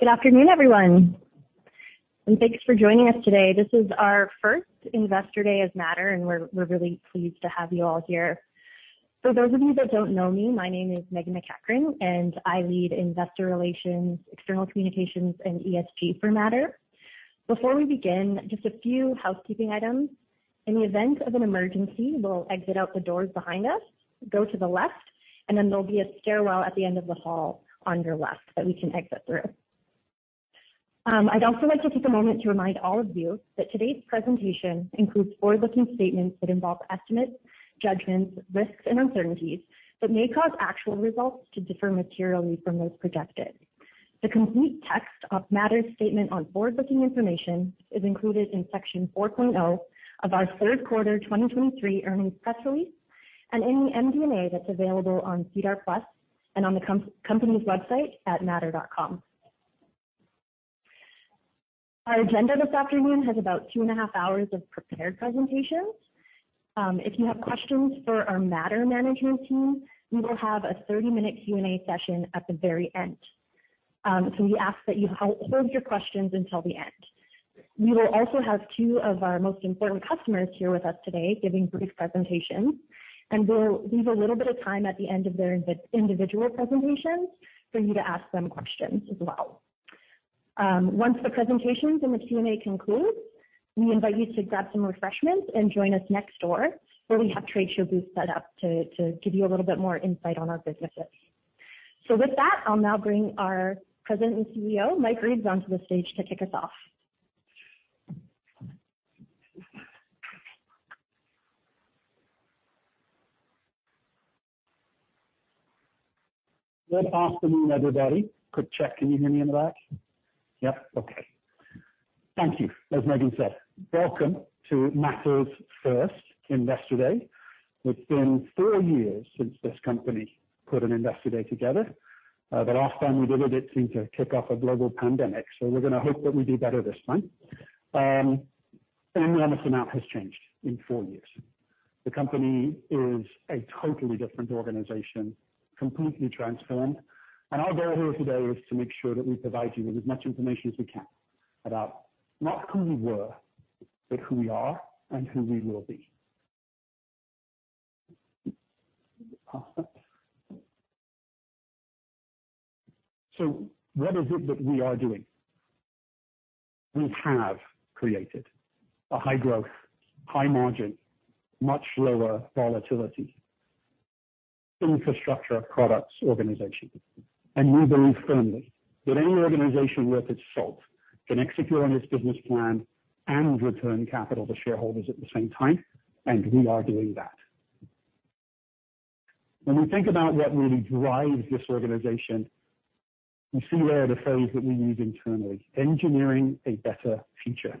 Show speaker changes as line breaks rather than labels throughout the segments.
Good afternoon, everyone, and thanks for joining us today. This is our first Investor Day as Mattr, and we're really pleased to have you all here. For those of you that don't know me, my name is Meghan MacEachern, and I lead Investor Relations, External Communications, and ESG for Mattr. Before we begin, just a few housekeeping items. In the event of an emergency, we'll exit out the doors behind us, go to the left, and then there'll be a stairwell at the end of the hall on your left that we can exit through. I'd also like to take a moment to remind all of you that today's presentation includes forward-looking statements that involve estimates, judgments, risks, and uncertainties that may cause actual results to differ materially from those projected. The complete text of Mattr's Statement on Forward-Looking Information is included in Section 4.0 of our Third Quarter 2023 Earnings Press Release and in the MD&A that's available on SEDAR+ and on the company's website at mattr.com. Our agenda this afternoon has about two and a half hours of prepared presentations. If you have questions for our Mattr management team, we will have a 30-minute Q&A session at the very end. So we ask that you hold your questions until the end. We will also have two of our most important customers here with us today, giving brief presentations, and we'll leave a little bit of time at the end of their individual presentations for you to ask them questions as well. Once the presentations and the Q&A conclude, we invite you to grab some refreshments and join us next door, where we have trade show booths set up to give you a little bit more insight on our businesses. So with that, I'll now bring our President and CEO, Mike Reeves, onto the stage to kick us off.
Good afternoon, everybody. Quick check. Can you hear me in the back? Yep. Okay. Thank you. As Meghan said, welcome to Mattr's first Investor Day. It's been four years since this company put an Investor Day together. The last time we did it, it seemed to kick off a global pandemic, so we're gonna hope that we do better this time. An enormous amount has changed in four years. The company is a totally different organization, completely transformed, and our goal here today is to make sure that we provide you with as much information as we can about not who we were, but who we are and who we will be. So what is it that we are doing? We have created a high-growth, high-margin, much lower volatility infrastructure of products, organization. We believe firmly that any organization worth its salt can execute on its business plan and return capital to shareholders at the same time, and we are doing that. When we think about what really drives this organization, you see there the phrase that we use internally, "Engineering a better future."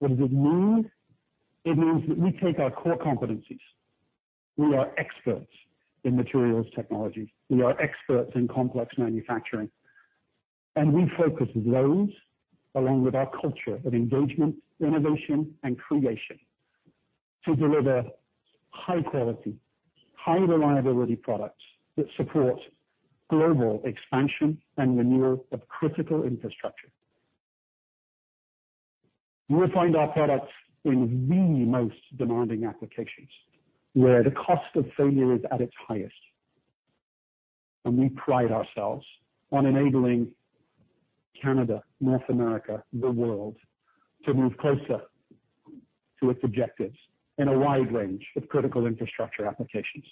What does it mean? It means that we take our core competencies. We are experts in materials technology, we are experts in complex manufacturing, and we focus those, along with our culture of engagement, innovation, and creation, to deliver high quality, high reliability products that support global expansion and renewal of critical infrastructure. You will find our products in the most demanding applications, where the cost of failure is at its highest, and we pride ourselves on enabling Canada, North America, the world, to move closer to its objectives in a wide range of critical infrastructure applications.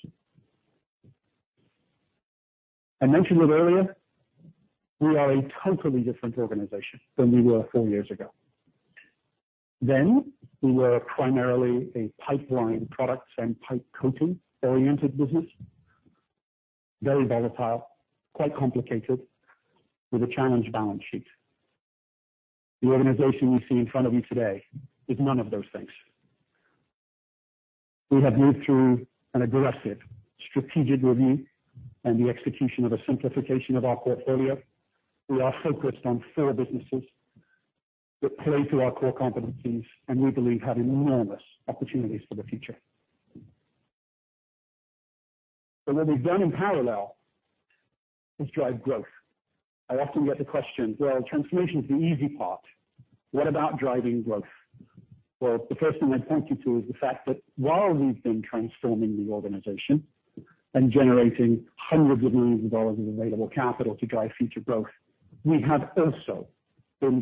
I mentioned it earlier, we are a totally different organization than we were four years ago. Then, we were primarily a pipeline products and pipe coating-oriented business, very volatile, quite complicated, with a challenged balance sheet. The organization you see in front of you today is none of those things. We have moved through an aggressive strategic review and the execution of a simplification of our portfolio. We are focused on four businesses that play to our core competencies and we believe have enormous opportunities for the future. But what we've done in parallel is drive growth. I often get the question, "Well, transformation is the easy part. What about driving growth?" Well, the first thing I'd point you to is the fact that while we've been transforming the organization and generating hundreds of millions dollars in available capital to drive future growth, we have also been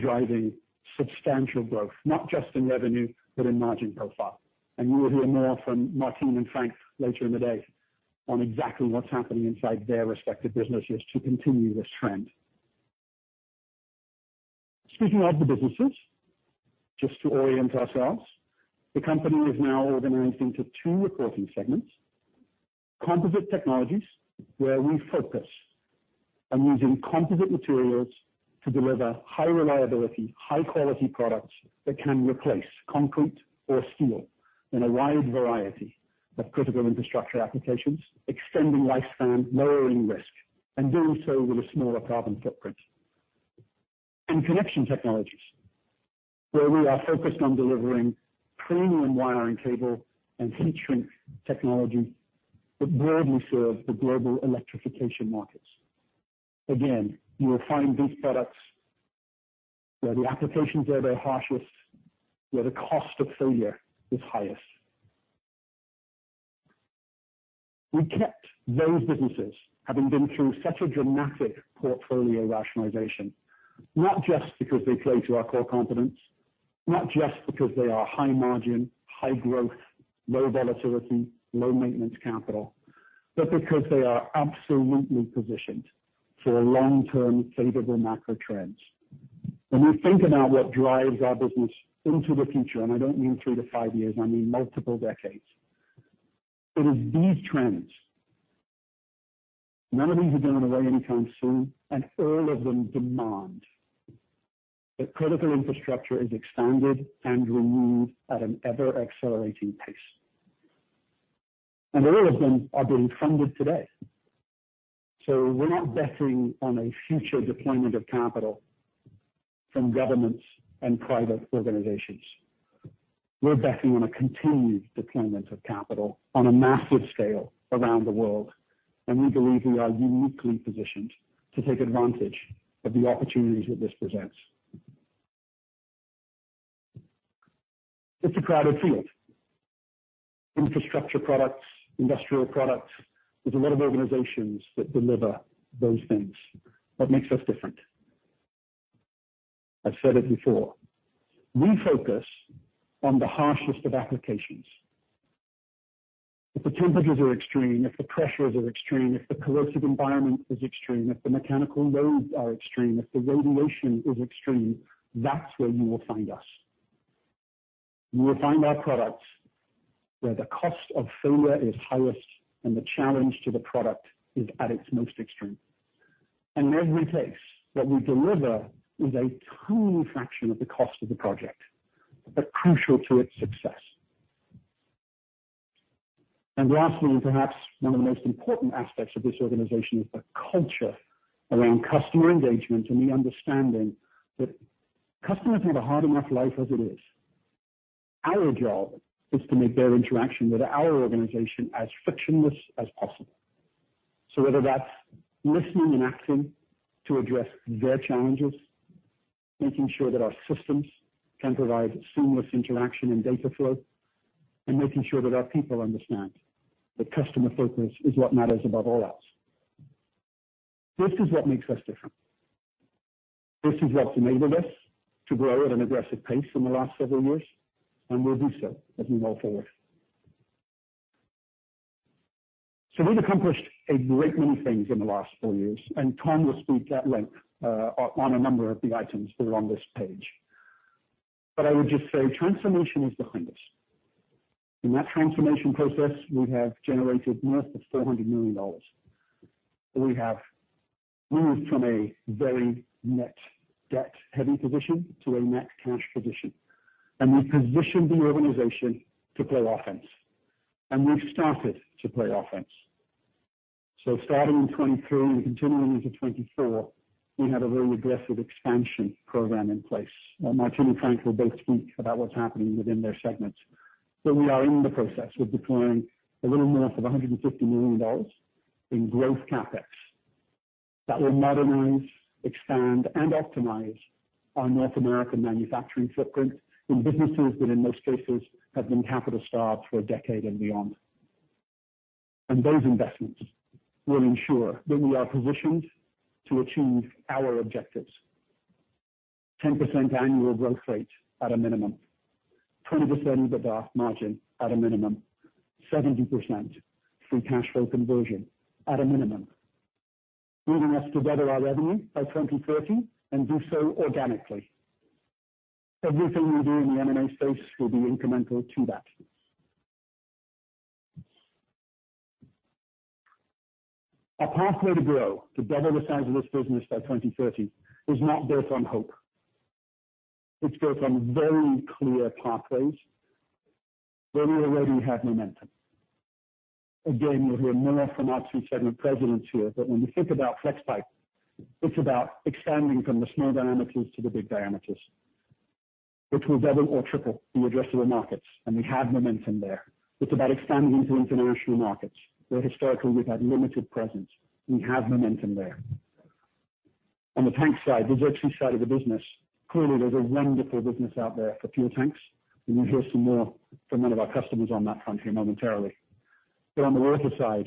driving substantial growth, not just in revenue, but in margin profile. And you will hear more from Martin and Frank later in the day on exactly what's happening inside their respective businesses to continue this trend. Speaking of the businesses, just to orient ourselves, the company is now organized into two reporting segments: Composite Technologies, where we focus on using composite materials to deliver high reliability, high-quality products that can replace concrete or steel in a wide variety of critical infrastructure applications, extending lifespan, lowering risk, and doing so with a smaller carbon footprint. And Connection Technologies. Where we are focused on delivering premium wiring, cable, and heat shrink technology that broadly serves the global electrification markets. Again, you will find these products where the applications are their harshest, where the cost of failure is highest. We kept those businesses, having been through such a dramatic portfolio rationalization, not just because they play to our core competence, not just because they are high margin, high growth, low volatility, low maintenance capital, but because they are absolutely positioned for long-term favorable macro trends. When we think about what drives our business into the future, and I don't mean three-five years, I mean multiple decades, it is these trends. None of these are going away anytime soon, and all of them demand that critical infrastructure is expanded and renewed at an ever-accelerating pace. All of them are being funded today. So we're not betting on a future deployment of capital from governments and private organizations. We're betting on a continued deployment of capital on a massive scale around the world, and we believe we are uniquely positioned to take advantage of the opportunities that this presents. It's a crowded field. Infrastructure products, industrial products, there's a lot of organizations that deliver those things. What makes us different? I've said it before. We focus on the harshest of applications. If the temperatures are extreme, if the pressures are extreme, if the corrosive environment is extreme, if the mechanical loads are extreme, if the radiation is extreme, that's where you will find us. You will find our products where the cost of failure is highest and the challenge to the product is at its most extreme. In every case, what we deliver is a tiny fraction of the cost of the project, but crucial to its success. Lastly, and perhaps one of the most important aspects of this organization, is the culture around customer engagement and the understanding that customers have a hard enough life as it is. Our job is to make their interaction with our organization as frictionless as possible. So whether that's listening and acting to address their challenges, making sure that our systems can provide seamless interaction and data flow, and making sure that our people understand that customer focus is what matters above all else. This is what makes us different. This is what's enabled us to grow at an aggressive pace in the last several years, and will do so as we go forward. We've accomplished a great many things in the last four years, and Tom will speak at length on a number of the items that are on this page. But I would just say transformation is behind us. In that transformation process, we have generated north of CAD 400 million. We have moved from a very net debt-heavy position to a net cash position, and we've positioned the organization to play offense, and we've started to play offense. Starting in 2023 and continuing into 2024, we have a very aggressive expansion program in place. Martin and Frank will both speak about what's happening within their segments. So we are in the process of deploying a little north of 150 million dollars in growth CapEx that will modernize, expand, and optimize our North American manufacturing footprint in businesses that, in most cases, have been capital starved for a decade and beyond. Those investments will ensure that we are positioned to achieve our objectives. 10% annual growth rate at a minimum, 20% EBITDA margin at a minimum, 70% free cash flow conversion at a minimum, doubling us together our revenue by 2030 and do so organically. Everything we do in the M&A space will be incremental to that. Our pathway to grow, to double the size of this business by 2030, is not built on hope. It's built on very clear pathways where we already have momentum. Again, you'll hear more from our two segment presidents here, but when you think about Flexpipe, it's about expanding from the small diameters to the big diameters, which will double or triple the addressable markets, and we have momentum there. It's about expanding into international markets, where historically we've had limited presence. We have momentum there. On the tank side, the Xerxes side of the business, clearly there's a wonderful business out there for fuel tanks. We will hear some more from one of our customers on that front here momentarily. But on the water side,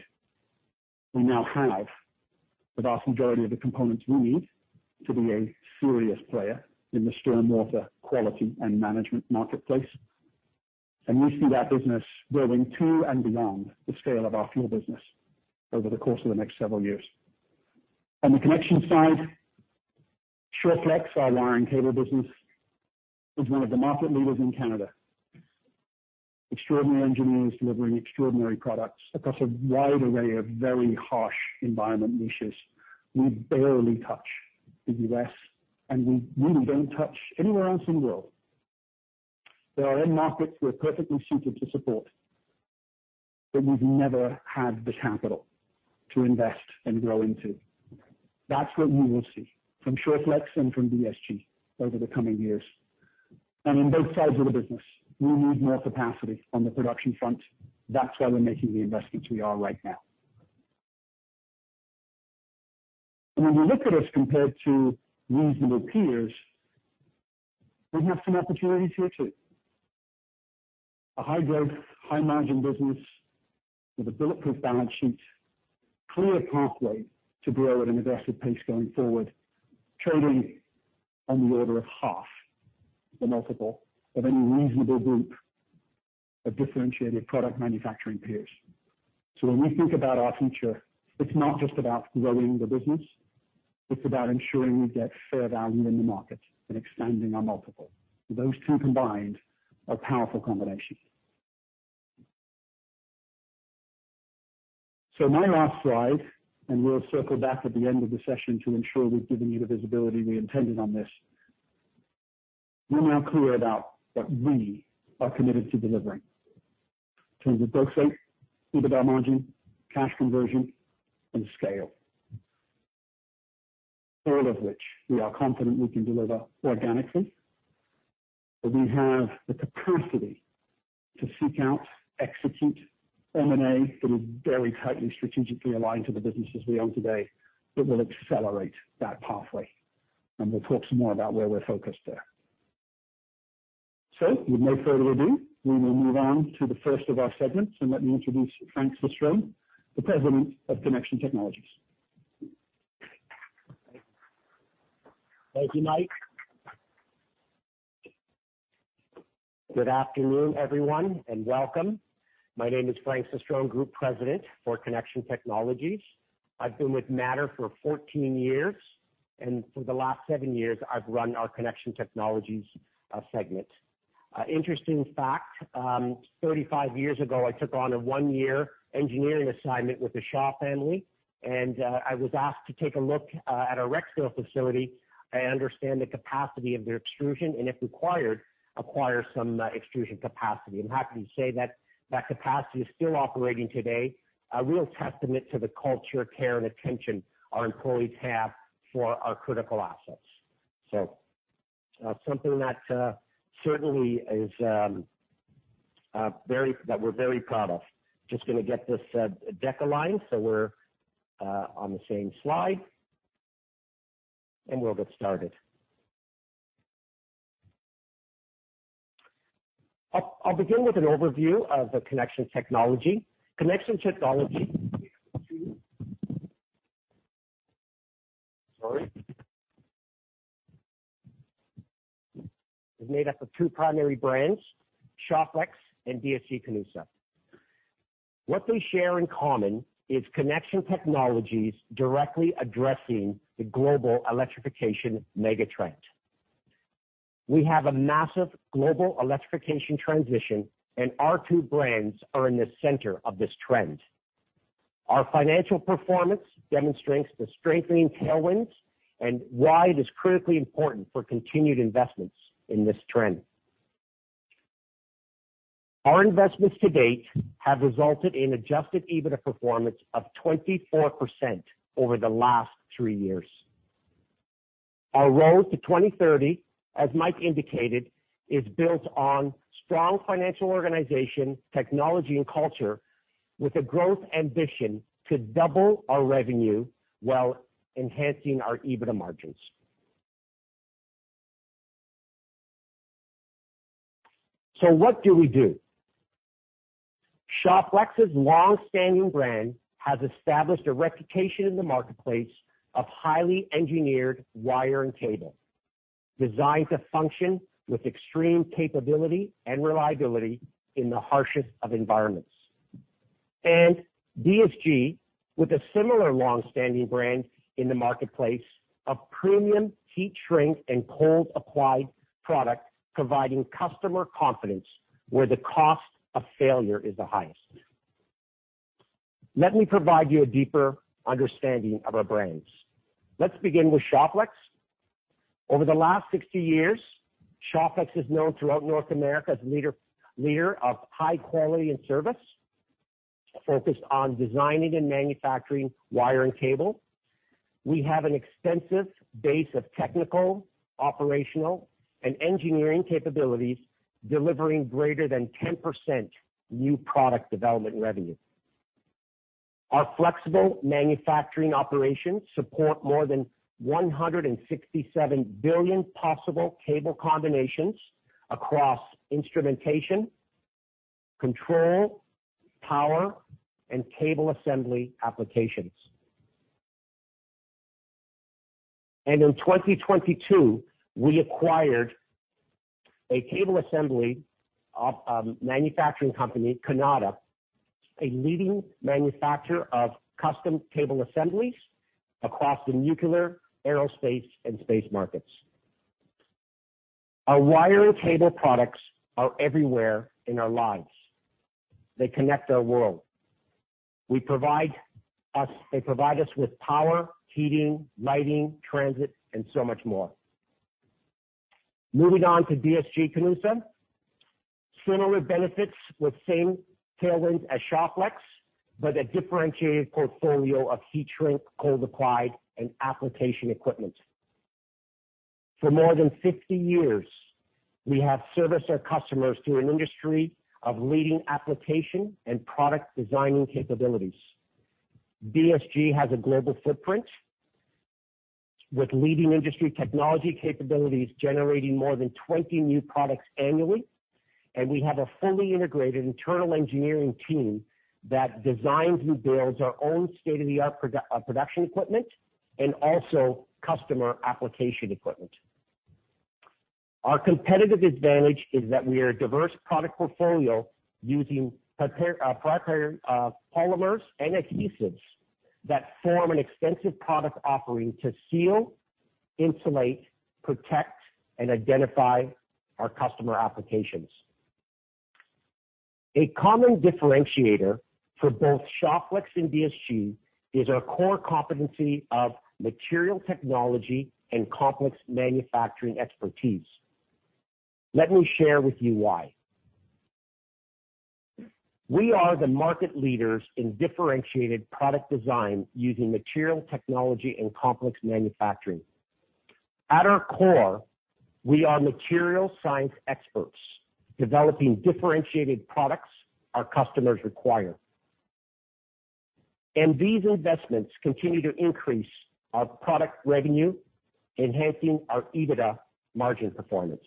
we now have the vast majority of the components we need to be a serious player in the stormwater quality and management marketplace, and we see that business growing to and beyond the scale of our fuel business over the course of the next several years. On the connection side, Shawflex, our wiring cable business, is one of the market leaders in Canada. Extraordinary engineers delivering extraordinary products across a wide array of very harsh environment niches. We barely touch the U.S., and we really don't touch anywhere else in the world. There are end markets we're perfectly suited to support. but we've never had the capital to invest and grow into. That's what you will see from Shawflex and from DSG over the coming years. On both sides of the business, we need more capacity on the production front. That's why we're making the investments we are right now. When you look at us compared to reasonable peers, we have some opportunities here, too. A high-growth, high-margin business with a bulletproof balance sheet, clear pathway to grow at an aggressive pace going forward, trading on the order of half the multiple of any reasonable group of differentiated product manufacturing peers. So when we think about our future, it's not just about growing the business, it's about ensuring we get fair value in the market and expanding our multiple. Those two combined are a powerful combination. So my last slide, and we'll circle back at the end of the session to ensure we've given you the visibility we intended on this. We're now clear about what we are committed to delivering in terms of growth rate, EBITDA margin, cash conversion, and scale. All of which we are confident we can deliver organically, but we have the capacity to seek out, execute M&A that is very tightly strategically aligned to the businesses we own today, that will accelerate that pathway. We'll talk some more about where we're focused there. With no further ado, we will move on to the first of our segments, and let me introduce Frank Cistrone, the President of Connection Technologies.
Thank you, Mike. Good afternoon, everyone, and welcome. My name is Frank Cistrone, Group President for Connection Technologies. I've been with Mattr for 14 years, and for the last seven years I've run our Connection Technologies segment. Interesting fact, 35 years ago, I took on a one-year engineering assignment with the Shaw family, and I was asked to take a look at our Rexdale facility and understand the capacity of their extrusion, and if required, acquire some extrusion capacity. I'm happy to say that that capacity is still operating today. A real testament to the culture, care, and attention our employees have for our critical assets. So, something that certainly is very that we're very proud of. Just gonna get this deck aligned so we're on the same slide, and we'll get started. I'll begin with an overview of the Connection Technologies. Connection Technologies, sorry, is made up of two primary brands, Shawflex and DSG-Canusa. What they share in common is Connection Technologies directly addressing the global electrification megatrend. We have a massive global electrification transition, and our two brands are in the center of this trend. Our financial performance demonstrates the strengthening tailwinds and why it is critically important for continued investments in this trend. Our investments to date have resulted in adjusted EBITDA performance of 24% over the last three years. Our road to 2030, as Mike indicated, is built on strong financial organization, technology, and culture, with a growth ambition to double our revenue while enhancing our EBITDA margins. So what do we do? Shawflex's long-standing brand has established a reputation in the marketplace of highly engineered wire and cable, designed to function with extreme capability and reliability in the harshest of environments. And DSG, with a similar long-standing brand in the marketplace, a premium heat shrink and cold applied product, providing customer confidence where the cost of failure is the highest. Let me provide you a deeper understanding of our brands. Let's begin with Shawflex. Over the last 60 years, Shawflex is known throughout North America as leader, leader of high quality and service, focused on designing and manufacturing wire and cable. We have an extensive base of technical, operational, and engineering capabilities, delivering greater than 10% new product development revenue. Our flexible manufacturing operations support more than 167 billion possible cable combinations across instrumentation, control, power, and cable assembly applications. In 2022, we acquired a cable assembly manufacturing company, Kanata, a leading manufacturer of custom cable assemblies across the nuclear, aerospace, and space markets. Our wire and cable products are everywhere in our lives. They connect our world. They provide us with power, heating, lighting, transit, and so much more. Moving on to DSG-Canusa. Similar benefits with same tailwinds as Shawflex, but a differentiated portfolio of heat shrink, cold applied, and application equipment. For more than 50 years, we have serviced our customers through an industry of leading application and product designing capabilities. DSG-Canusa has a global footprint with leading industry technology capabilities, generating more than 20 new products annually, and we have a fully integrated internal engineering team that designs and builds our own state-of-the-art production equipment and also customer application equipment. Our competitive advantage is that we are a diverse product portfolio using proprietary polymers and adhesives that form an extensive product offering to seal, insulate, protect, and identify our customer applications. A common differentiator for both Shawflex and DSG is our core competency of material technology and complex manufacturing expertise. Let me share with you why. We are the market leaders in differentiated product design using material technology and complex manufacturing. At our core, we are material science experts, developing differentiated products our customers require. These investments continue to increase our product revenue, enhancing our EBITDA margin performance.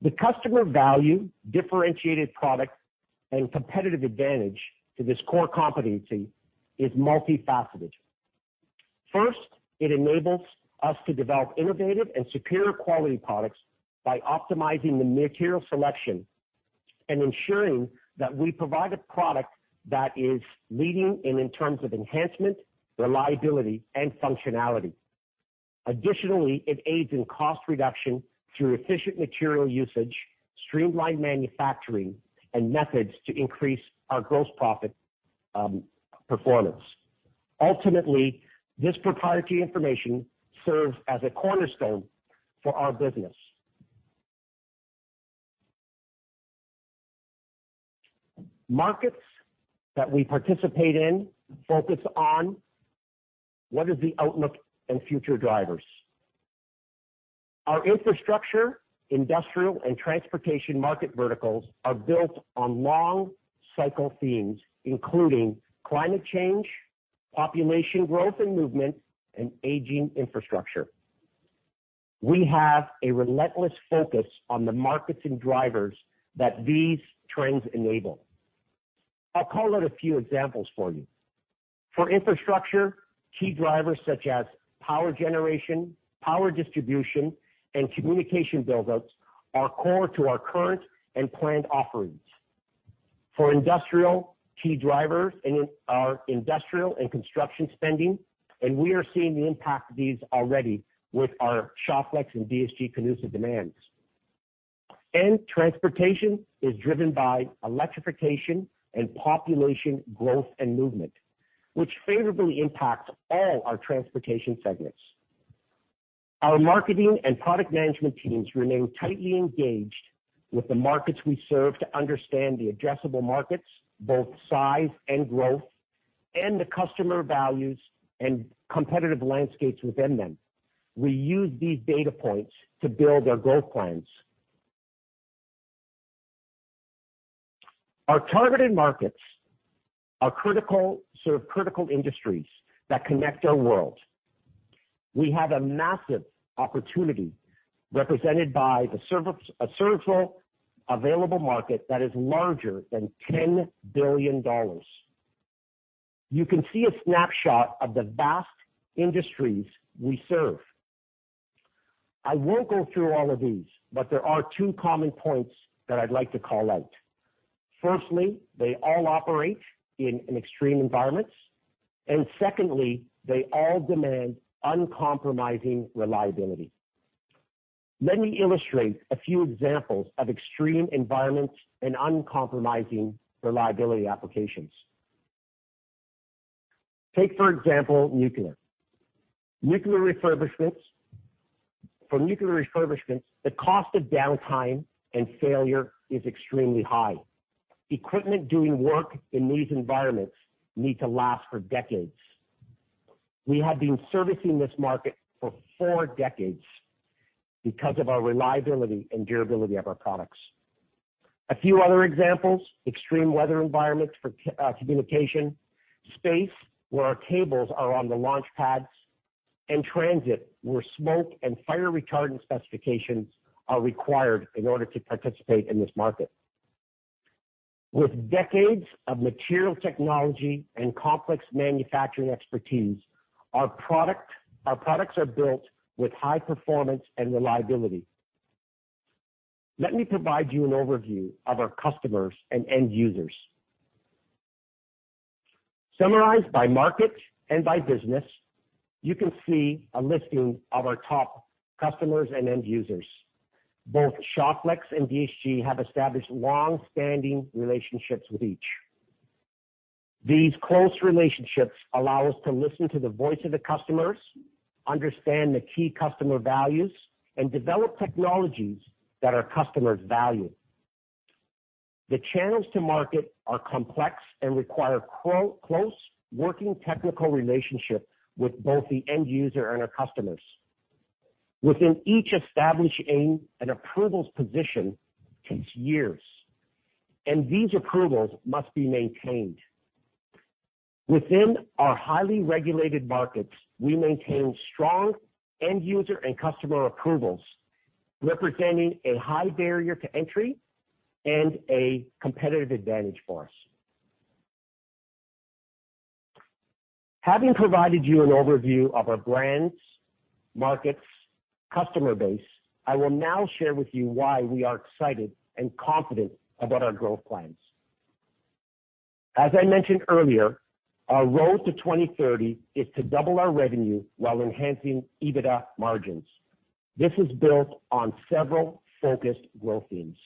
The customer value, differentiated product, and competitive advantage to this core competency is multifaceted. First, it enables us to develop innovative and superior quality products by optimizing the material selection and ensuring that we provide a product that is leading and in terms of enhancement, reliability, and functionality. Additionally, it aids in cost reduction through efficient material usage, streamlined manufacturing, and methods to increase our gross profit performance. Ultimately, this proprietary information serves as a cornerstone for our business. Markets that we participate in focus on what is the outlook and future drivers. Our infrastructure, industrial, and transportation market verticals are built on long cycle themes, including climate change, population growth and movement, and aging infrastructure. We have a relentless focus on the markets and drivers that these trends enable. I'll call out a few examples for you. For infrastructure, key drivers such as power generation, power distribution, and communication build-outs are core to our current and planned offerings. For industrial, key drivers are industrial and construction spending, and we are seeing the impact of these already with our Shawflex and DSG-Canusa demands. Transportation is driven by electrification and population growth and movement, which favorably impacts all our transportation segments. Our marketing and product management teams remain tightly engaged with the markets we serve to understand the addressable markets, both size and growth, and the customer values and competitive landscapes within them. We use these data points to build our growth plans. Our targeted markets are critical, serve critical industries that connect our world. We have a massive opportunity represented by the servable, serviceable available market that is larger than $10 billion. You can see a snapshot of the vast industries we serve. I won't go through all of these, but there are two common points that I'd like to call out. Firstly, they all operate in extreme environments, and secondly, they all demand uncompromising reliability. Let me illustrate a few examples of extreme environments and uncompromising reliability applications. Take, for example, nuclear. Nuclear refurbishments. For nuclear refurbishments, the cost of downtime and failure is extremely high. Equipment doing work in these environments need to last for decades. We have been servicing this market for four decades because of our reliability and durability of our products. A few other examples: extreme weather environments for communication, space, where our cables are on the launch pads, and transit, where smoke and fire retardant specifications are required in order to participate in this market. With decades of material technology and complex manufacturing expertise, our product, our products are built with high performance and reliability. Let me provide you an overview of our customers and end users. Summarized by market and by business, you can see a listing of our top customers and end users. Both Shawflex and DSG-Canusa have established long-standing relationships with each. These close relationships allow us to listen to the voice of the customers, understand the key customer values, and develop technologies that our customers value. The channels to market are complex and require close working technical relationship with both the end user and our customers. Within each established aim, an approvals position takes years, and these approvals must be maintained. Within our highly regulated markets, we maintain strong end user and customer approvals, representing a high barrier to entry and a competitive advantage for us. Having provided you an overview of our brands, markets, customer base, I will now share with you why we are excited and confident about our growth plans. As I mentioned earlier, our road to 2030 is to double our revenue while enhancing EBITDA margins. This is built on several focused growth themes.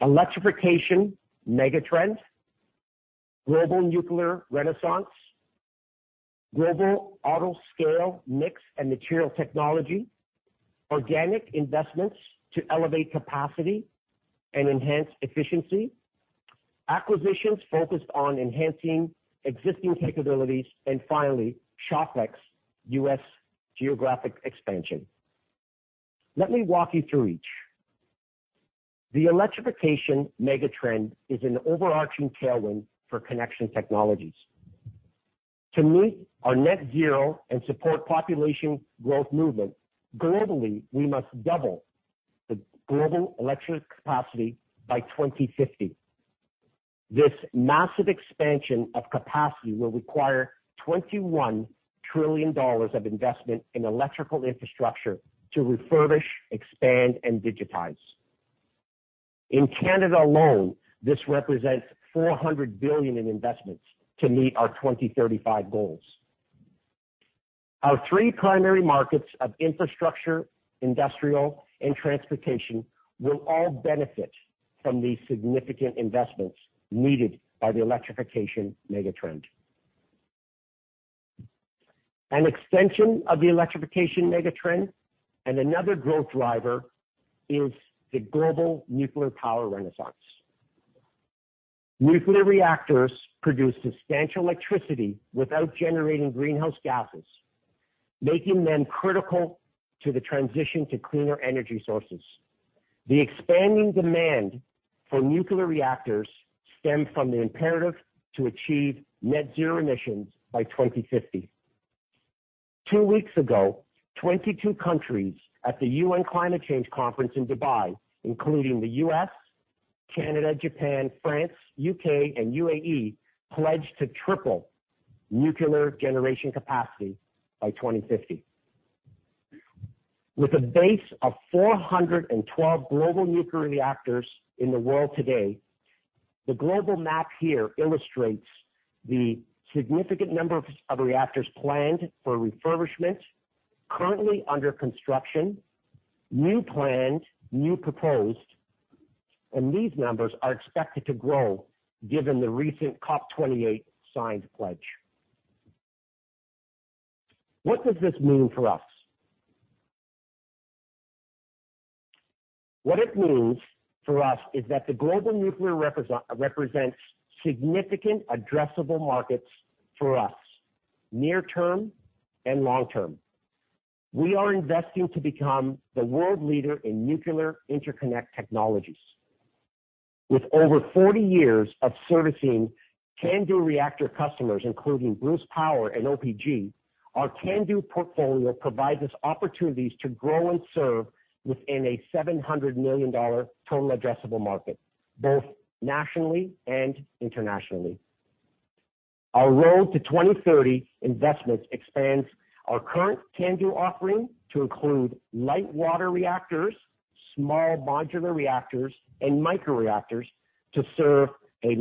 Electrification megatrend, global nuclear renaissance, global auto scale, mix, and materials technology, organic investments to elevate capacity and enhance efficiency, acquisitions focused on enhancing existing capabilities, and finally, Shawflex U.S. geographic expansion. Let me walk you through each. The electrification megatrend is an overarching tailwind for connection technologies. To meet our net zero and support population growth movement, globally, we must double the global electric capacity by 2050. This massive expansion of capacity will require 21 trillion dollars of investment in electrical infrastructure to refurbish, expand, and digitize. In Canada alone, this represents 400 billion in investments to meet our 2035 goals. Our three primary markets of infrastructure, industrial, and transportation will all benefit from these significant investments needed by the electrification megatrend. An extension of the electrification megatrend and another growth driver is the global nuclear power renaissance. Nuclear reactors produce substantial electricity without generating greenhouse gases, making them critical to the transition to cleaner energy sources. The expanding demand for nuclear reactors stem from the imperative to achieve net zero emissions by 2050. Two weeks ago, 22 countries at the UN Climate Change Conference in Dubai, including the U.S., Canada, Japan, France, U.K., and UAE, pledged to triple nuclear generation capacity by 2050. With a base of 412 global nuclear reactors in the world today, the global map here illustrates the significant number of reactors planned for refurbishment, currently under construction, new planned, new proposed, and these numbers are expected to grow given the recent COP28 signed pledge. What does this mean for us? What it means for us is that the global nuclear represents significant addressable markets for us, near term and long term. We are investing to become the world leader in nuclear interconnect technologies. With over 40 years of servicing CANDU reactor customers, including Bruce Power and OPG, our CANDU portfolio provides us opportunities to grow and serve within a 700 million dollar total addressable market, both nationally and internationally. Our road to 2030 investments expands our current CANDU offering to include light water reactors, small modular reactors, and micro reactors to serve a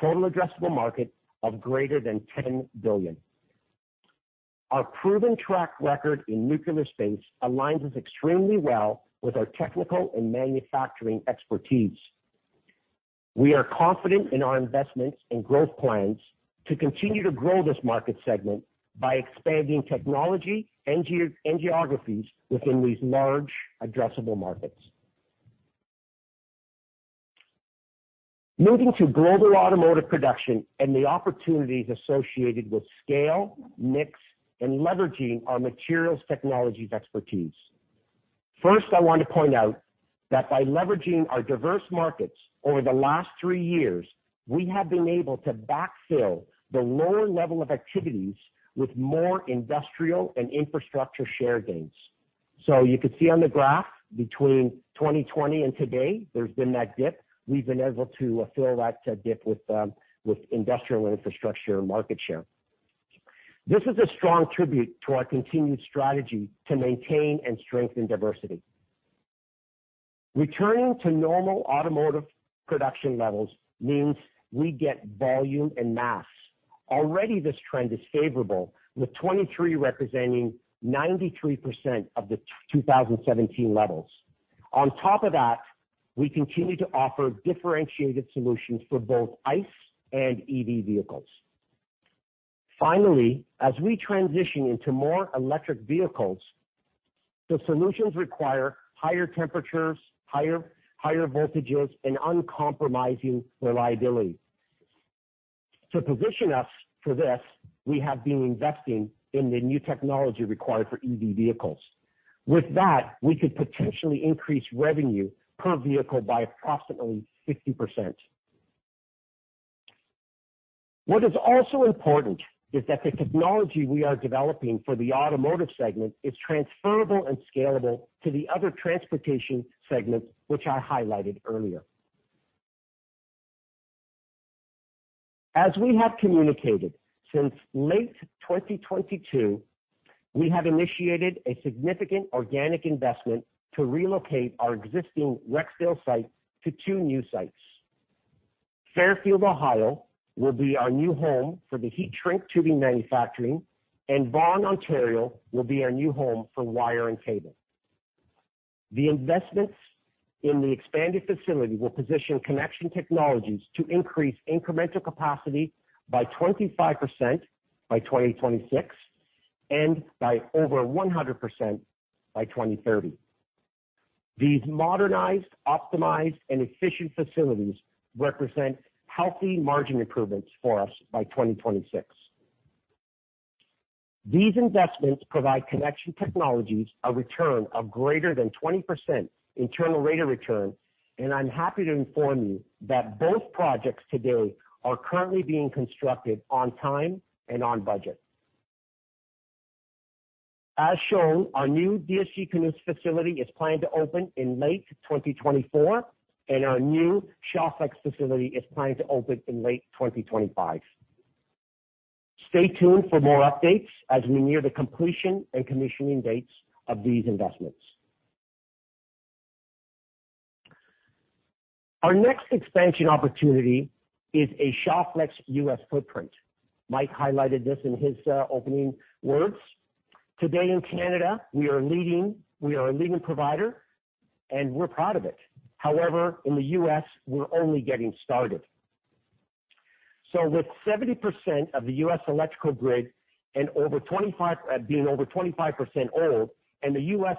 total addressable market of greater than 10 billion. Our proven track record in nuclear space aligns us extremely well with our technical and manufacturing expertise. We are confident in our investments and growth plans to continue to grow this market segment by expanding technology and geos and geographies within these large addressable markets. Moving to global automotive production and the opportunities associated with scale, mix, and leveraging our materials technologies expertise. First, I want to point out that by leveraging our diverse markets over the last three years, we have been able to backfill the lower level of activities with more industrial and infrastructure share gains. So you can see on the graph between 2020 and today, there's been that dip. We've been able to fill that dip with, with industrial and infrastructure market share. This is a strong tribute to our continued strategy to maintain and strengthen diversity. Returning to normal automotive production levels means we get volume and mass. Already, this trend is favorable, with 2023 representing 93% of the 2017 levels. On top of that, we continue to offer differentiated solutions for both ICE and EV vehicles. Finally, as we transition into more electric vehicles, the solutions require higher temperatures, higher, higher voltages, and uncompromising reliability. To position us for this, we have been investing in the new technology required for EV vehicles. With that, we could potentially increase revenue per vehicle by approximately 50%. What is also important is that the technology we are developing for the automotive segment is transferable and scalable to the other transportation segments, which I highlighted earlier. As we have communicated, since late 2022, we have initiated a significant organic investment to relocate our existing Rexdale site to two new sites. Fairfield, Ohio, will be our new home for the heat shrink tubing manufacturing, and Vaughan, Ontario, will be our new home for wire and cable. The investments in the expanded facility will position Connection Technologies to increase incremental capacity by 25% by 2026, and by over 100% by 2030. These modernized, optimized, and efficient facilities represent healthy margin improvements for us by 2026. These investments provide Connection Technologies a return of greater than 20% internal rate of return, and I'm happy to inform you that both projects today are currently being constructed on time and on budget. As shown, our new DSG-Canusa facility is planned to open in late 2024, and our new Shawflex facility is planned to open in late 2025. Stay tuned for more updates as we near the completion and commissioning dates of these investments. Our next expansion opportunity is a Shawflex U.S. footprint. Mike highlighted this in his opening words. Today in Canada, we are leading. We are a leading provider, and we're proud of it. However, in the U.S., we're only getting started. So with 70% of the U.S. electrical grid and over 25% being over 25% old, and the U.S.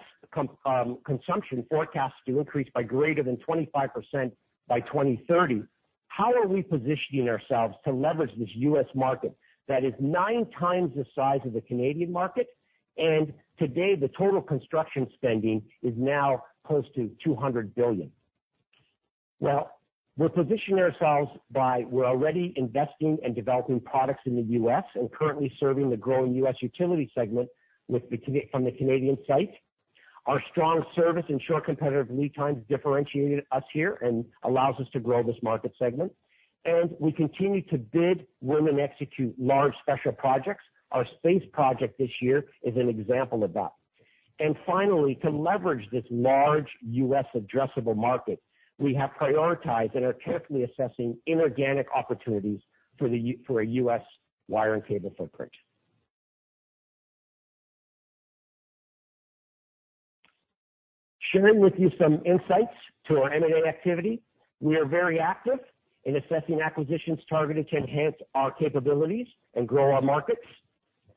consumption forecast to increase by greater than 25% by 2030, how are we positioning ourselves to leverage this U.S. market that is nine times the size of the Canadian market, and today, the total construction spending is now close to $200 billion? Well, we're positioning ourselves by, we're already investing and developing products in the U.S. and currently serving the growing U.S. utility segment with the cable from the Canadian site. Our strong service and short competitive lead times differentiated us here and allows us to grow this market segment, and we continue to bid, win, and execute large special projects. Our space project this year is an example of that. Finally, to leverage this large U.S. addressable market, we have prioritized and are carefully assessing inorganic opportunities for a U.S. wire and cable footprint. Sharing with you some insights to our M&A activity. We are very active in assessing acquisitions targeted to enhance our capabilities and grow our markets.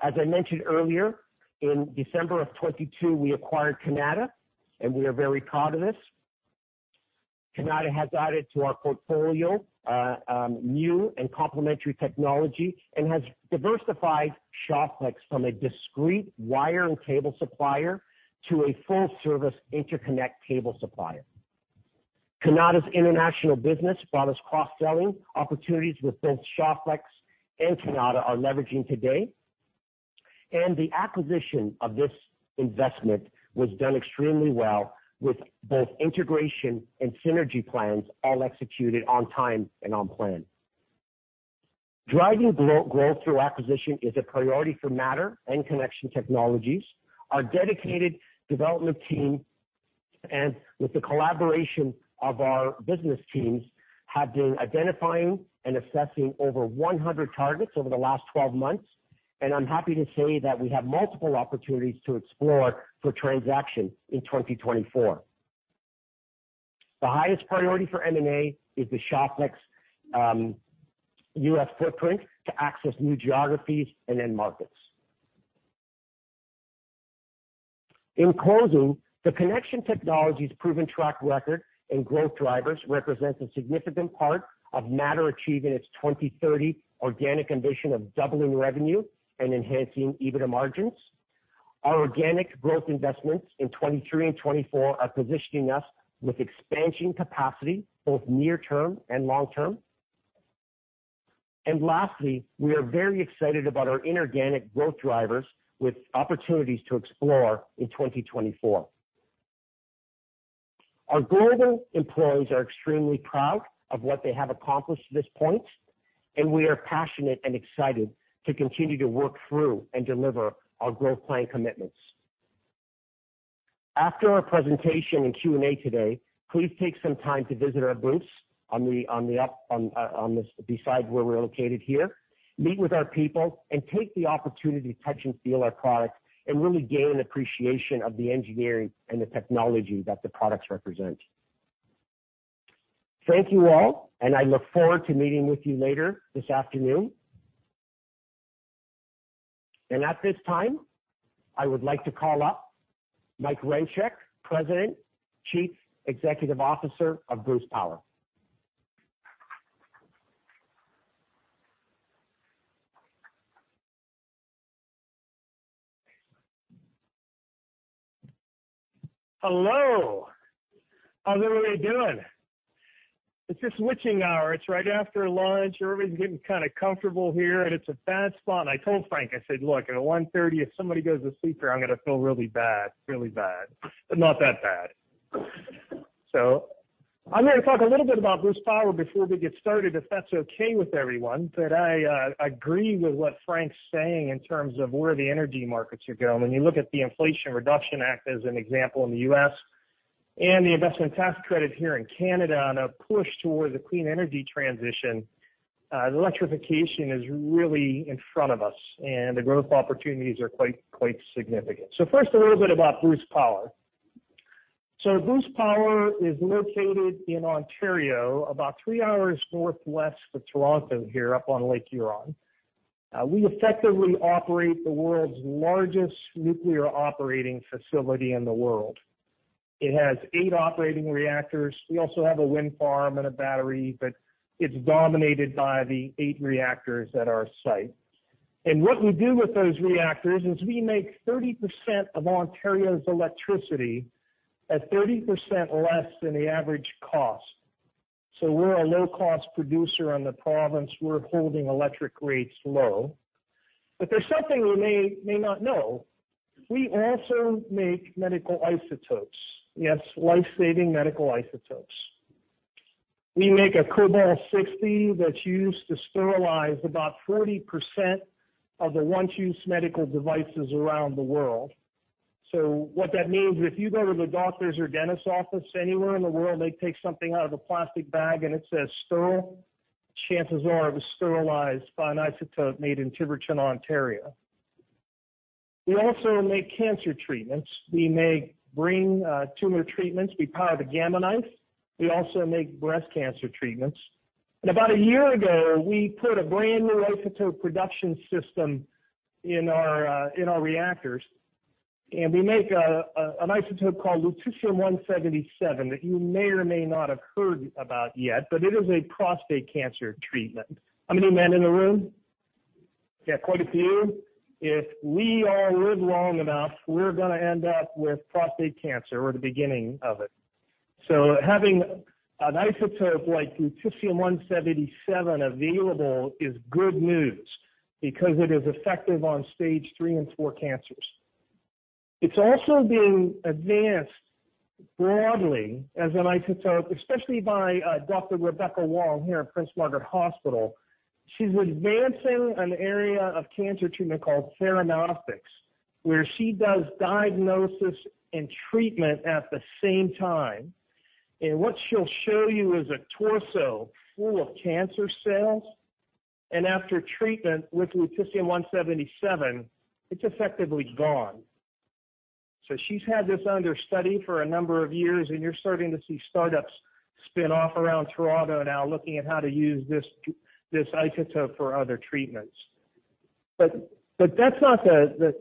As I mentioned earlier, in December 2022, we acquired Kanata, and we are very proud of this. Kanata has added to our portfolio new and complementary technology and has diversified Shawflex from a discrete wire and cable supplier to a full-service interconnect cable supplier. Kanata's international business brought us cross-selling opportunities with both Shawflex and Kanata are leveraging today, and the acquisition of this investment was done extremely well, with both integration and synergy plans all executed on time and on plan. Driving growth through acquisition is a priority for Mattr and Connection Technologies. Our dedicated development team, and with the collaboration of our business teams, have been identifying and assessing over 100 targets over the last 12 months, and I'm happy to say that we have multiple opportunities to explore for transaction in 2024. The highest priority for M&A is the Shawflex U.S. footprint to access new geographies and end markets. In closing, the Connection Technologies' proven track record and growth drivers represent a significant part of Mattr achieving its 2030 organic ambition of doubling revenue and enhancing EBITDA margins. Our organic growth investments in 2023 and 2024 are positioning us with expansion capacity, both near term and long term. And lastly, we are very excited about our inorganic growth drivers with opportunities to explore in 2024. Our global employees are extremely proud of what they have accomplished to this point, and we are passionate and excited to continue to work through and deliver our growth plan commitments. After our presentation and Q&A today, please take some time to visit our booths on the up, beside where we're located here. Meet with our people and take the opportunity to touch and feel our products and really gain an appreciation of the engineering and the technology that the products represent. Thank you all, and I look forward to meeting with you later this afternoon. At this time, I would like to call up Mike Rencheck, President and Chief Executive Officer of Bruce Power.
Hello! How's everybody doing? It's the switching hour. It's right after lunch. Everybody's getting kind of comfortable here, and it's a bad spot. And I told Frank, I said, "Look, at 1:30, if somebody goes to sleep here, I'm gonna feel really bad, really bad," but not that bad. So I'm gonna talk a little bit about Bruce Power before we get started, if that's okay with everyone. But I agree with what Frank's saying in terms of where the energy markets are going. When you look at the Inflation Reduction Act as an example in the U.S. and the investment tax credit here in Canada, on a push towards a clean energy transition, the electrification is really in front of us, and the growth opportunities are quite, quite significant. So first, a little bit about Bruce Power. So Bruce Power is located in Ontario, about three hours northwest of Toronto, here up on Lake Huron. We effectively operate the world's largest nuclear operating facility in the world. It has eight operating reactors. We also have a wind farm and a battery, but it's dominated by the eight reactors at our site. And what we do with those reactors is we make 30% of Ontario's electricity at 30% less than the average cost. So we're a low-cost producer in the province. We're holding electric rates low. But there's something you may, may not know: We also make medical isotopes. Yes, life-saving medical isotopes. We make a Cobalt-60 that's used to sterilize about 40% of the once-used medical devices around the world. So what that means, if you go to the doctor's or dentist office anywhere in the world, they take something out of a plastic bag and it says, "Sterile," chances are it was sterilized by an isotope made in Tiverton, Ontario. We also make cancer treatments. We make brain, tumor treatments. We power the Gamma Knife. We also make breast cancer treatments. And about a year ago, we put a brand-new isotope production system in our, in our reactors, and we make an isotope called Lutetium-177, that you may or may not have heard about yet, but it is a prostate cancer treatment. How many men in the room? Yeah, quite a few. If we all live long enough, we're gonna end up with prostate cancer or the beginning of it. So having an isotope like Lutetium-177 available is good news because it is effective on stage 3 and 4 cancers. It's also being advanced broadly as an isotope, especially by Dr. Rebecca Wong here at Princess Margaret Hospital. She's advancing an area of cancer treatment called theranostics, where she does diagnosis and treatment at the same time. And what she'll show you is a torso full of cancer cells, and after treatment with Lutetium-177, it's effectively gone. So she's had this under study for a number of years, and you're starting to see startups spin off around Toronto now, looking at how to use this isotope for other treatments. But that's not the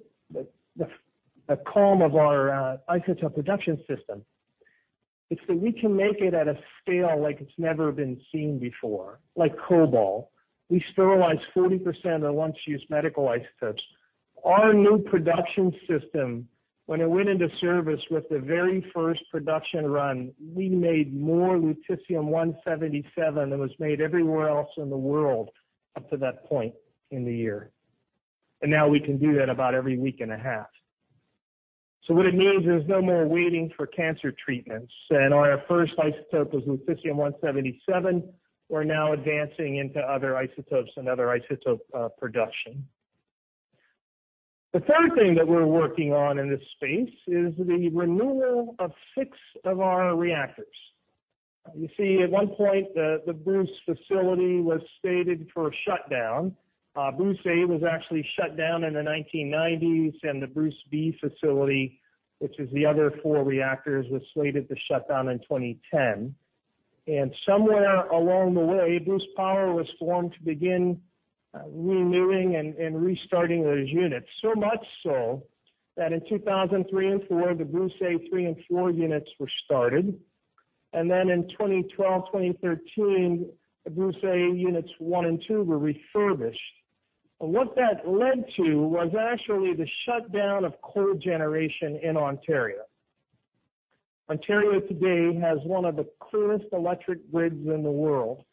calm of our isotope production system. It's that we can make it at a scale like it's never been seen before, like cobalt. We sterilize 40% of the once-used medical isotopes. Our new production system, when it went into service with the very first production run, we made more Lutetium-177 than was made everywhere else in the world up to that point in the year. And now we can do that about every week and a half. So what it means is no more waiting for cancer treatments, and our first isotope was Lutetium-177. We're now advancing into other isotopes and other isotope production. The third thing that we're working on in this space is the renewal of 6 of our reactors. You see, at one point, the Bruce facility was slated for a shutdown. Bruce A was actually shut down in the 1990s, and the Bruce B facility, which is the other four reactors, was slated to shut down in 2010. Somewhere along the way, Bruce Power was formed to begin renewing and restarting those units. So much so that in 2003 and 2004, the Bruce A3 and A4 units were started, and then in 2012, 2013, the Bruce A units 1 and 2 were refurbished. What that led to was actually the shutdown of coal generation in Ontario. Ontario today has one of the cleanest electric grids in the world,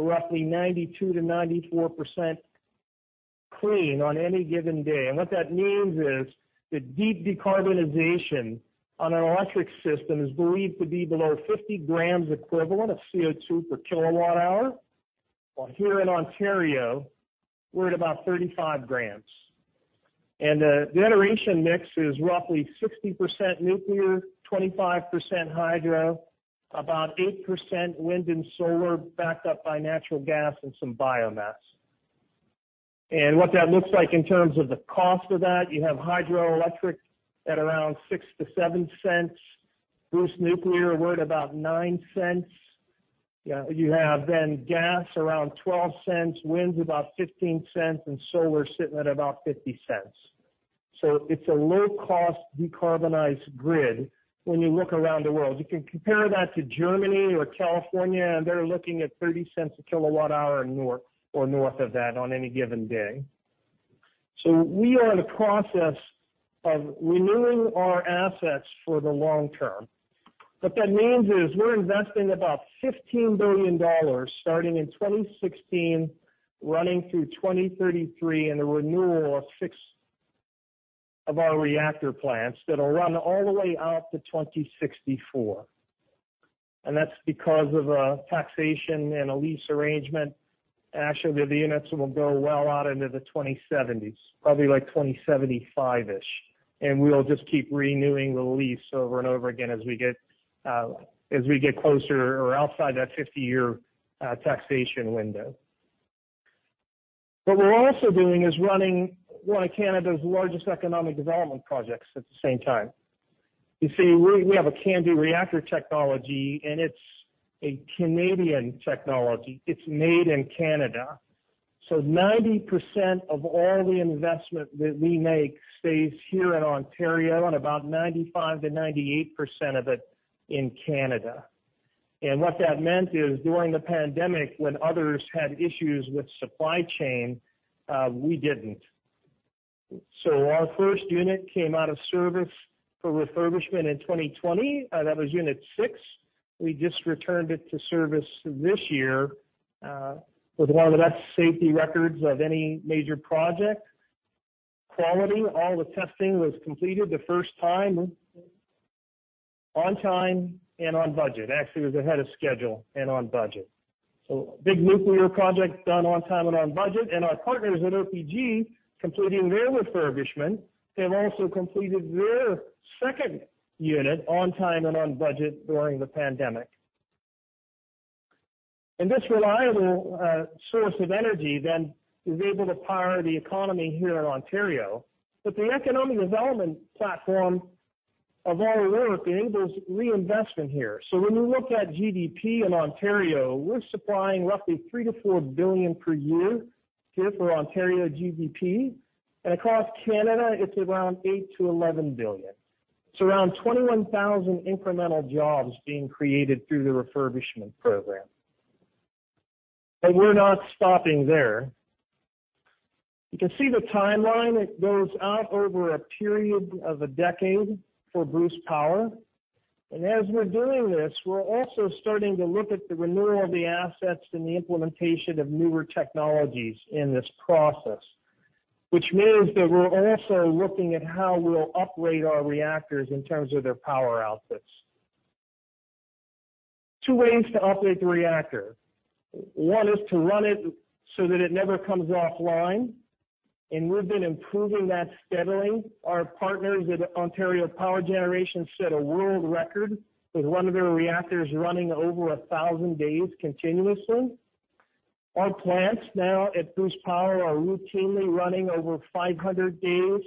roughly 92%-94% clean on any given day. What that means is, the deep decarbonization on our electric system is believed to be below 50 grams equivalent of CO2 per kWh. Well, here in Ontario, we're at about 35 g. The generation mix is roughly 60% nuclear, 25% hydro, about 8% wind and solar, backed up by natural gas and some biomass. What that looks like in terms of the cost of that, you have hydroelectric at around 0.06-0.07. Bruce Nuclear, we're at about 0.09. You have then gas around 0.12, wind's about 0.15, and solar sitting at about 0.50. So it's a low-cost decarbonized grid when you look around the world. You can compare that to Germany or California, and they're looking at 0.30 a kilowatt hour or more, or north of that on any given day. So we are in the process of renewing our assets for the long term. What that means is we're investing about 15 billion dollars, starting in 2016, running through 2033, in the renewal of six of our reactor plants that will run all the way out to 2064. And that's because of a taxation and a lease arrangement. Actually, the units will go well out into the 2070s, probably like 2075-ish, and we'll just keep renewing the lease over and over again as we get, as we get closer or outside that 50-year taxation window. What we're also doing is running one of Canada's largest economic development projects at the same time. You see, we, we have a CANDU reactor technology, and it's a Canadian technology. It's made in Canada. So 90% of all the investment that we make stays here in Ontario, and about 95%-98% of it in Canada. And what that meant is, during the pandemic, when others had issues with supply chain, we didn't. So our first unit came out of service for refurbishment in 2020, that was Unit 6. We just returned it to service this year, with one of the best safety records of any major project. Quality, all the testing was completed the first time, on time and on budget. Actually, it was ahead of schedule and on budget. So big nuclear project done on time and on budget, and our partners at OPG, completing their refurbishment, have also completed their second unit on time and on budget during the pandemic. And this reliable source of energy then is able to power the economy here in Ontario. But the economic development platform of our work enables reinvestment here. So when we look at GDP in Ontario, we're supplying roughly 3 billion-4 billion per year here for Ontario GDP, and across Canada, it's around 8 billion-11 billion. It's around 21,000 incremental jobs being created through the refurbishment program. But we're not stopping there. You can see the timeline. It goes out over a period of a decade for Bruce Power. As we're doing this, we're also starting to look at the renewal of the assets and the implementation of newer technologies in this process, which means that we're also looking at how we'll upgrade our reactors in terms of their power outputs. Two ways to operate the reactor. One is to run it so that it never comes offline, and we've been improving that steadily. Our partners at Ontario Power Generation set a world record, with one of their reactors running over 1,000 days continuously. Our plants now at Bruce Power are routinely running over 500 days,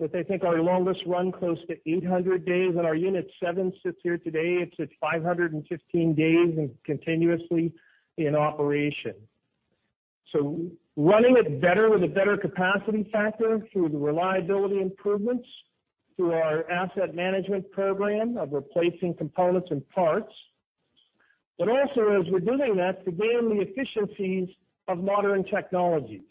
with I think our longest run close to 800 days, and our unit 7 sits here today, it's at 515 days and continuously in operation. So running it better with a better capacity factor through the reliability improvements, through our asset management program of replacing components and parts, but also, as we're doing that, to gain the efficiencies of modern technologies.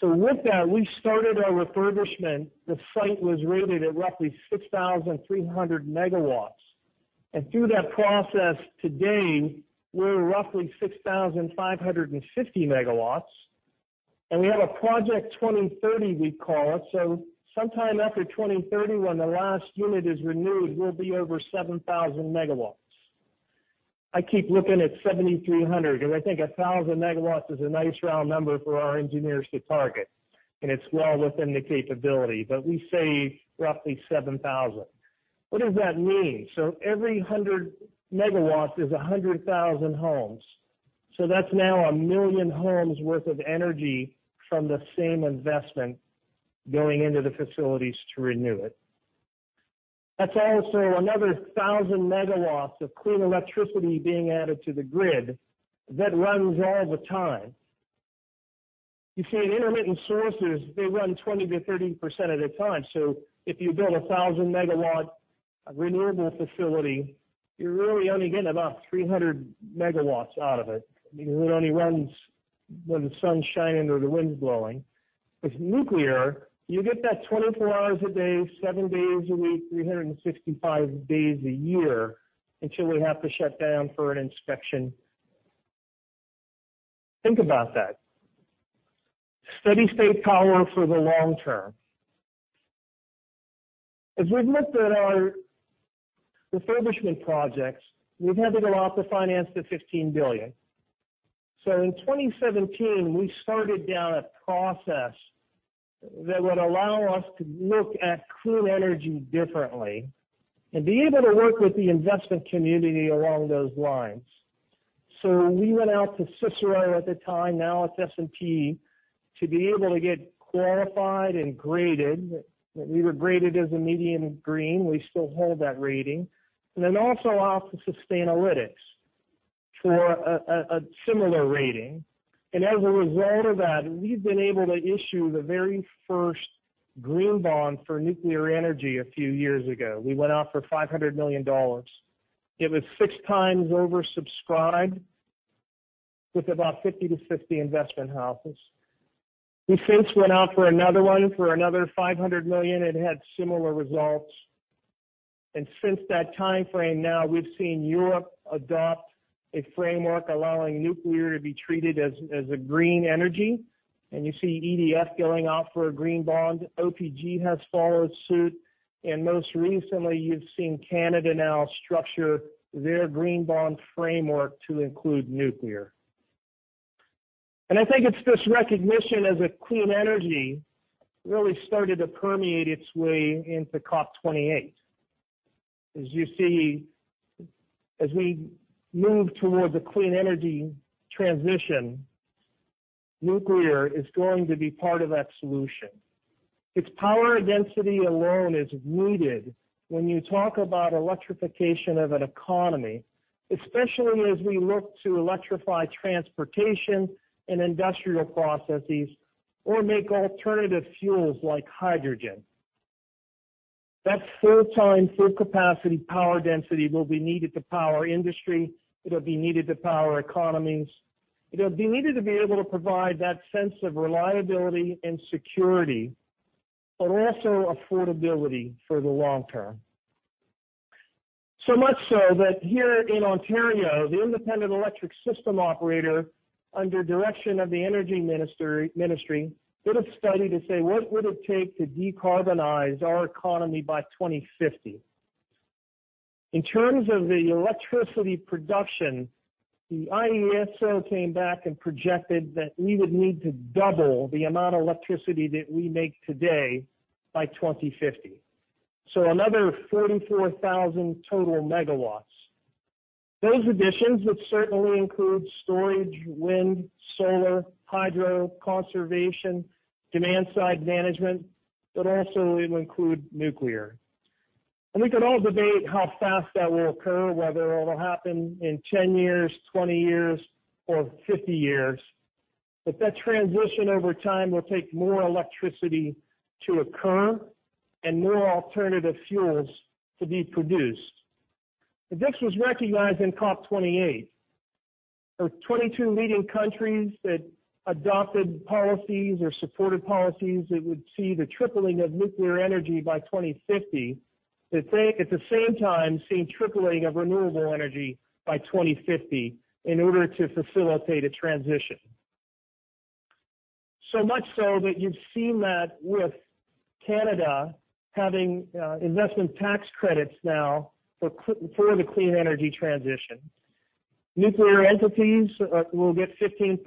So with that, we started our refurbishment. The site was rated at roughly 6,300 MW, and through that process, today, we're roughly 6,550 MW, and we have a Project 2030, we call it. So sometime after 2030, when the last unit is renewed, we'll be over 7,000 MW. I keep looking at 7,300 MW, and I think 1,000 MW is a nice round number for our engineers to target, and it's well within the capability, but we say roughly 7,000 MW. What does that mean? So every 100 MW is 100,000 homes. So that's now 1 million homes worth of energy from the same investment going into the facilities to renew it. That's also another 1,000 MW of clean electricity being added to the grid that runs all the time. You see, in intermittent sources, they run 20%-30% at a time. So if you build a 1,000 MW renewable facility, you're really only getting about 300 megawatts out of it, because it only runs when the sun's shining or the wind's blowing. With nuclear, you get that 24 hours a day, seven days a week, 365 days a year, until we have to shut down for an inspection. Think about that. Steady state power for the long term. As we've looked at our refurbishment projects, we've had to go out to finance the 15 billion. So in 2017, we started down a process, that would allow us to look at clean energy differently, and be able to work with the investment community along those lines. So we went out to Cicero at the time, now it's S&P, to be able to get qualified and graded. We were graded as a medium green. We still hold that rating, and then also out to Sustainalytics for a similar rating. And as a result of that, we've been able to issue the very first green bond for nuclear energy a few years ago. We went out for 500 million dollars. It was 6x oversubscribed, with about 50-50 investment houses. We since went out for another one, for another 500 million, and had similar results. Since that time frame, now we've seen Europe adopt a framework allowing nuclear to be treated as, as a green energy, and you see EDF going out for a green bond. OPG has followed suit, and most recently, you've seen Canada now structure their green bond framework to include nuclear. And I think it's this recognition as a clean energy, really started to permeate its way into COP28. As you see, as we move towards a clean energy transition, nuclear is going to be part of that solution. Its power density alone is needed when you talk about electrification of an economy, especially as we look to electrify transportation and industrial processes, or make alternative fuels like hydrogen. That full-time, full-capacity power density will be needed to power industry, it'll be needed to power economies. It'll be needed to be able to provide that sense of reliability and security, but also affordability for the long term. So much so that here in Ontario, the Independent Electricity System Operator, under direction of the Energy Ministry, did a study to say: What would it take to decarbonize our economy by 2050? In terms of the electricity production, the IESO came back and projected that we would need to double the amount of electricity that we make today by 2050. So another 44,000 total megawatts. Those additions, which certainly include storage, wind, solar, hydro, conservation, demand-side management, but also it'll include nuclear. And we could all debate how fast that will occur, whether it'll happen in 10 years, 20 years, or 50 years. But that transition over time will take more electricity to occur, and more alternative fuels to be produced. This was recognized in COP28. There were 22 leading countries that adopted policies or supported policies that would see the tripling of nuclear energy by 2050. That they, at the same time, seeing tripling of renewable energy by 2050 in order to facilitate a transition. So much so that you've seen that with Canada having investment tax credits now for the clean energy transition. Nuclear entities will get 15%,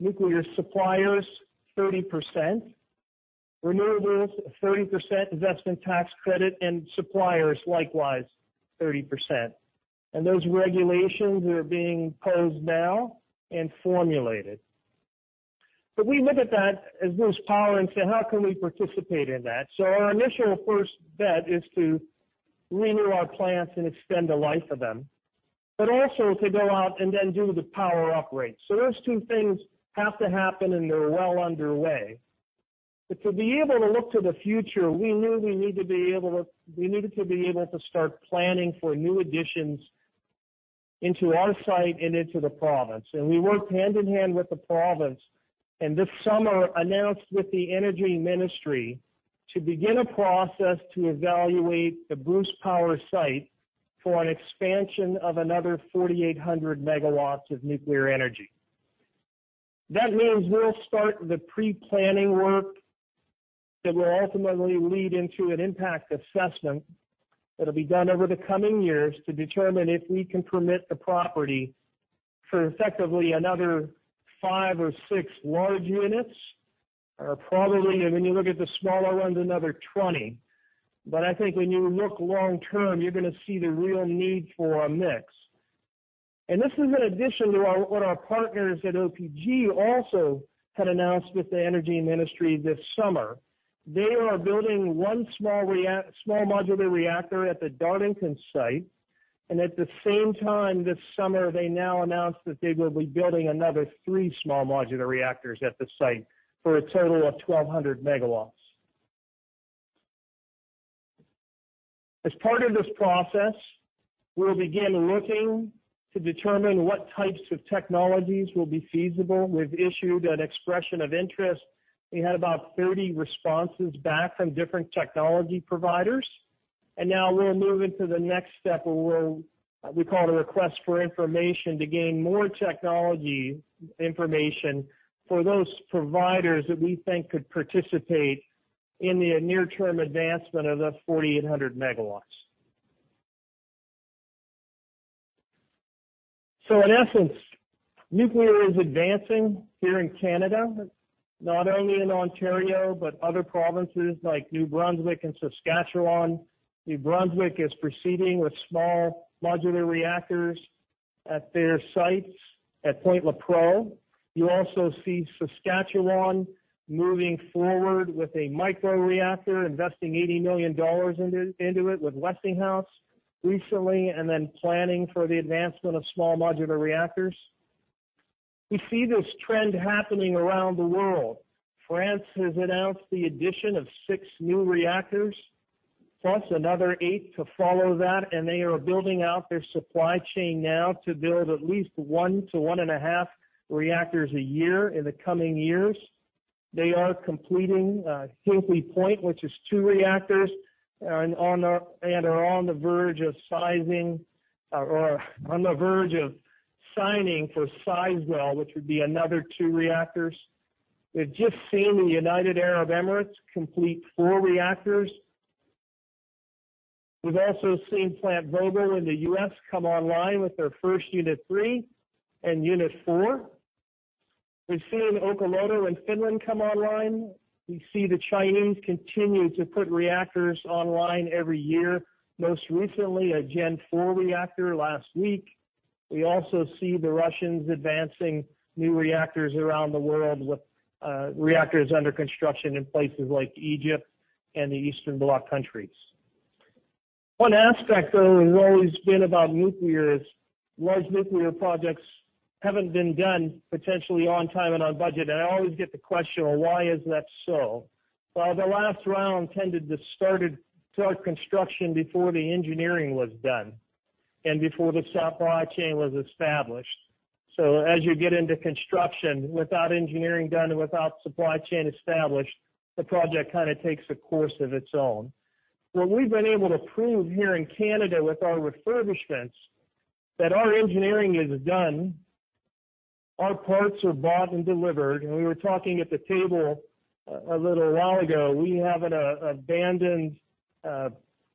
nuclear suppliers, 30%, renewables, 30% investment tax credit, and suppliers, likewise, 30%. And those regulations are being proposed now and formulated. But we look at that as Bruce Power and say: How can we participate in that? So our initial first bet is to renew our plants and extend the life of them, but also to go out and then do the power operate. So those two things have to happen, and they're well underway. But to be able to look to the future, we knew we need to be able to, we needed to be able to start planning for new additions into our site and into the province. We worked hand-in-hand with the province, and this summer, announced with the Energy Ministry to begin a process to evaluate the Bruce Power site for an expansion of another 4,800 MW of nuclear energy. That means we'll start the pre-planning work, that will ultimately lead into an impact assessment, that'll be done over the coming years, to determine if we can permit the property for effectively another 5 or 6 large units, or probably, and when you look at the smaller ones, another 20. But I think when you look long term, you're gonna see the real need for a mix. This is in addition to what our partners at OPG also had announced with the Energy Ministry this summer. They are building one small modular reactor at the Darlington site, and at the same time this summer, they now announced that they will be building another three small modular reactors at the site for a total of 1,200 MW. As part of this process, we'll begin looking to determine what types of technologies will be feasible. We've issued an expression of interest. We had about 30 responses back from different technology providers, and now we're moving to the next step, where we'll we call a request for information, to gain more technology information for those providers that we think could participate in the near-term advancement of the 4,800 MW. So in essence, nuclear is advancing here in Canada, not only in Ontario, but other provinces like New Brunswick and Saskatchewan. New Brunswick is proceeding with small modular reactors at their sites at Point Lepreau. You also see Saskatchewan moving forward with a microreactor, investing 80 million dollars into it with Westinghouse recently, and then planning for the advancement of small modular reactors. We see this trend happening around the world. France has announced the addition of six new reactors, plus another eight to follow that, and they are building out their supply chain now to build at least one to 1.5 reactors a year in the coming years. They are completing Hinkley Point, which is two reactors, and are on the verge of signing for Sizewell, which would be another two reactors. We've just seen the United Arab Emirates complete four reactors. We've also seen Plant Vogtle in the U.S. come online with their first Unit 3 and Unit 4. We've seen Olkiluoto in Finland come online. We see the Chinese continue to put reactors online every year, most recently, a Gen IV reactor last week. We also see the Russians advancing new reactors around the world, with, reactors under construction in places like Egypt and the Eastern Bloc countries. One aspect there has always been about nuclear is, large nuclear projects haven't been done potentially on time and on budget, and I always get the question, Well, why is that so? Well, the last round tended to started construction before the engineering was done and before the supply chain was established. So as you get into construction, without engineering done and without supply chain established, the project kind of takes a course of its own. What we've been able to prove here in Canada with our refurbishments, that our engineering is done, our parts are bought and delivered, and we were talking at the table a little while ago, we have an abandoned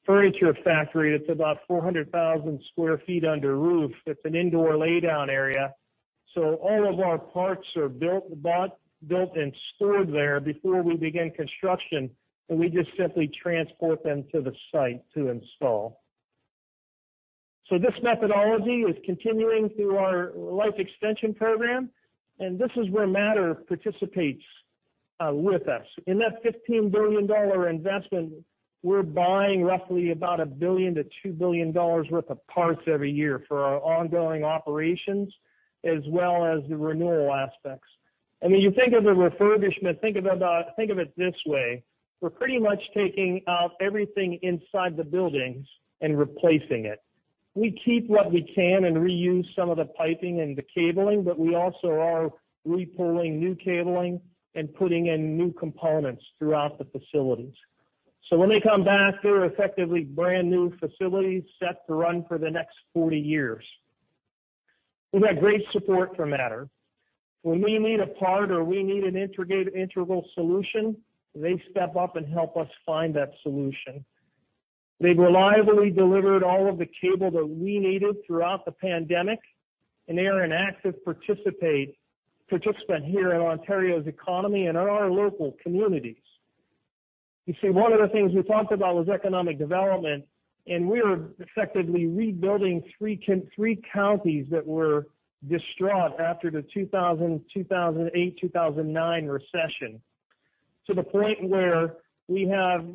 furniture factory. It's about 400,000 sq ft under roof. It's an indoor laydown area. So all of our parts are built, bought, built, and stored there before we begin construction, and we just simply transport them to the site to install. So this methodology is continuing through our life extension program, and this is where Mattr participates with us. In that $15 billion investment, we're buying roughly about 1 billion-2 billion dollars worth of parts every year for our ongoing operations, as well as the renewal aspects. And when you think of a refurbishment, think about, think of it this way: We're pretty much taking out everything inside the buildings and replacing it. We keep what we can and reuse some of the piping and the cabling, but we also are repulling new cabling and putting in new components throughout the facilities. So when they come back, they're effectively brand-new facilities set to run for the next 40 years. We've had great support from Mattr. When we need a part or we need an integral solution, they step up and help us find that solution. They've reliably delivered all of the cable that we needed throughout the pandemic, and they are an active participant here in Ontario's economy and in our local communities. You see, one of the things we talked about was economic development, and we are effectively rebuilding three counties that were distraught after the 2008, 2009 recession. To the point where we have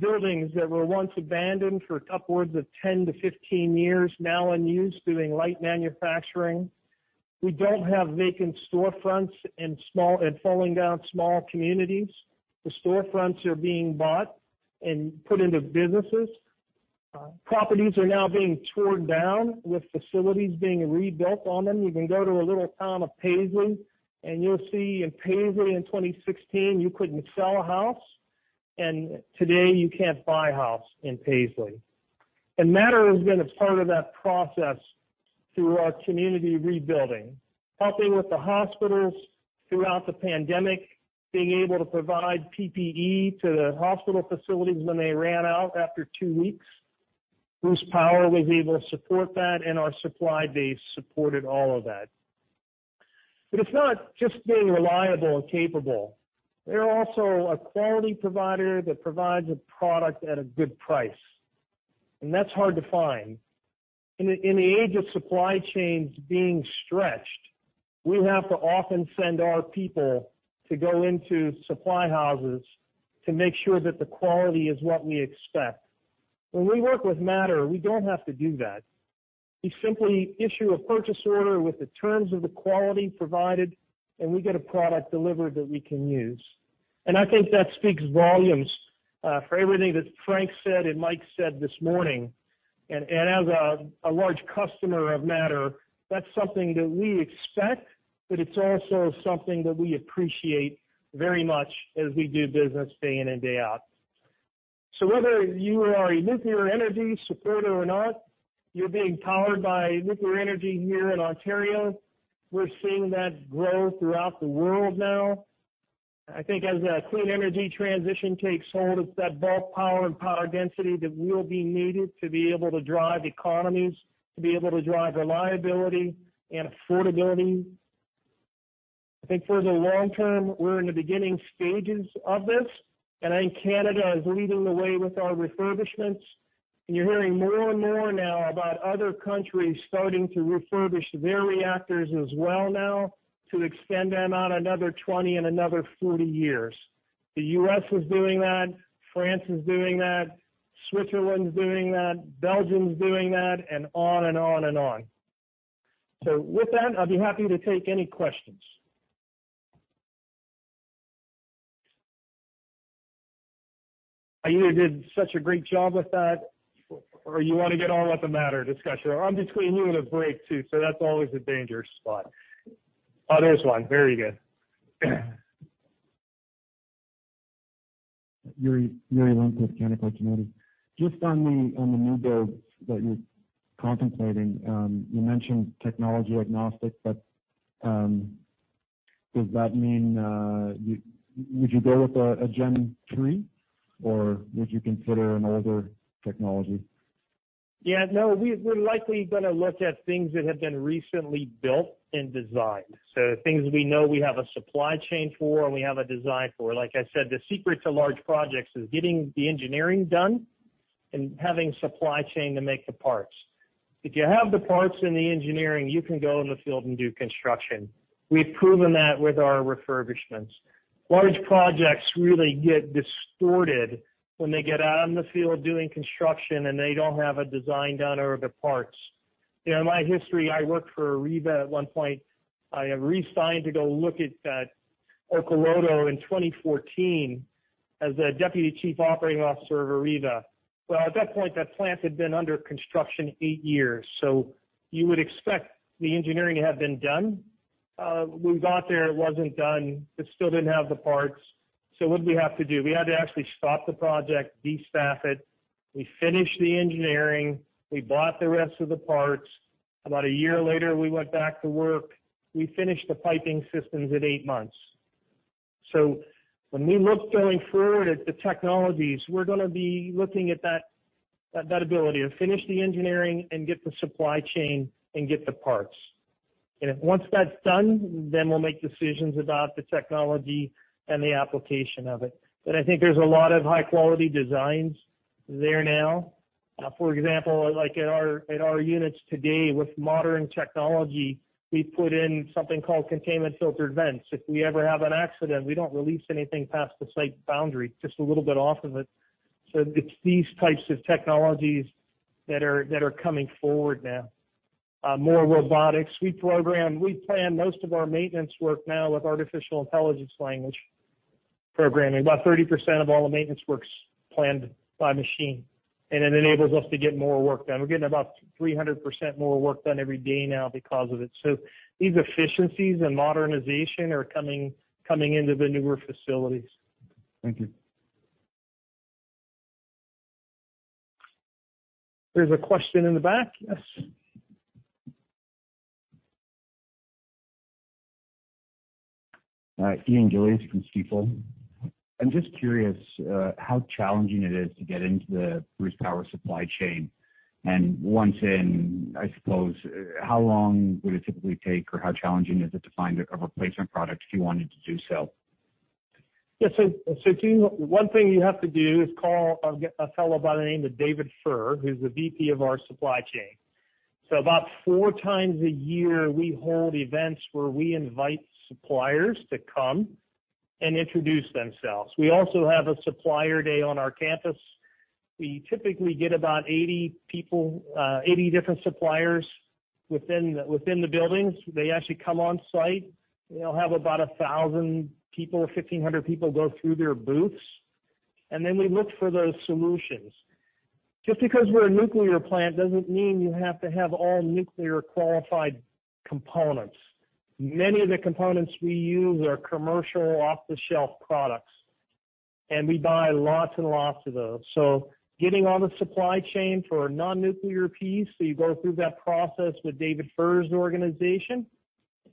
buildings that were once abandoned for upwards of 10-15 years, now in use, doing light manufacturing. We don't have vacant storefronts in small and falling-down small communities. The storefronts are being bought and put into businesses. Properties are now being torn down, with facilities being rebuilt on them. You can go to a little town of Paisley, and you'll see in Paisley in 2016, you couldn't sell a house, and today you can't buy a house in Paisley. Mattr has been a part of that process through our community rebuilding, helping with the hospitals throughout the pandemic, being able to provide PPE to the hospital facilities when they ran out after two weeks. Bruce Power was able to support that, and our supply base supported all of that. But it's not just being reliable and capable. They're also a quality provider that provides a product at a good price, and that's hard to find. In the age of supply chains being stretched, we have to often send our people to go into supply houses to make sure that the quality is what we expect. When we work with Mattr, we don't have to do that. We simply issue a purchase order with the terms of the quality provided, and we get a product delivered that we can use. I think that speaks volumes for everything that Frank said and Mike said this morning. And as a large customer of Mattr, that's something that we expect, but it's also something that we appreciate very much as we do business day in and day out. So whether you are a nuclear energy supporter or not, you're being powered by nuclear energy here in Ontario. We're seeing that grow throughout the world now. I think as a clean energy transition takes hold, it's that bulk power and power density that will be needed to be able to drive economies, to be able to drive reliability and affordability. I think for the long term, we're in the beginning stages of this, and I think Canada is leading the way with our refurbishments. And you're hearing more and more now about other countries starting to refurbish their reactors as well now, to extend them out another 20 and another 40 years. The U.S. is doing that, France is doing that, Switzerland is doing that, Belgium is doing that, and on and on and on. So with that, I'll be happy to take any questions. You did such a great job with that, or you want to get on with the matter discussion. I'm between you and a break, too, so that's always a dangerous spot. Oh, there's one. Very good.
Yuri, Yuri Lynk with Canaccord Genuity. Just on the new builds that you're contemplating, you mentioned technology agnostic, but, does that mean you would you go with a Gen III, or would you consider an older technology?
Yeah, no. We're likely going to look at things that have been recently built and designed. So things we know we have a supply chain for and we have a design for. Like I said, the secret to large projects is getting the engineering done and having supply chain to make the parts. If you have the parts and the engineering, you can go in the field and do construction. We've proven that with our refurbishments. Large projects really get distorted when they get out in the field doing construction, and they don't have a design done or the parts. In my history, I worked for Areva at one point. I resigned to go look at Olkiluoto in 2014 as a Deputy Chief Operating Officer of Areva. Well, at that point, that plant had been under construction eight years, so you would expect the engineering to have been done. We got there, it wasn't done. It still didn't have the parts. So what did we have to do? We had to actually stop the project, destaff it. We finished the engineering, we bought the rest of the parts. About on year later, we went back to work. We finished the piping systems in eight months. So when we look going forward at the technologies, we're going to be looking at that, that ability to finish the engineering and get the supply chain and get the parts. And once that's done, then we'll make decisions about the technology and the application of it. But I think there's a lot of high-quality designs there now. For example, like at our units today, with modern technology, we put in something called containment filtered vents. If we ever have an accident, we don't release anything past the site boundary, just a little bit off of it. So it's these types of technologies that are coming forward now. More robotics. We plan most of our maintenance work now with artificial intelligence language programming. About 30% of all the maintenance work's planned by machine, and it enables us to get more work done. We're getting about 300% more work done every day now because of it. So these efficiencies and modernization are coming into the newer facilities.
Thank you.
There's a question in the back. Yes.
Ian Gillies from Stifel. I'm just curious, how challenging it is to get into the Bruce Power supply chain. Once in, I suppose, how long would it typically take, or how challenging is it to find a replacement product if you wanted to do so?
Yes, so Ian, one thing you have to do is call a fellow by the name of David Furr, who's the VP of our supply chain. So about four times a year, we hold events where we invite suppliers to come and introduce themselves. We also have a supplier day on our campus. We typically get about 80 people, 80 different suppliers within the buildings. They actually come on site. They'll have about 1,000 people, 1,500 people go through their booths, and then we look for those solutions. Just because we're a nuclear plant, doesn't mean you have to have all nuclear-qualified components. Many of the components we use are commercial off-the-shelf products, and we buy lots and lots of those. So getting on the supply chain for a non-nuclear piece, so you go through that process with David Furr's organization,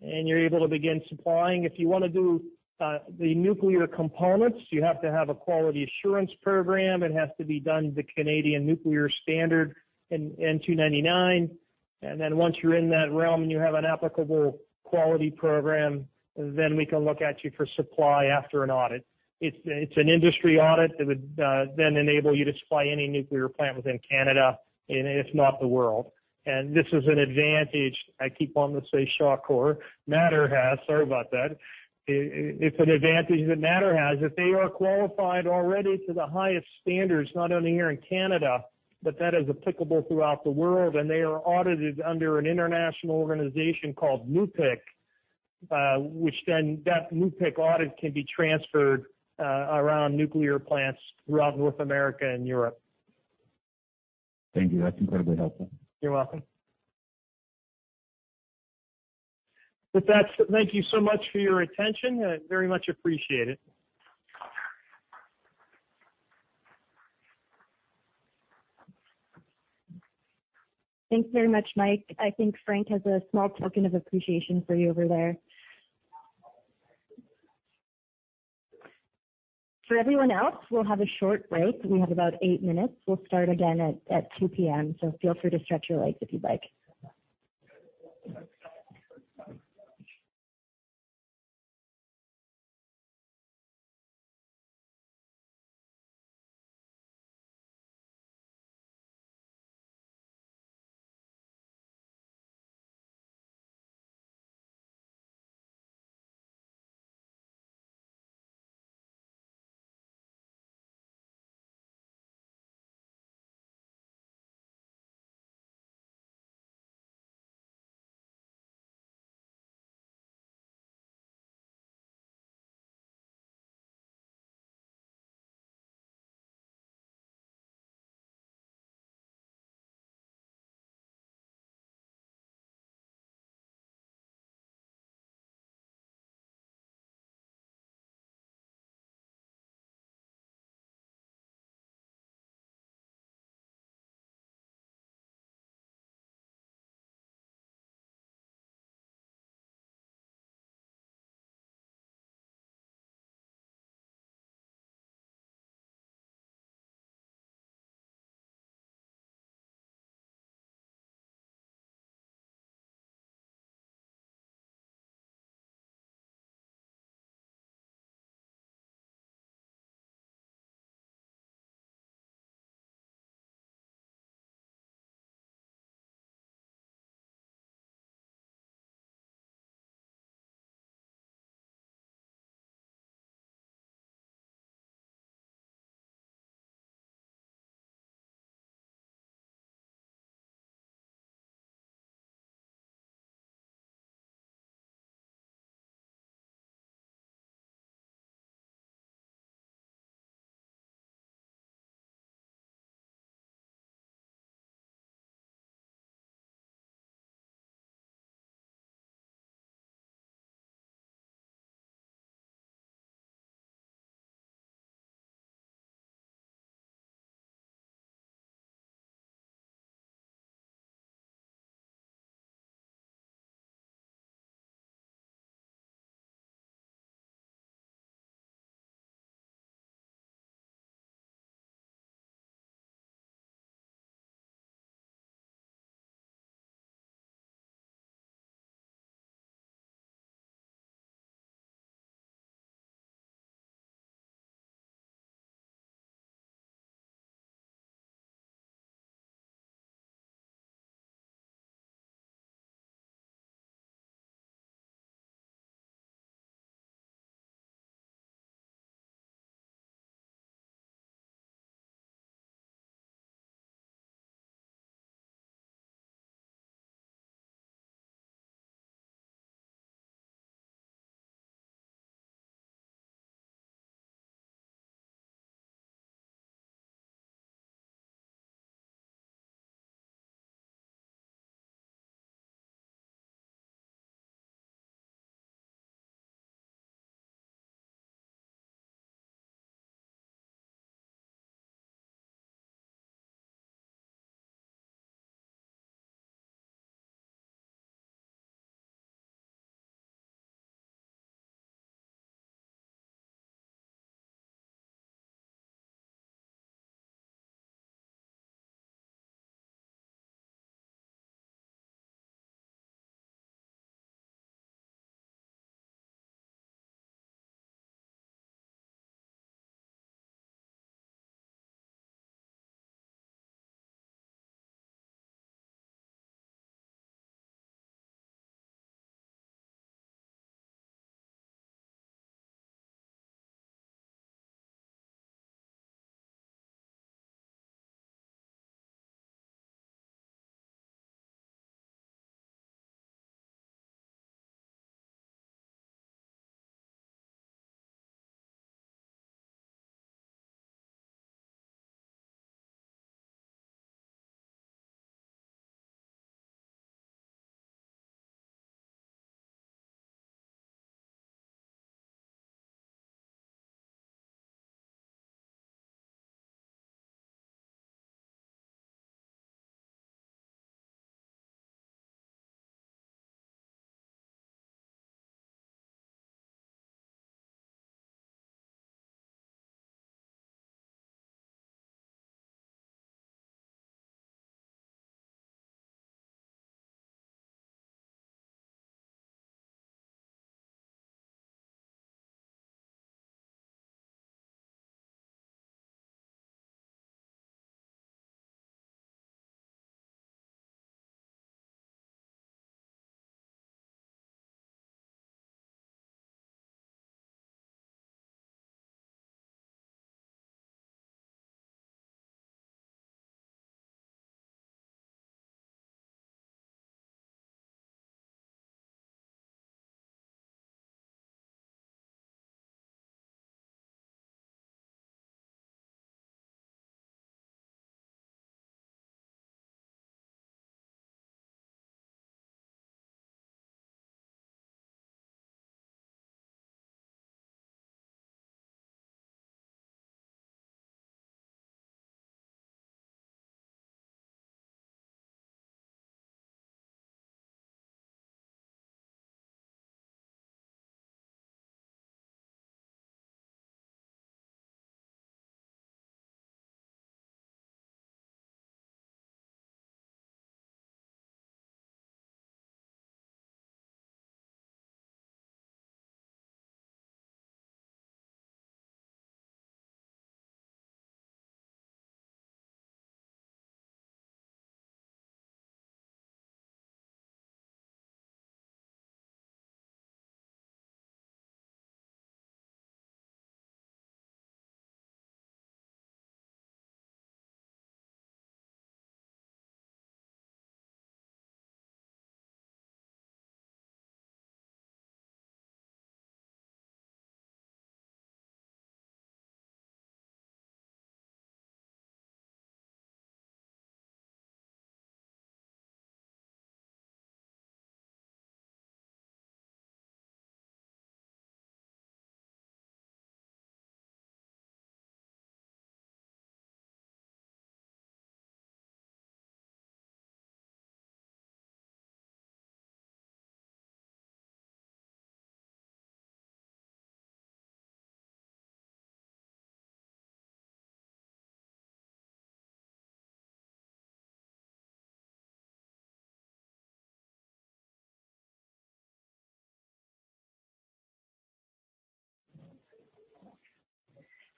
and you're able to begin supplying. If you want to do the nuclear components, you have to have a quality assurance program. It has to be done to Canadian Nuclear Standard N, N-299. And then once you're in that realm and you have an applicable quality program, then we can look at you for supply after an audit. It's an industry audit that would then enable you to supply any nuclear plant within Canada, and if not the world. And this is an advantage, I keep wanting to say Shawcor, Mattr has. Sorry about that. It's an advantage that Mattr has, that they are qualified already to the highest standards, not only here in Canada, but that is applicable throughout the world. They are audited under an international organization called NUPIC, which then that NUPIC audit can be transferred around nuclear plants throughout North America and Europe.
Thank you. That's incredibly helpful.
You're welcome. With that, thank you so much for your attention. I very much appreciate it.
Thanks very much, Mike. I think Frank has a small token of appreciation for you over there. For everyone else, we'll have a short break. We have about eight minutes. We'll start again at 2:00 P.M., so feel free to stretch your legs if you'd like.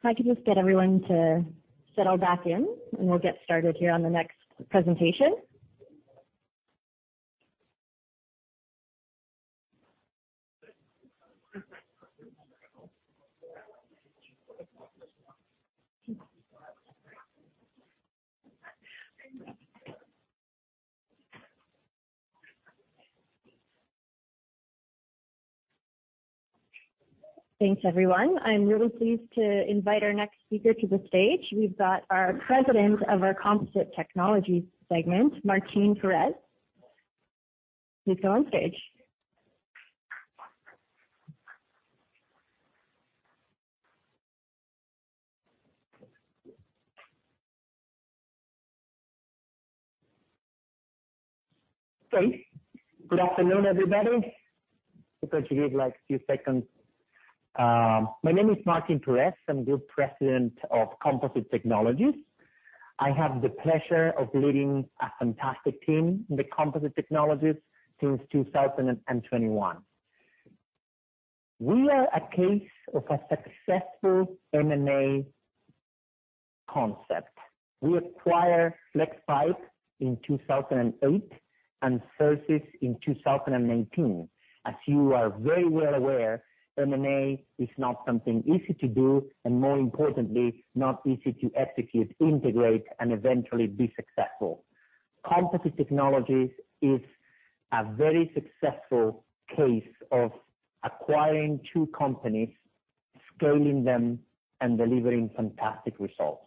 If I could just get everyone to settle back in, and we'll get started here on the next presentation. Thanks, everyone. I'm really pleased to invite our next speaker to the stage. We've got our President of our Composite Technologies segment, Martin Perez. Please go on stage.
Okay. Good afternoon, everybody. Just going to give, like, a few seconds. My name is Martin Perez. I'm Group President of Composite Technologies. I have the pleasure of leading a fantastic team in the Composite Technologies since 2021. We are a case of a successful M&A concept. We acquired Flexpipe in 2008, and Xerxes in 2019. As you are very well aware, M&A is not something easy to do, and more importantly, not easy to execute, integrate, and eventually be successful. Composite Technologies is a very successful case of acquiring two companies, scaling them, and delivering fantastic results.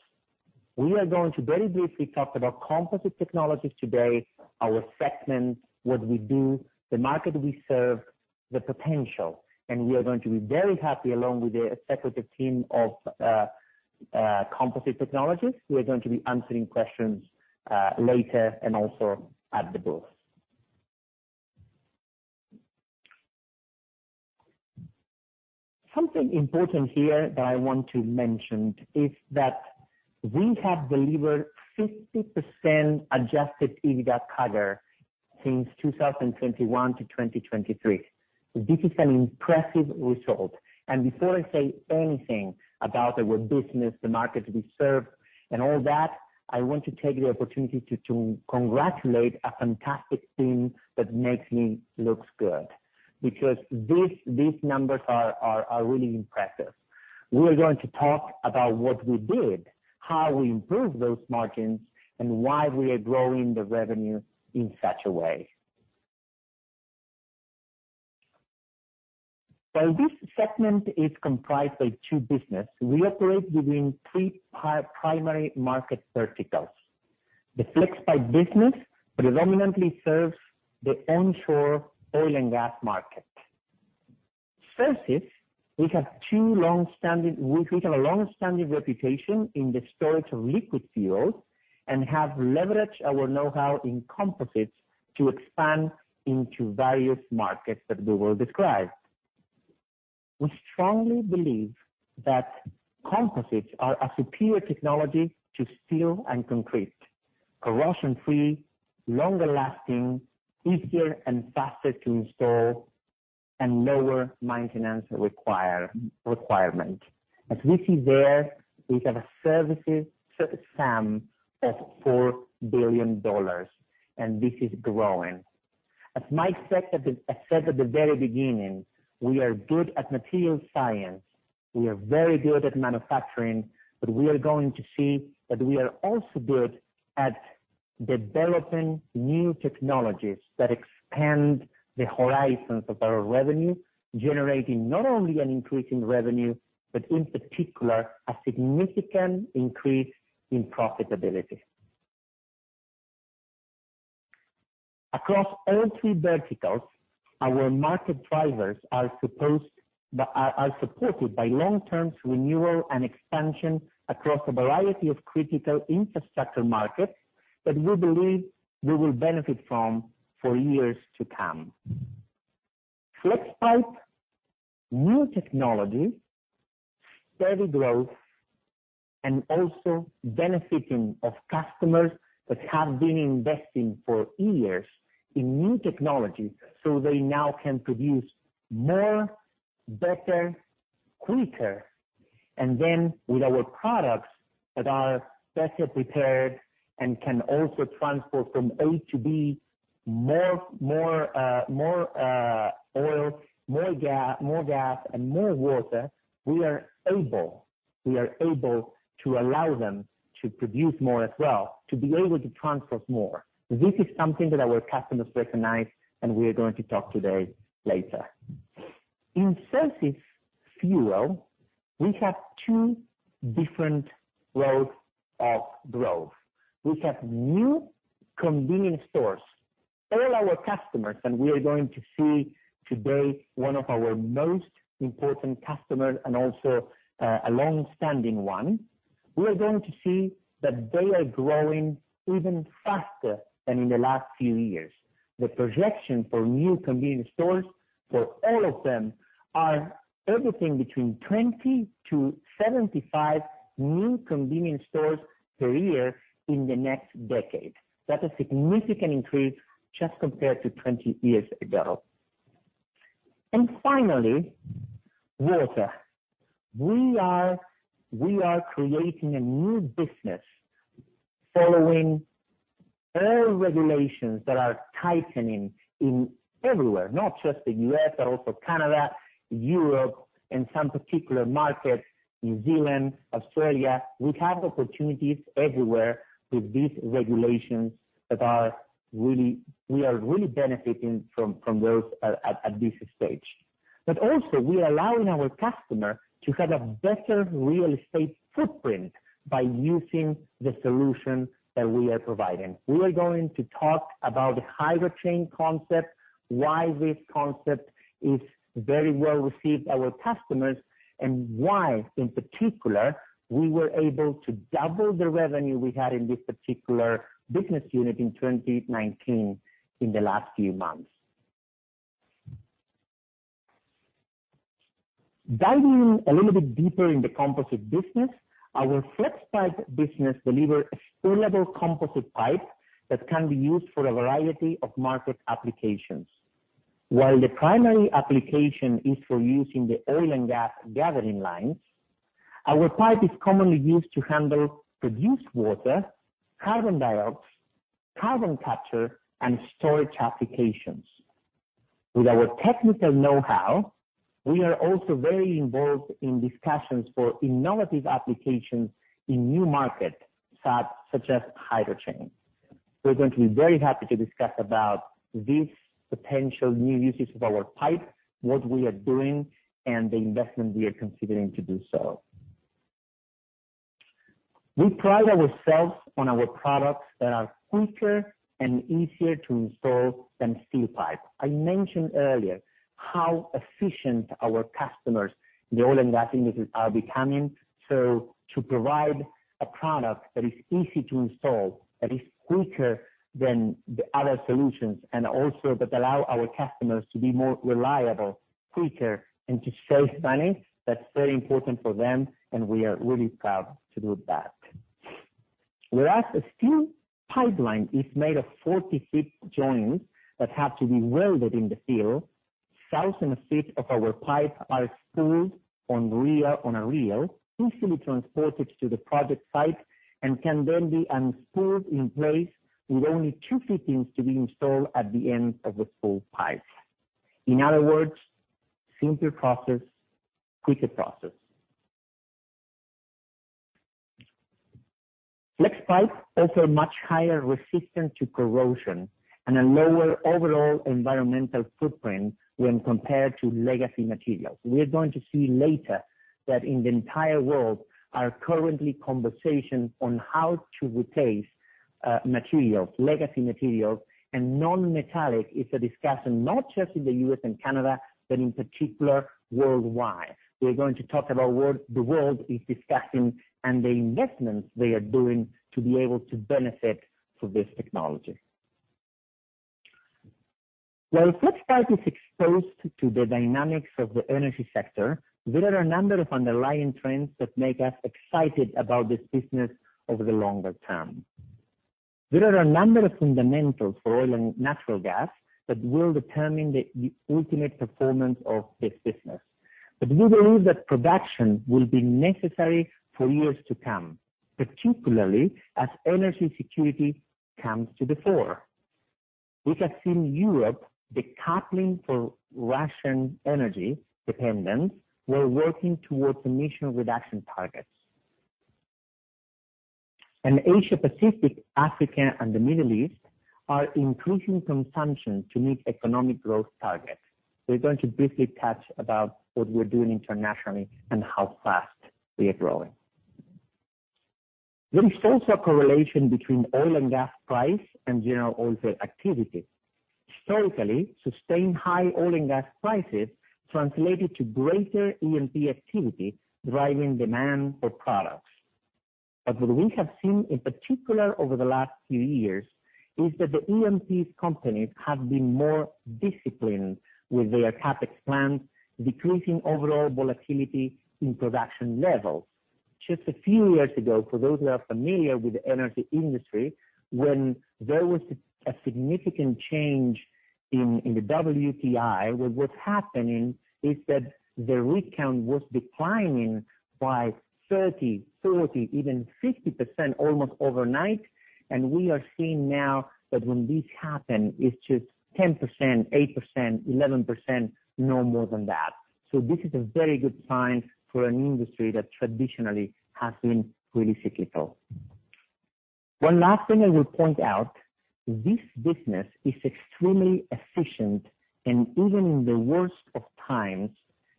We are going to very briefly talk about Composite Technologies today, our segment, what we do, the market we serve, the potential, and we are going to be very happy, along with the executive team of Composite Technologies, we are going to be answering questions later and also at the booth. Something important here that I want to mention is that we have delivered 50% adjusted EBITDA CAGR since 2021-2023. This is an impressive result. And before I say anything about our business, the market we serve, and all that, I want to take the opportunity to congratulate a fantastic team that makes me looks good, because these numbers are really impressive. We are going to talk about what we did, how we improved those margins, and why we are growing the revenue in such a way. While this segment is comprised of two businesses, we operate within three primary market verticals. The Flexpipe business predominantly serves the onshore oil and gas market. Xerxes, we have a long-standing reputation in the storage of liquid fuels, and have leveraged our know-how in composites to expand into various markets that we will describe. We strongly believe that composites are a superior technology to steel and concrete, corrosion-free, longer lasting, easier and faster to install, and lower maintenance requirement. As we see there, we have a services SAM of 4 billion dollars, and this is growing. As Mike said at the very beginning, we are good at material science, we are very good at manufacturing, but we are going to see that we are also good at developing new technologies that expand the horizons of our revenue, generating not only an increase in revenue, but in particular, a significant increase in profitability. Across all three verticals, our market drivers are supported by long-term renewal and expansion across a variety of critical infrastructure markets that we believe we will benefit from for years to come. Flexpipe, new technology, steady growth, and also benefiting of customers that have been investing for years in new technology, so they now can produce more, better, quicker, and then with our products that are better prepared and can also transport from A to B, more, more, more, oil, more gas, and more water, we are able, we are able to allow them to produce more as well, to be able to transport more. This is something that our customers recognize, and we are going to talk today later. In services fuel, we have two different roads of growth. We have new convenience stores. All our customers, and we are going to see today one of our most important customers and also, a long-standing one. We are going to see that they are growing even faster than in the last few years. The projection for new convenience stores, for all of them, are everything between 20-75 new convenience stores per year in the next decade. That is a significant increase just compared to 20 years ago. And finally, water. We are creating a new business following all regulations that are tightening everywhere, not just the U.S., but also Canada, Europe, and some particular markets, New Zealand, Australia. We have opportunities everywhere with these regulations that are really, we are really benefiting from those at this stage. But also we are allowing our customer to have a better real estate footprint by using the solution that we are providing. We are going to talk about the HydroChain concept, why this concept is very well received by our customers, and why, in particular, we were able to double the revenue we had in this particular business unit in 2019 in the last few months. Diving a little bit deeper in the composite business, our Flexpipe business deliver extrudable composite pipe that can be used for a variety of market applications. While the primary application is for use in the oil and gas gathering lines, our pipe is commonly used to handle produced water, carbon dioxide, carbon capture, and storage applications. With our technical know-how, we are also very involved in discussions for innovative applications in new markets, such as HydroChain. We're going to be very happy to discuss about these potential new uses of our pipe, what we are doing, and the investment we are considering to do so. We pride ourselves on our products that are quicker and easier to install than steel pipe. I mentioned earlier how efficient our customers in the oil and gas businesses are becoming, so to provide a product that is easy to install, that is quicker than the other solutions, and also that allow our customers to be more reliable, quicker, and to save money, that's very important for them, and we are really proud to do that. Whereas a steel pipeline is made of 40 ft joints that have to be welded in the field, 1,000 ft of our pipe are spooled on reel, on a reel, easily transported to the project site, and can then be unspooled in place with only two fittings to be installed at the end of the full pipe. In other words, simpler process, quicker process. Flexpipe offer much higher resistance to corrosion and a lower overall environmental footprint when compared to legacy materials. We are going to see later that in the entire world, are currently conversations on how to replace, materials, legacy materials, and non-metallic is a discussion, not just in the U.S. and Canada, but in particular, worldwide. We are going to talk about world, the world is discussing and the investments they are doing to be able to benefit from this technology. While Flexpipe is exposed to the dynamics of the energy sector, there are a number of underlying trends that make us excited about this business over the longer term. There are a number of fundamentals for oil and natural gas that will determine the ultimate performance of this business. But we believe that production will be necessary for years to come, particularly as energy security comes to the fore. We have seen Europe decoupling from Russian energy dependence, while working towards emission reduction targets. Asia Pacific, Africa, and the Middle East are increasing consumption to meet economic growth targets. We're going to briefly touch about what we're doing internationally and how fast we are growing. There is also a correlation between oil and gas price and general oil field activity. Historically, sustained high oil and gas prices translated to greater E&P activity, driving demand for products. But what we have seen, in particular over the last few years, is that the E&P companies have been more disciplined with their CapEx plans, decreasing overall volatility in production levels. Just a few years ago, for those who are familiar with the energy industry, when there was a significant change in the WTI, what was happening is that the rig count was declining by 30%, 40%, even 60% almost overnight, and we are seeing now that when this happen, it's just 10%, 8%, 11%, no more than that. So this is a very good sign for an industry that traditionally has been really cyclical. One last thing I will point out, this business is extremely efficient, and even in the worst of times,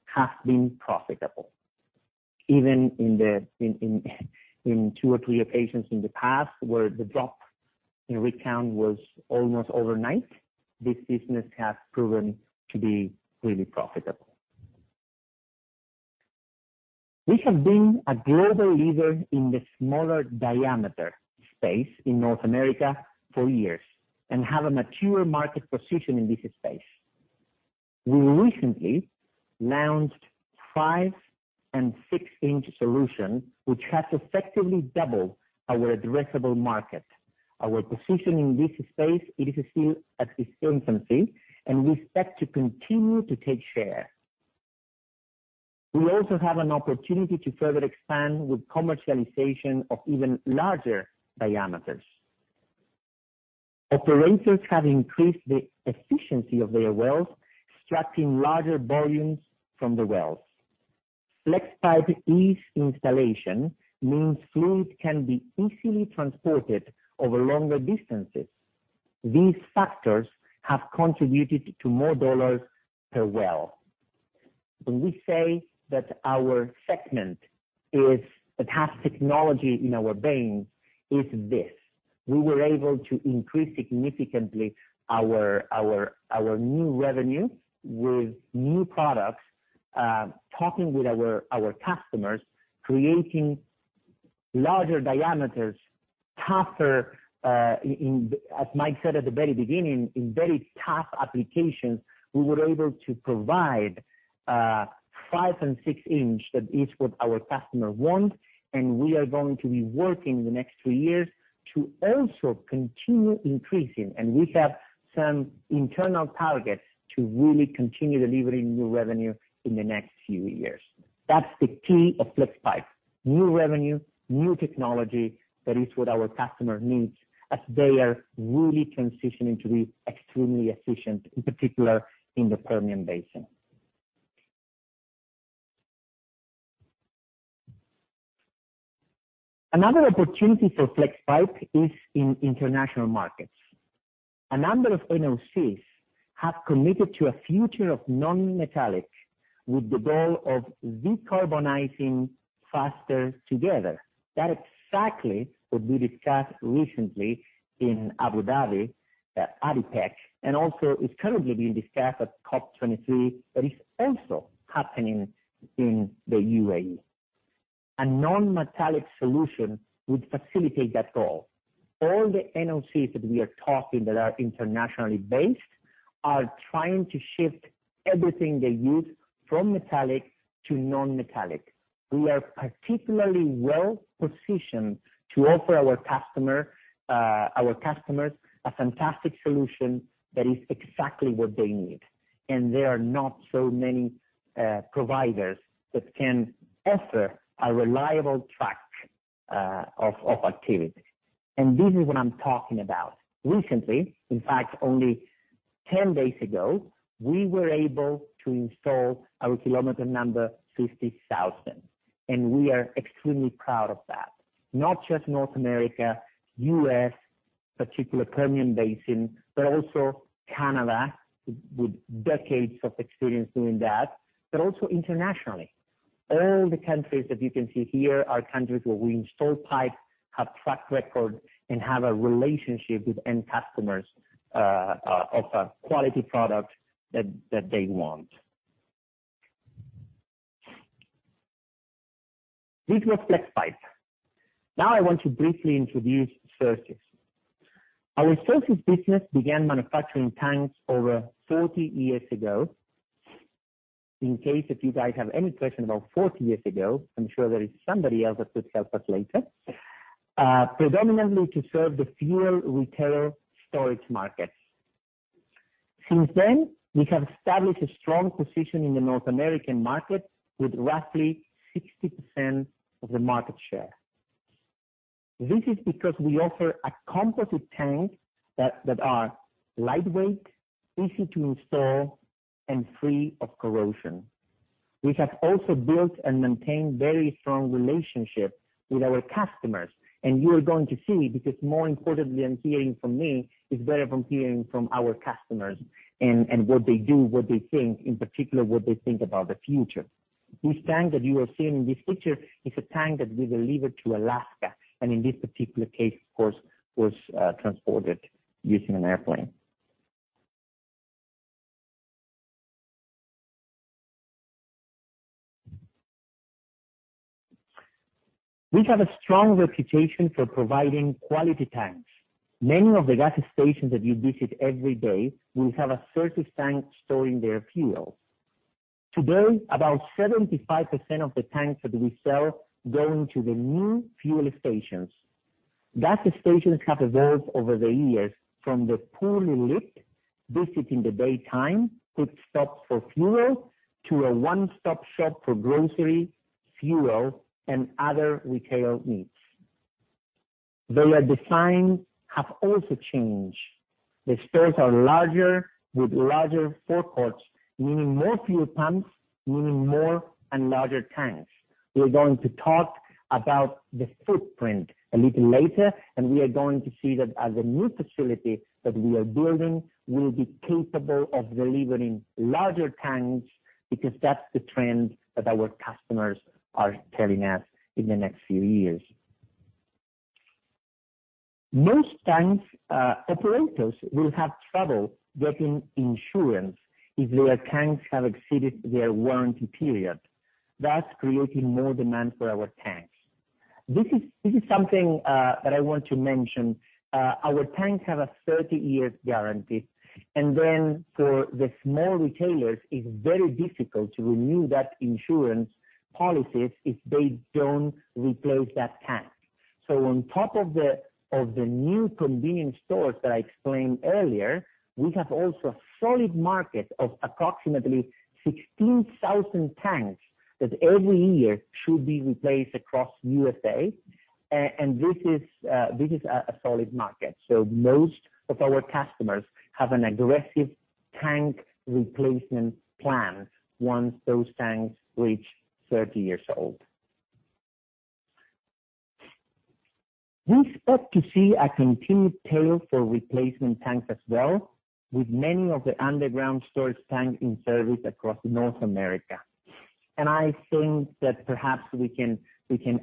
has been profitable. Even in the two or three occasions in the past, where the drop in rig count was almost overnight, this business has proven to be really profitable. We have been a global leader in the smaller diameter space in North America for years, and have a mature market position in this space. We recently launched five- and six-inch solution, which has effectively doubled our addressable market. Our position in this space, it is still at its infancy, and we expect to continue to take share. We also have an opportunity to further expand with commercialization of even larger diameters. Operators have increased the efficiency of their wells, extracting larger volumes from the wells. Flexpipe ease installation means fluid can be easily transported over longer distances. These factors have contributed to more dollars per well. When we say that our segment is that has technology in our veins, is this. We were able to increase significantly our new revenue with new products, talking with our customers, creating larger diameters, tougher, in as Mike said at the very beginning, in very tough applications, we were able to provide five and six inch, that is what our customer want, and we are going to be working the next three years to also continue increasing. And we have some internal targets to really continue delivering new revenue in the next few years. That's the key of Flexpipe, new revenue, new technology, that is what our customer needs, as they are really transitioning to be extremely efficient, in particular, in the Permian Basin. Another opportunity for Flexpipe is in international markets. A number of NOCs have committed to a future of non-metallic, with the goal of decarbonizing faster together. That exactly what we discussed recently in Abu Dhabi, at ADIPEC, and also is currently being discussed at COP23, that is also happening in the UAE. A non-metallic solution would facilitate that goal. All the NOCs that we are talking, that are internationally based, are trying to shift everything they use from metallic to non-metallic. We are particularly well positioned to offer our customer, our customers, a fantastic solution that is exactly what they need, and there are not so many, providers that can offer a reliable track, of activity. And this is what I'm talking about. Recently, in fact, only 10 days ago, we were able to install our kilometer number 50,000, and we are extremely proud of that. Not just North America, U.S., particular Permian Basin, but also Canada, with decades of experience doing that, but also internationally. All the countries that you can see here are countries where we install pipe, have track record, and have a relationship with end customers, of a quality product that, that they want. This was Flexpipe. Now, I want to briefly introduce Surface. Our Surface business began manufacturing tanks over 40 years ago. In case if you guys have any question about 40 years ago, I'm sure there is somebody else that could help us later. Predominantly to serve the fuel retailer storage markets. Since then, we have established a strong position in the North American market, with roughly 60% of the market share. This is because we offer a composite tank that, that are lightweight, easy to install, and free of corrosion. We have also built and maintained very strong relationship with our customers, and you are going to see, because more importantly than hearing from me, is better from hearing from our customers and what they do, what they think, in particular, what they think about the future. This tank that you are seeing in this picture is a tank that we delivered to Alaska, and in this particular case, of course, was transported using an airplane. We have a strong reputation for providing quality tanks. Many of the gas stations that you visit every day will have a Xerxes tank storing their fuel. Today, about 75% of the tanks that we sell go into the new fuel stations. Gas stations have evolved over the years from the poorly lit, visiting the daytime, quick stops for fuel, to a one-stop shop for grocery, fuel, and other retail needs. Their designs have also changed. The stores are larger, with larger forecourts, meaning more fuel pumps, meaning more and larger tanks. We are going to talk about the footprint a little later, and we are going to see that as a new facility that we are building, we'll be capable of delivering larger tanks, because that's the trend that our customers are telling us in the next few years. Most tanks, operators will have trouble getting insurance if their tanks have exceeded their warranty period. That's creating more demand for our tanks. This is, this is something, that I want to mention. Our tanks have a 30-year guarantee, and then for the small retailers, it's very difficult to renew that insurance policies if they don't replace that tank. So on top of the new convenience stores that I explained earlier, we have also a solid market of approximately 16,000 tanks that every year should be replaced across USA, and this is a solid market. So most of our customers have an aggressive tank replacement plan once those tanks reach 30 years old. We expect to see a continued tail for replacement tanks as well, with many of the underground storage tanks in service across North America. And I think that perhaps we can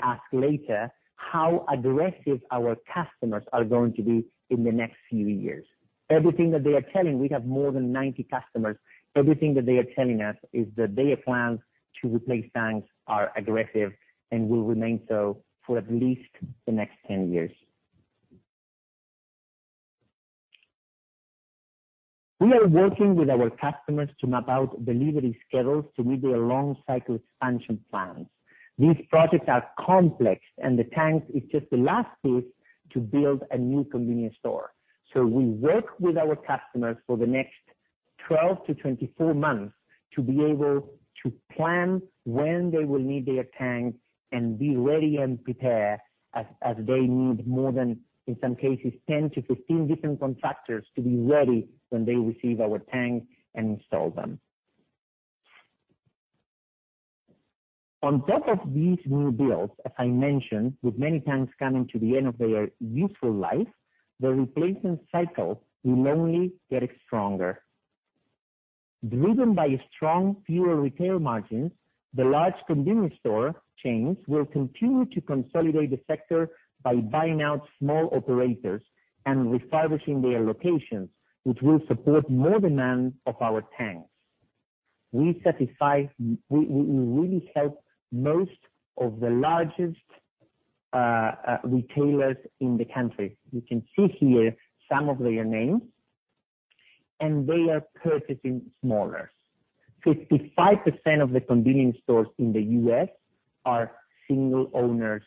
ask later how aggressive our customers are going to be in the next few years. Everything that they are telling, we have more than 90 customers. Everything that they are telling us is that their plans to replace tanks are aggressive and will remain so for at least the next 10 years. We are working with our customers to map out delivery schedules to meet their long cycle expansion plans. These projects are complex, and the tanks is just the last piece to build a new convenience store. So we work with our customers for the next 12-24 months, to be able to plan when they will need their tanks and be ready and prepare as they need more than, in some cases, 10-15 different contractors to be ready when they receive our tanks and install them. On top of these new builds, as I mentioned, with many tanks coming to the end of their useful life, the replacement cycle will only get stronger. Driven by strong fuel retail margins, the large convenience store chains will continue to consolidate the sector by buying out small operators and refurbishing their locations, which will support more demand of our tanks. We really help most of the largest retailers in the country. You can see here some of their names, and they are purchasing smaller. 55% of the convenience stores in the U.S. are single owners,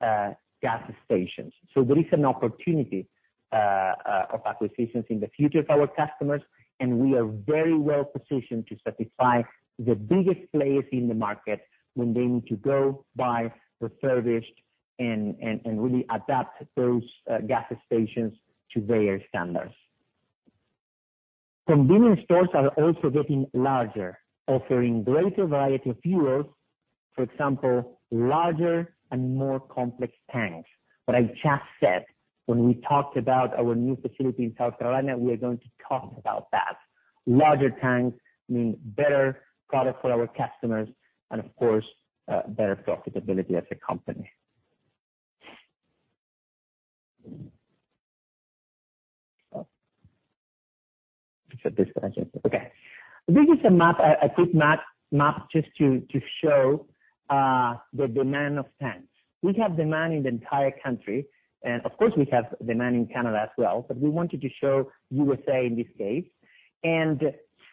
gas stations. So there is an opportunity of acquisitions in the future of our customers, and we are very well positioned to satisfy the biggest players in the market when they need to go buy, refurbish, and really adapt those, gas stations to their standards. Convenience stores are also getting larger, offering greater variety of fuels, for example, larger and more complex tanks. What I've just said, when we talked about our new facility in South Carolina, we are going to talk about that. Larger tanks mean better product for our customers and of course, better profitability as a company. Oh. It's at this point. Okay. This is a map, a quick map just to show the demand of tanks. We have demand in the entire country, and of course, we have demand in Canada as well, but we wanted to show USA in this case. And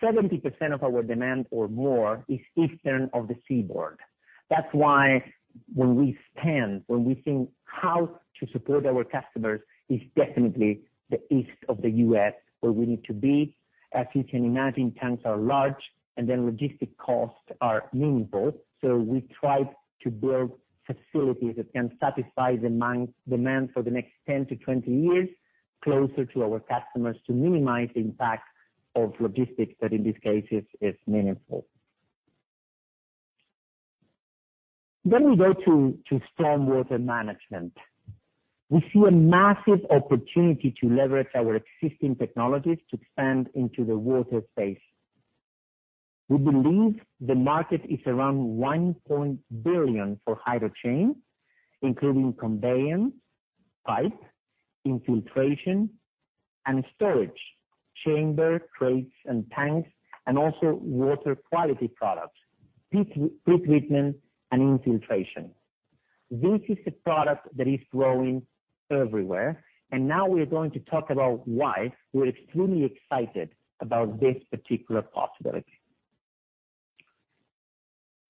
70% of our demand or more is east of the seaboard. That's why when we expand, when we think how to support our customers, it's definitely the east of the US where we need to be. As you can imagine, tanks are large and then logistic costs are meaningful, so we try to build facilities that can satisfy demand, demand for the next 10-20 years, closer to our customers to minimize the impact of logistics, but in this case, it's, it's meaningful. Then we go to, to stormwater management. We see a massive opportunity to leverage our existing technologies to expand into the water space. We believe the market is around 1 billion for HydroChain, including conveyance, pipe, infiltration, and storage, chamber, crates, and tanks, and also water quality products, pre-treatment, and infiltration. This is a product that is growing everywhere, and now we are going to talk about why we're extremely excited about this particular possibility.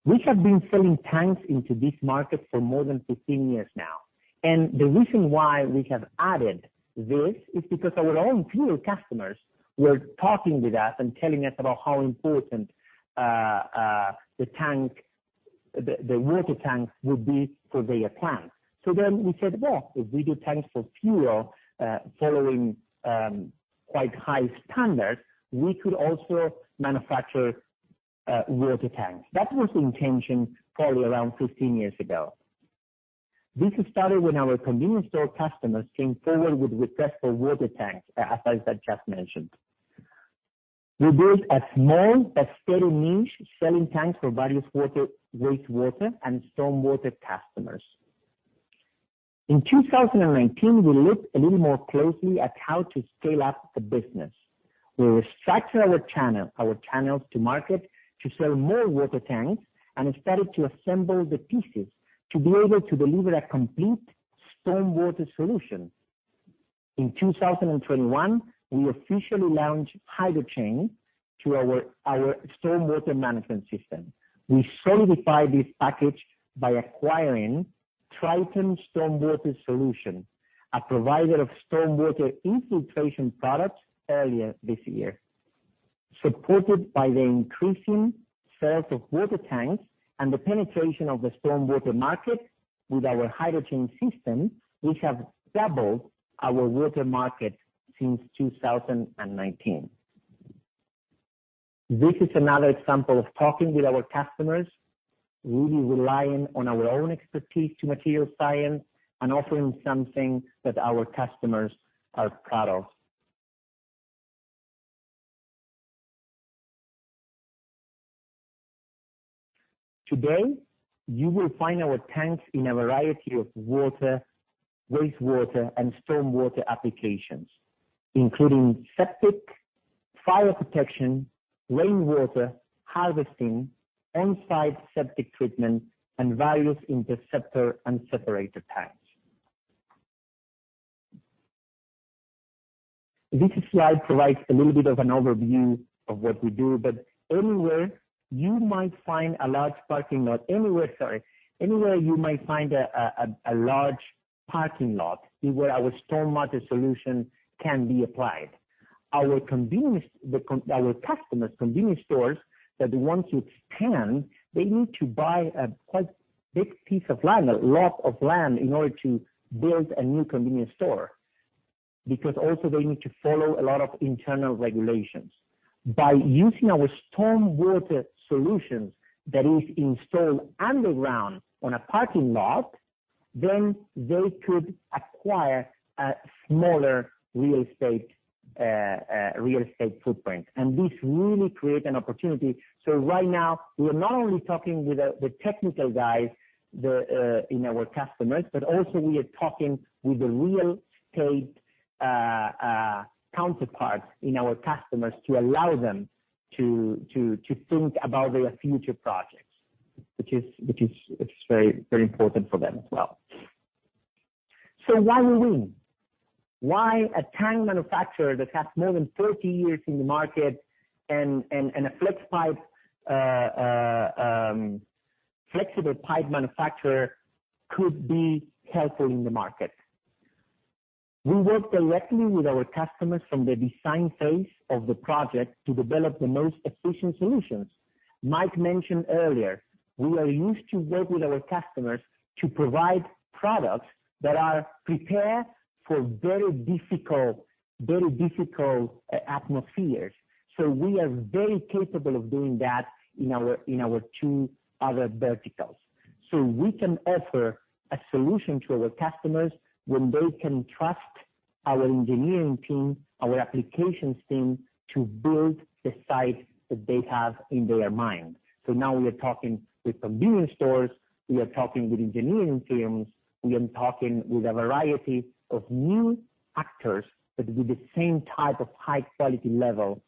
We have been selling tanks into this market for more than 15 years now, and the reason why we have added this is because our own fuel customers were talking with us and telling us about how important the tank, the water tank would be for their plant. So then we said, "Well, if we do tanks for fuel, following quite high standards, we could also manufacture water tanks." That was the intention probably around 15 years ago. This started when our convenience store customers came forward with request for water tanks, as I just mentioned. We built a small but steady niche selling tanks for various water, wastewater and stormwater customers. In 2019, we looked a little more closely at how to scale up the business. We restructured our channel, our channels to market, to sell more water tanks, and started to assemble the pieces to be able to deliver a complete stormwater solution. In 2021, we officially launched HydroChain to our stormwater management system. We solidified this package by acquiring Triton Stormwater Solutions, a provider of stormwater infiltration products, earlier this year. Supported by the increasing sales of water tanks and the penetration of the stormwater market with our HydroChain system, we have doubled our water market since 2019. This is another example of talking with our customers, really relying on our own expertise to material science, and offering something that our customers are proud of. Today, you will find our tanks in a variety of water, wastewater, and stormwater applications, including septic, fire protection, rainwater harvesting, on-site septic treatment, and various interceptor and separator tanks. This slide provides a little bit of an overview of what we do, but anywhere you might find a large parking lot, anywhere, sorry, anywhere you might find a large parking lot, is where our stormwater solution can be applied. Our customer's convenience stores, that want to expand, they need to buy a quite big piece of land, a lot of land, in order to build a new convenience store, because also they need to follow a lot of internal regulations. By using our stormwater solutions that is installed underground on a parking lot, then they could acquire a smaller real estate, real estate footprint. And this really creates an opportunity. So right now, we are not only talking with the technical guys in our customers, but also we are talking with the real estate counterparts in our customers to allow them to think about their future projects, which is very important for them as well. So why we win? Why a tank manufacturer that has more than 30 years in the market and a Flexpipe flexible pipe manufacturer could be helpful in the market? We work directly with our customers from the design phase of the project to develop the most efficient solutions. Mike mentioned earlier, we are used to work with our customers to provide products that are prepared for very difficult atmospheres. So we are very capable of doing that in our two other verticals. So we can offer a solution to our customers, when they can trust our engineering team, our applications team, to build the site that they have in their mind. So now we are talking with convenience stores, we are talking with engineering firms, we are talking with a variety of new actors that do the same type of high quality level,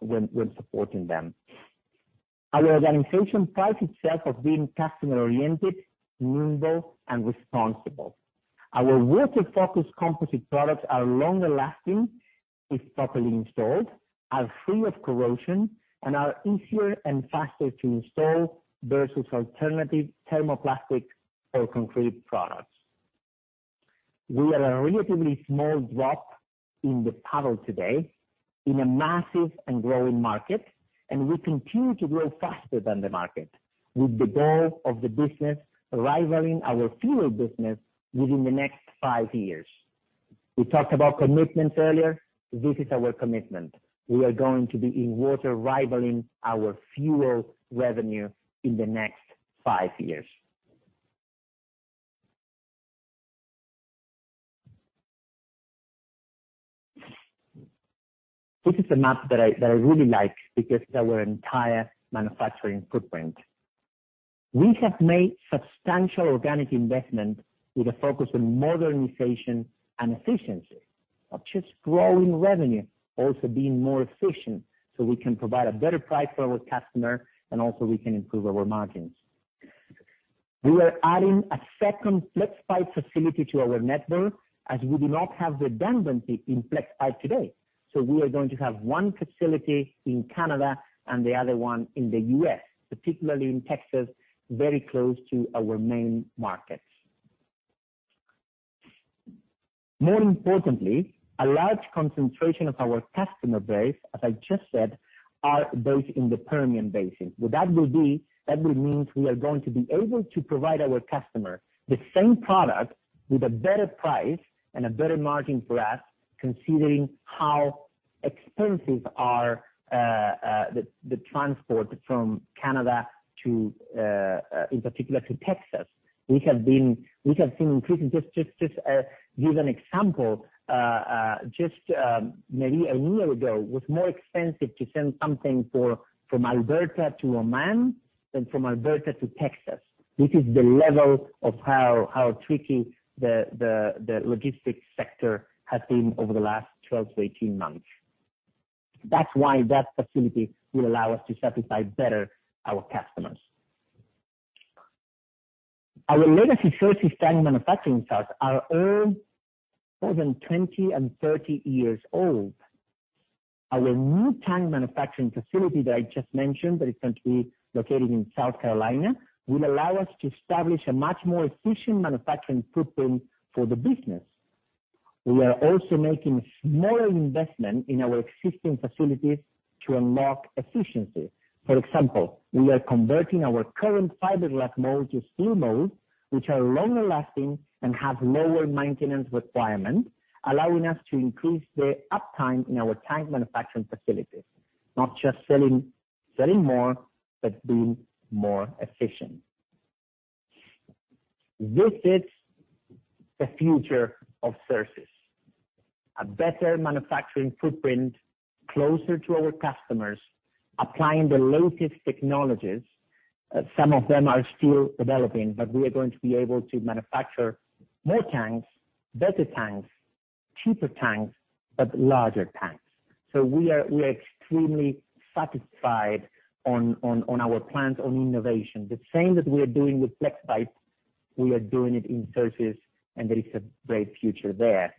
when supporting them. Our organization prides itself of being customer-oriented, nimble, and responsible. Our water-focused composite products are longer lasting, if properly installed, are free of corrosion, and are easier and faster to install versus alternative thermoplastics or concrete products. We are a relatively small drop in the puddle today in a massive and growing market, and we continue to grow faster than the market, with the goal of the business rivaling our fuel business within the next five years. We talked about commitment earlier. This is our commitment. We are going to be in water rivaling our fuel revenue in the next five years. This is a map that I really like because it's our entire manufacturing footprint. We have made substantial organic investment with a focus on modernization and efficiency. Not just growing revenue, also being more efficient, so we can provide a better price for our customer, and also we can improve our margins. We are adding a second Flexpipe facility to our network, as we do not have redundancy in Flexpipe today. So we are going to have one facility in Canada and the other one in the U.S., particularly in Texas, very close to our main markets. More importantly, a large concentration of our customer base, as I just said, are based in the Permian Basin. Well, that will mean we are going to be able to provide our customer the same product with a better price and a better margin for us, considering how expensive the transport from Canada to, in particular, to Texas. We have seen increasing. Just give an example. Just maybe a year ago, it was more expensive to send something from Alberta to Oman than from Alberta to Texas. This is the level of how tricky the logistics sector has been over the last 12-18 months. That's why that facility will allow us to satisfy better our customers. Our legacy services tank manufacturing sites are all more than 20 and 30 years old. Our new tank manufacturing facility that I just mentioned, that is going to be located in South Carolina, will allow us to establish a much more efficient manufacturing footprint for the business. We are also making smaller investment in our existing facilities to unlock efficiency. For example, we are converting our current fiberglass molds to steel molds, which are longer lasting and have lower maintenance requirements, allowing us to increase the uptime in our tank manufacturing facilities. Not just selling, selling more, but being more efficient. This is the future of services. A better manufacturing footprint, closer to our customers, applying the latest technologies. Some of them are still developing, but we are going to be able to manufacture more tanks, better tanks, cheaper tanks, but larger tanks. So we are extremely satisfied on our plans on innovation. The same that we are doing with Flexpipes, we are doing it in services, and there is a great future there.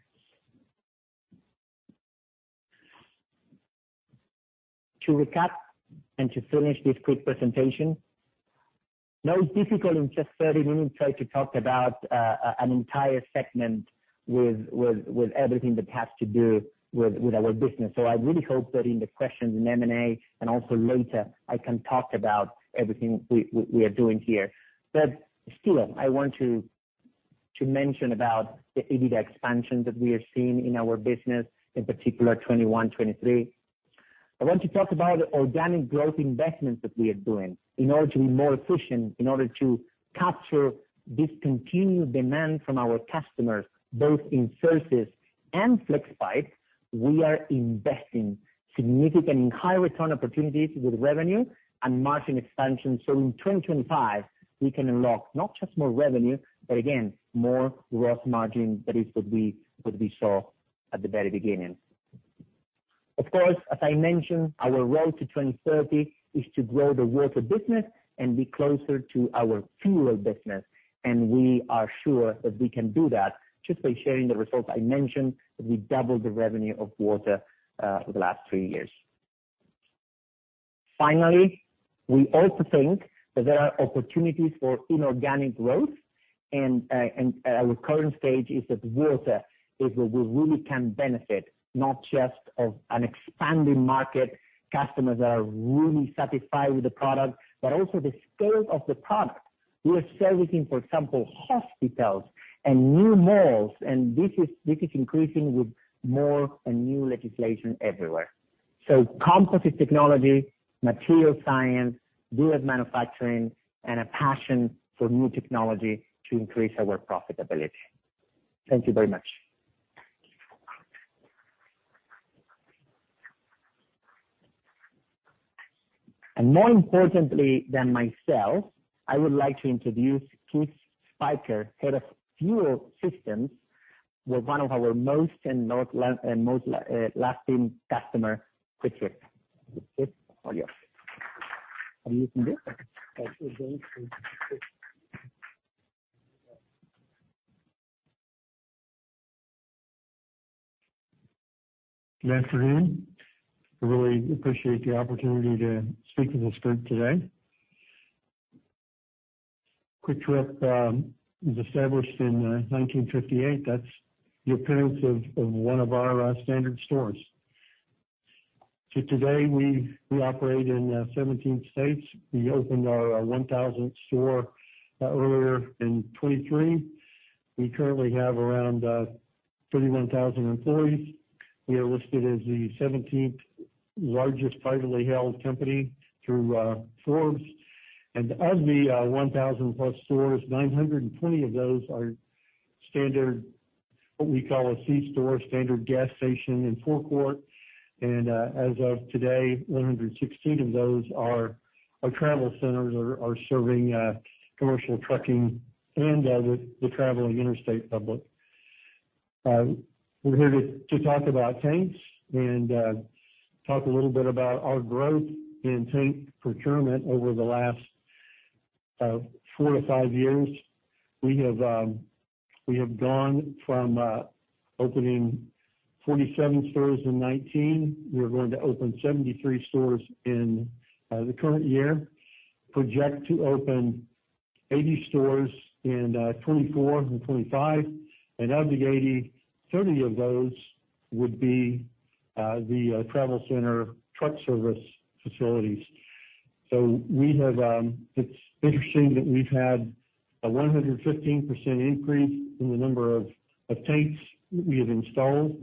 To recap and to finish this quick presentation, now it's difficult in just 30 minutes try to talk about an entire segment with everything that has to do with our business. So I really hope that in the questions in M&A, and also later, I can talk about everything we are doing here. But still, I want to mention about the EBITDA expansion that we are seeing in our business, in particular, 2021, 2023. I want to talk about organic growth investments that we are doing in order to be more efficient, in order to capture this continued demand from our customers, both in services and Flexpipes. We are investing in significant and high return opportunities with revenue and margin expansion. So in 2025, we can unlock not just more revenue, but again, more gross margin. That is what we, what we saw at the very beginning. Of course, as I mentioned, our road to 2030 is to grow the water business and be closer to our fuel business, and we are sure that we can do that just by sharing the results I mentioned, that we doubled the revenue of water over the last three years. Finally, we also think that there are opportunities for inorganic growth, and our current stage is that water is where we really can benefit, not just of an expanding market, customers are really satisfied with the product, but also the scale of the product. We are servicing, for example, hospitals and new malls, and this is increasing with more and new legislation everywhere. So composite technology, material science, good at manufacturing, and a passion for new technology to increase our profitability. Thank you very much. And more importantly than myself, I would like to introduce Keith Spiker, Head of Fuel Systems. We're one of our most lasting customer, QuikTrip. Keith, all yours.
Good afternoon. I really appreciate the opportunity to speak with this group today. QuikTrip was established in 1958. That's the appearance of one of our standard stores. So today we operate in 17 states. We opened our 1,000th store earlier in 2023. We currently have around 31,000 employees. We are listed as the 17th largest privately held company through Forbes. And of the 1,000+ stores, 920 of those are standard what we call a C-store, standard gas station, and forecourt. And as of today, 116 of those are travel centers serving commercial trucking and the traveling interstate public. We're here to talk about tanks and talk a little bit about our growth in tank procurement over the last four-five years. We have gone from opening 47 stores in 2019. We're going to open 73 stores in the current year. Projected to open 80 stores in 2024 and 2025, and of the 80 stores, 30 stores of those would be the travel center truck service facilities. So we have. It's interesting that we've had a 115% increase in the number of tanks we have installed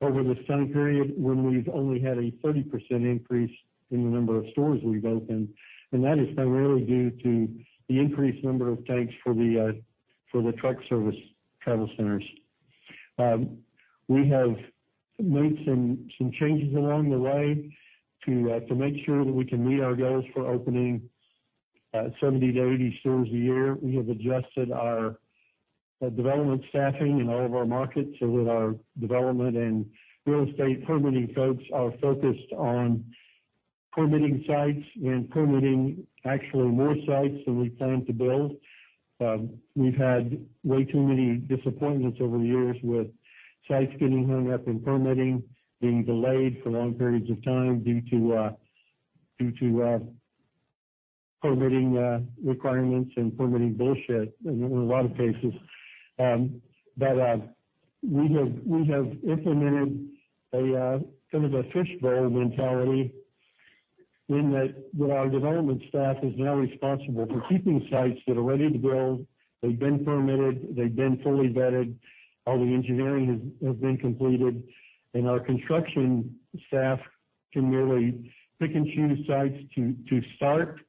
over the same period, when we've only had a 30% increase in the number of stores we've opened, and that is primarily due to the increased number of tanks for the truck service travel centers. We have made some changes along the way to make sure that we can meet our goals for opening 70-80 stores a year. We have adjusted our development staffing in all of our markets, so that our development and real estate permitting folks are focused on permitting sites and permitting actually more sites than we plan to build. We've had way too many disappointments over the years with sites getting hung up in permitting, being delayed for long periods of time due to permitting requirements and permitting bullshit in a lot of cases. But we have implemented a kind of a fishbowl mentality in that, well, our development staff is now responsible for keeping sites that are ready to build. They've been permitted, they've been fully vetted, all the engineering has been completed, and our construction staff can merely pick and choose sites to start,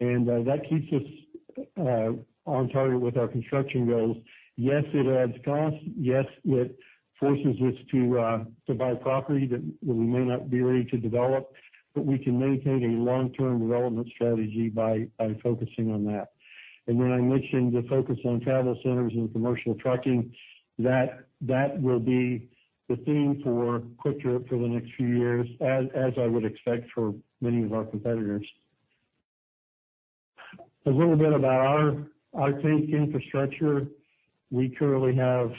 and that keeps us on target with our construction goals. Yes, it adds cost. Yes, it forces us to buy property that we may not be ready to develop, but we can maintain a long-term development strategy by focusing on that. And when I mentioned the focus on travel centers and commercial trucking, that will be the theme for QuikTrip for the next few years, as I would expect for many of our competitors. A little bit about our tank infrastructure. We currently have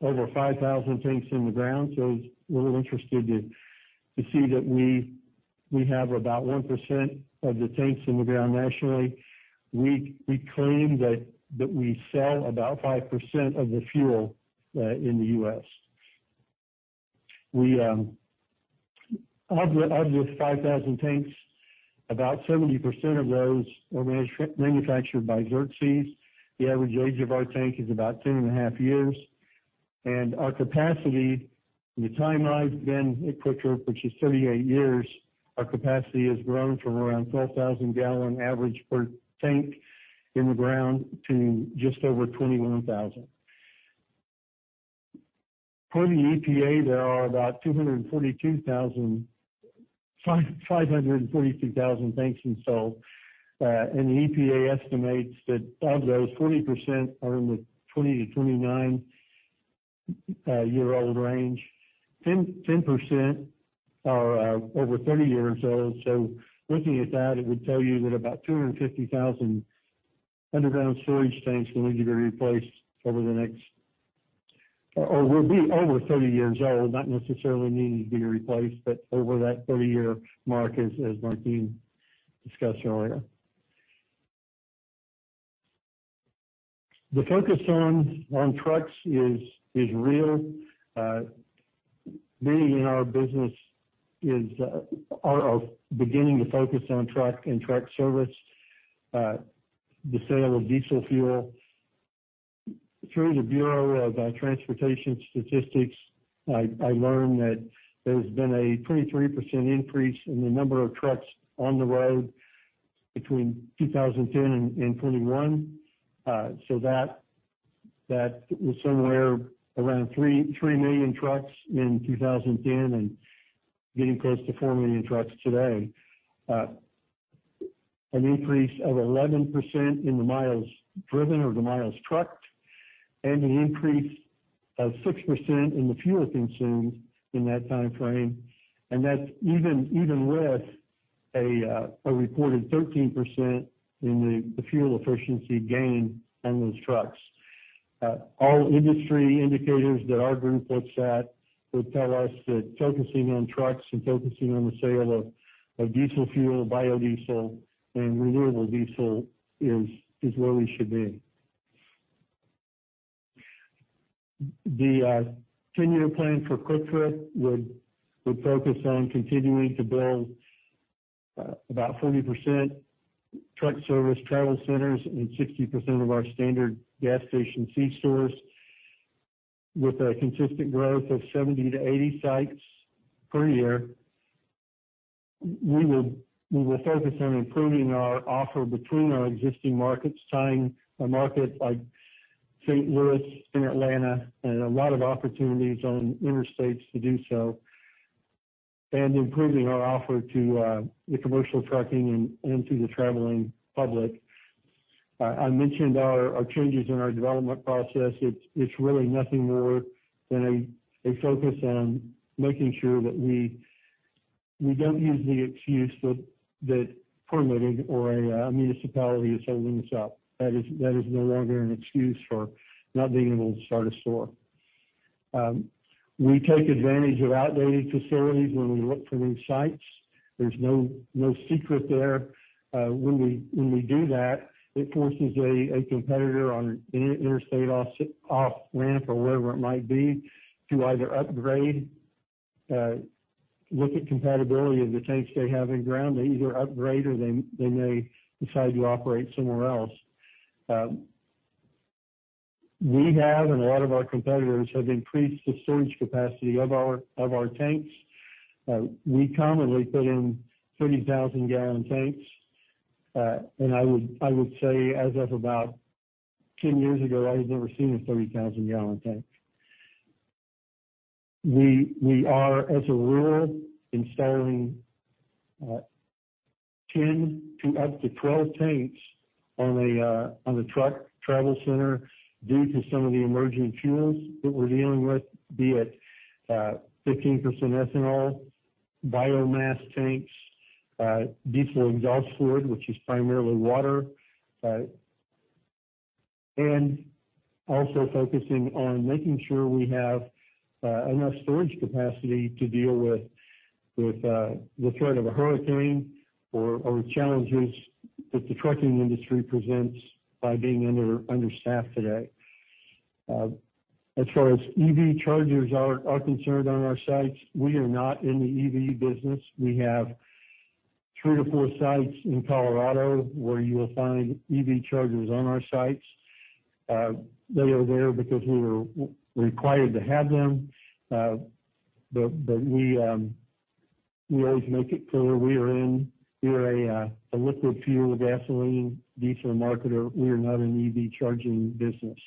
over 5,000 tanks in the ground, so it's a little interesting to see that we have about 1% of the tanks in the ground nationally. We claim that we sell about 5% of the fuel in the U.S. Of the 5,000 tanks, about 70% of those are manufactured by Xerxes. The average age of our tank is about two and a half years, and our capacity in the time I've been at QuikTrip, which is 38 years, our capacity has grown from around 12,000 gallon average per tank in the ground, to just over 21,000. Per the EPA, there are about 542,000 tanks installed. And the EPA estimates that of those, 20% are in the 20-29 year old range. 10% are over 30 years old. So looking at that, it would tell you that about 250,000 underground storage tanks will need to be replaced over the next 30 years or will be over 30 years old. Not necessarily needing to be replaced, but over that 30-year mark, as Martin discussed earlier. The focus on trucks is real. Many in our business are beginning to focus on trucks and truck service, the sale of diesel fuel. Through the Bureau of Transportation Statistics, I learned that there's been a 23% increase in the number of trucks on the road between 2010 and 2021. So that was somewhere around 3 million trucks in 2010, and getting close to 4 million trucks today. An increase of 11% in the miles driven or the miles trucked, and an increase of 6% in the fuel consumed in that time frame. And that's even with a reported 13% in the fuel efficiency gain on those trucks. All industry indicators that our group looks at would tell us that focusing on trucks and focusing on the sale of diesel fuel, biodiesel, and renewable diesel is where we should be. The 10-year plan for QuikTrip would focus on continuing to build about 40% truck service, travel centers, and 60% of our standard gas station C-stores, with a consistent growth of 70-80 sites per year. We will focus on improving our offer between our existing markets, tying a market like St. Louis and Atlanta, and a lot of opportunities on interstates to do so, and improving our offer to the commercial trucking and to the traveling public. I mentioned our changes in our development process. It's really nothing more than a focus on making sure that we don't use the excuse that permitting or a municipality is holding us up. That is no longer an excuse for not being able to start a store. We take advantage of outdated facilities when we look for new sites. There's no secret there. When we do that, it forces a competitor on an interstate off-ramp or wherever it might be, to either upgrade, look at compatibility of the tanks they have in ground. They either upgrade or they may decide to operate somewhere else. We have, and a lot of our competitors have increased the storage capacity of our tanks. We commonly put in 30,000-gallon tanks. And I would say as of about 10 years ago, I had never seen a 30,000-gallon tank. We are, as a rule, installing 10 to up to 12 tanks on a truck travel center due to some of the emerging fuels that we're dealing with, be it 15% ethanol, biomass tanks, diesel exhaust fluid, which is primarily water, and also focusing on making sure we have enough storage capacity to deal with the threat of a hurricane or challenges that the trucking industry presents by being understaffed today. As far as EV chargers are concerned on our sites, we are not in the EV business. We have three-four sites in Colorado where you will find EV chargers on our sites. They are there because we were required to have them, but we always make it clear we are a liquid fuel, gasoline, diesel marketer. We are not an EV charging business.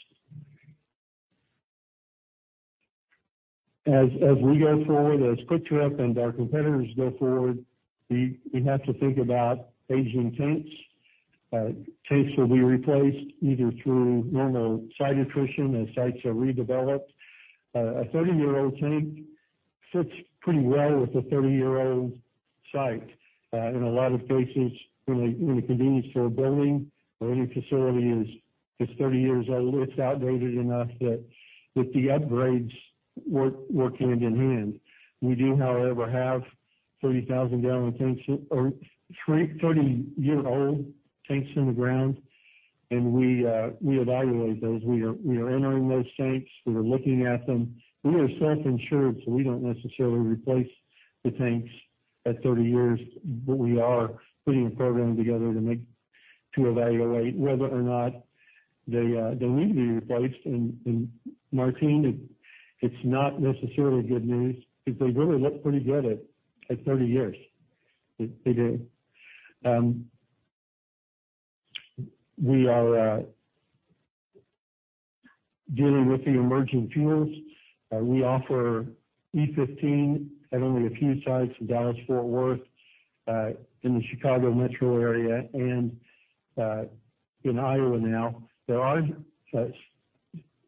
As we go forward, as QuikTrip and our competitors go forward, we have to think about aging tanks. Tanks will be replaced either through normal site attrition, as sites are redeveloped. A 30-year-old tank fits pretty well with a 30-year-old site. In a lot of cases, when a convenience store building or any facility is 30 years old, it's outdated enough that with the upgrades work hand in hand. We do, however, have 30,000-gallon tanks or 30-year-old tanks in the ground, and we evaluate those. We are entering those tanks. We are looking at them. We are self-insured, so we don't necessarily replace the tanks at 30 years, but we are putting a program together to evaluate whether or not they need to be replaced. Martin, it's not necessarily good news, because they really look pretty good at 30 years. They do. We are dealing with the emerging fuels. We offer E-15 at only a few sites in Dallas-Fort Worth, in the Chicago metro area and, in Iowa now. There are such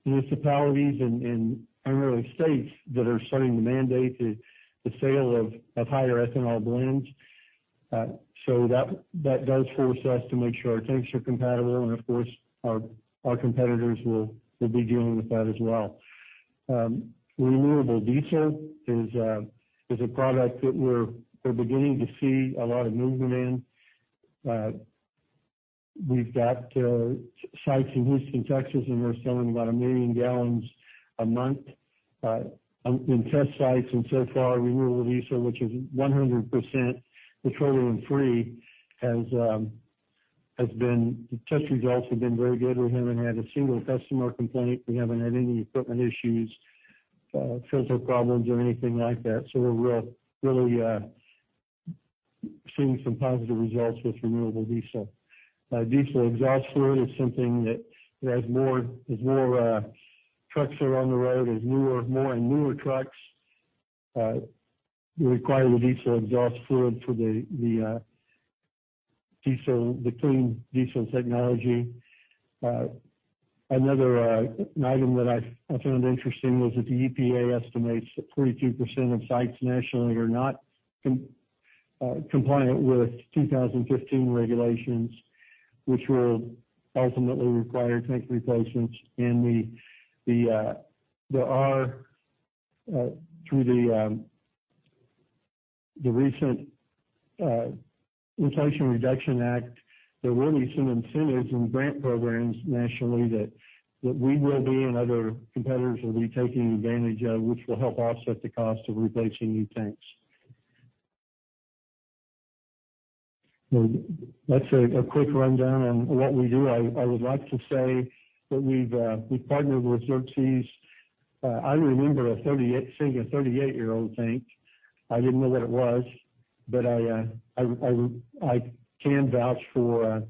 municipalities and primarily states that are starting to mandate the sale of higher ethanol blends. So that does force us to make sure our tanks are compatible and of course, our competitors will be dealing with that as well. Renewable diesel is a product that we're beginning to see a lot of movement in. We've got sites in Houston, Texas, and we're selling about 1 million gallons a month in test sites. And so far, renewable diesel, which is 100% petroleum-free, has been. The test results have been very good. We haven't had a single customer complaint. We haven't had any equipment issues, filter problems or anything like that. So we're really seeing some positive results with renewable diesel. Diesel exhaust fluid is something that as more trucks are on the road, as newer, more and newer trucks require the diesel exhaust fluid for the diesel, the clean diesel technology. Another item that I found interesting was that the EPA estimates that 42% of sites nationally are not compliant with 2015 regulations, which will ultimately require tank replacements. And there are, through the recent Inflation Reduction Act, there will be some incentives and grant programs nationally that we will be and other competitors will be taking advantage of, which will help offset the cost of replacing new tanks. That's a quick rundown on what we do. I would like to say that we've partnered with Xerxes. I remember seeing a 38-year-old tank. I didn't know what it was, but I can vouch for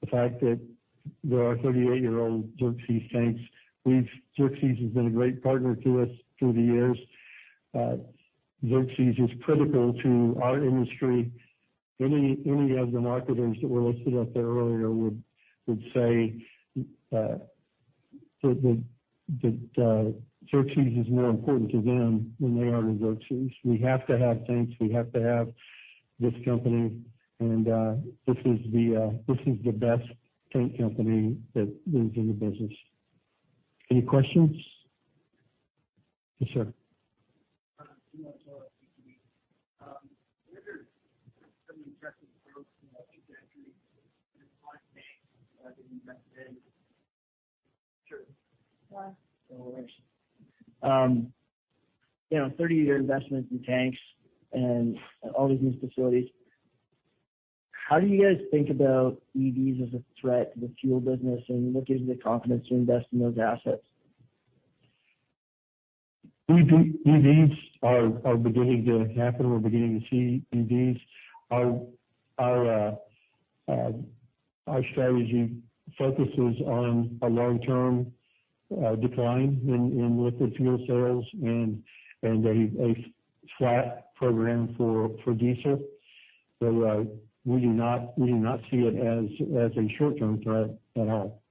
the fact that there are 38-year-old Xerxes tanks. Xerxes has been a great partner to us through the years. Xerxes is critical to our industry. Any of the marketers that were listed out there earlier would say that Xerxes is more important to them than they are to Xerxes. We have to have tanks. We have to have this company, and this is the best tank company that is in the business. Any questions?
Yes, sir. Sure. You know, 30-year investments in tanks and all these new facilities, how do you guys think about EVs as a threat to the fuel business, and what gives you the confidence to invest in those assets?
We do. EVs are beginning to happen. We're beginning to see EVs. Our strategy focuses on a long-term decline in liquid fuel sales and a flat program for diesel. So, we do not see it as a short-term threat at all.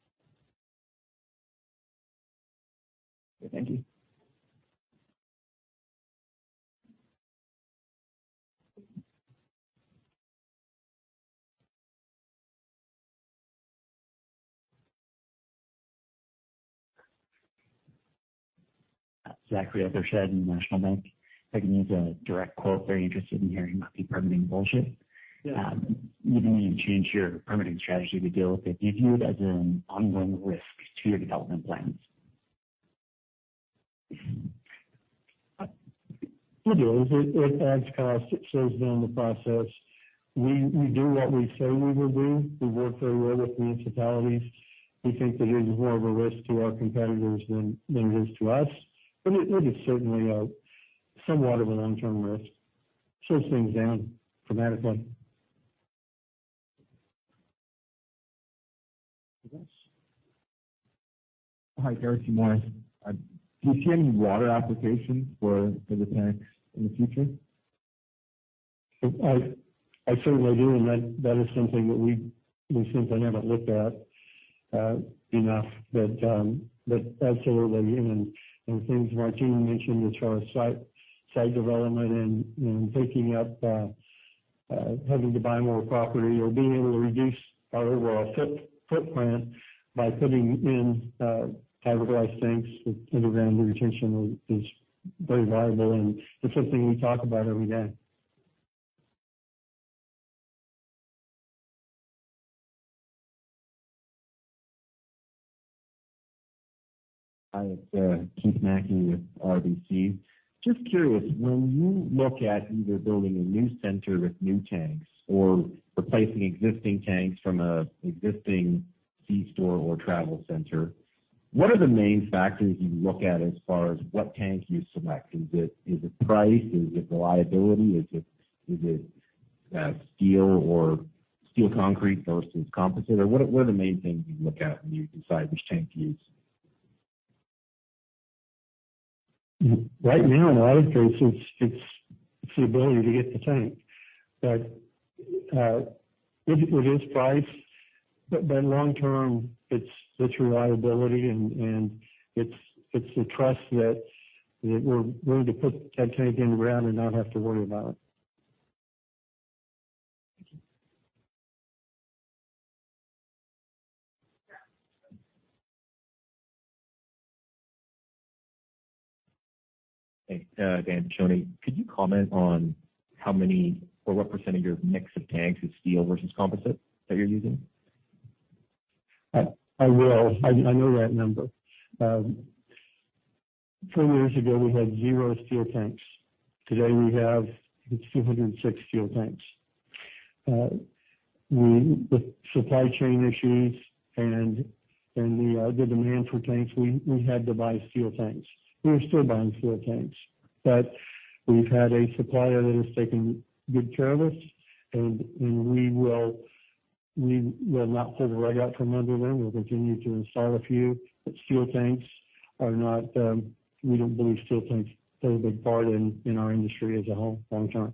Thank you.
Zachary Evershed, National Bank. If I can use a direct quote they're interested in hearing about the permitting bullshit.
Yeah.
You didn't even change your permitting strategy to deal with it. Do you view it as an ongoing risk to your development plans?
It is. It adds cost. It slows down the process. We do what we say we will do. We work very well with municipalities. We think that it is more of a risk to our competitors than it is to us, but it is certainly somewhat of a long-term risk. Slows things down dramatically. Yes.
Hi, Derek Seymour. Do you see any water applications for the tanks in the future?
I, I certainly do, and that, that is something that we, we simply haven't looked at, enough. But, but absolutely, and, and things Martin mentioned as far as site, site development and, and picking up, having to buy more property or being able to reduce our overall footprint by putting in, fiberglass tanks with underground retention is, is very valuable, and it's something we talk about every day.
Hi, Keith Mackey with RBC. Just curious, when you look at either building a new center with new tanks or replacing existing tanks from a existing C-store or travel center, what are the main factors you look at as far as what tank you select? Is it price? Is it reliability? Is it steel or steel concrete versus composite, or what are the main things you look at when you decide which tank to use?
Right now, in a lot of cases, it's the ability to get the tank. But it is price, but long term, it's reliability, and it's the trust that we're willing to put that tank in the ground and not have to worry about it.
Thank you.
Hey, Dan Shoney. Could you comment on how many or what percentage of your mix of tanks is steel versus composite that you're using?
I will. I know that number. Four years ago, we had zero steel tanks. Today, we have 506 steel tanks. With supply chain issues and the demand for tanks, we had to buy steel tanks. We are still buying steel tanks, but we've had a supplier that has taken good care of us, and we will not pull the rug out from under them. We'll continue to install a few, but steel tanks are not. We don't believe steel tanks play a big part in our industry as a whole long term.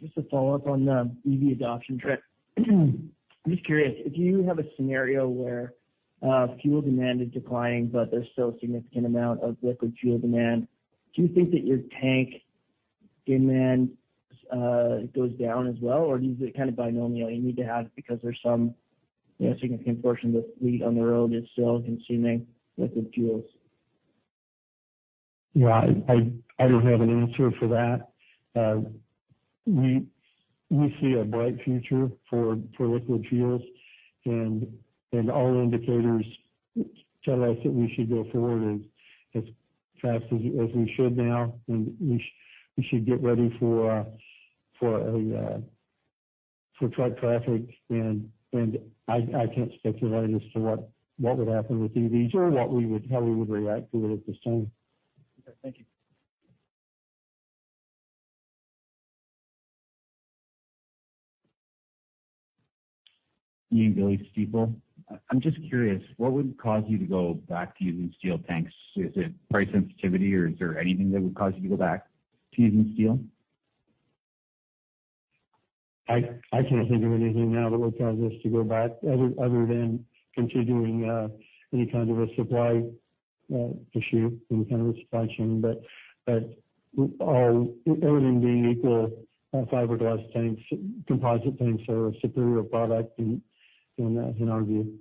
Just to follow up on the EV adoption trend. I'm just curious, if you have a scenario where fuel demand is declining, but there's still a significant amount of liquid fuel demand, do you think that your tank demand goes down as well, or is it kind of binomial you need to have because there's some, you know, significant portion of the fleet on the road is still consuming liquid fuels?
Yeah, I, I don't have an answer for that. We see a bright future for liquid fuels, and all indicators tell us that we should go forward as fast as we should now, and we should get ready for truck traffic. And I, I can't speculate as to what would happen with EVs or what we would, how we would react to it the same.
Thank you.
Ian Gillies, Stifel. I'm just curious, what would cause you to go back to using steel tanks? Is it price sensitivity, or is there anything that would cause you to go back to using steel?
I can't think of anything now that would cause us to go back, other than continuing any kind of a supply issue, any kind of a supply chain. But everything being equal, fiberglass tanks, composite tanks are a superior product in our view.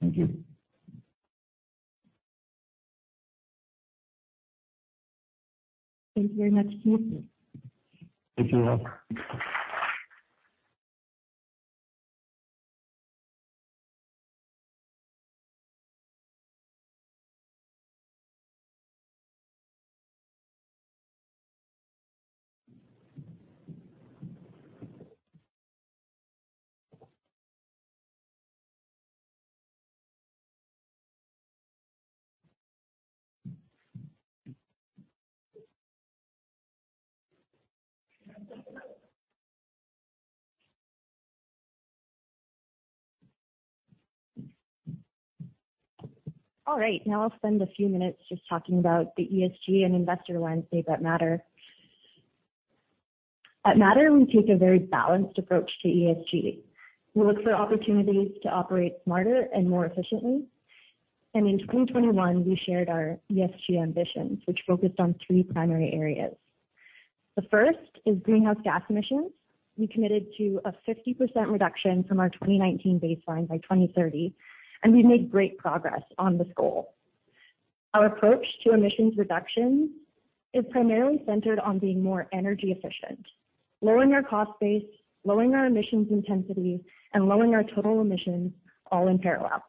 Thank you.
Thank you very much.
Thank you.
All right, now I'll spend a few minutes just talking about the ESG and investor lens data at Mattr. At Mattr, we take a very balanced approach to ESG. We look for opportunities to operate smarter and more efficiently, and in 2021, we shared our ESG ambitions, which focused on three primary areas. The first is greenhouse gas emissions. We committed to a 50% reduction from our 2019 baseline by 2030, and we've made great progress on this goal. Our approach to emissions reductions is primarily centered on being more energy efficient, lowering our cost base, lowering our emissions intensity, and lowering our total emissions all in parallel.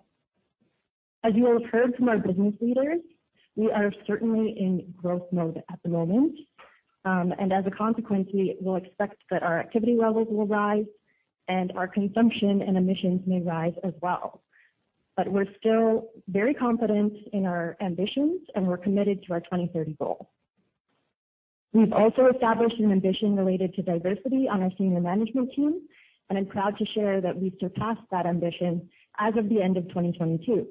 As you will have heard from our business leaders, we are certainly in growth mode at the moment. As a consequence, we'll expect that our activity levels will rise and our consumption and emissions may rise as well. We're still very confident in our ambitions, and we're committed to our 2030 goal. We've also established an ambition related to diversity on our senior management team, and I'm proud to share that we surpassed that ambition as of the end of 2022.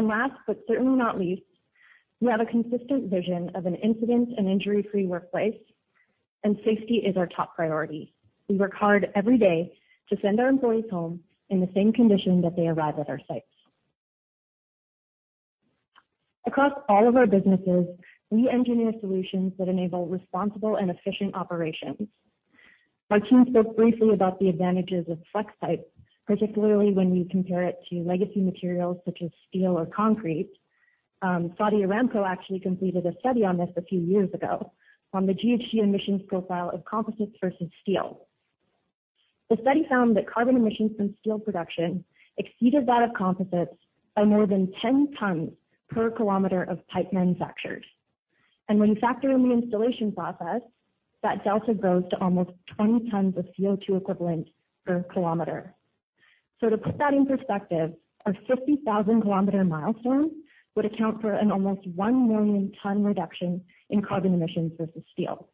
Last, but certainly not least, we have a consistent vision of an incident and injury-free workplace, and safety is our top priority. We work hard every day to send our employees home in the same condition that they arrive at our sites. Across all of our businesses, we engineer solutions that enable responsible and efficient operations. Our team spoke briefly about the advantages of Flexpipe, particularly when we compare it to legacy materials such as steel or concrete. Saudi Aramco actually completed a study on this a few years ago on the GHG emissions profile of composites versus steel. The study found that carbon emissions from steel production exceeded that of composites by more than 10 tons per km of pipe manufactured. And when you factor in the installation process, that delta grows to almost 20 tons of CO2 equivalent per kilometer. So to put that in perspective, our 50,000-km milestone would account for an almost 1 million ton reduction in carbon emissions versus steel.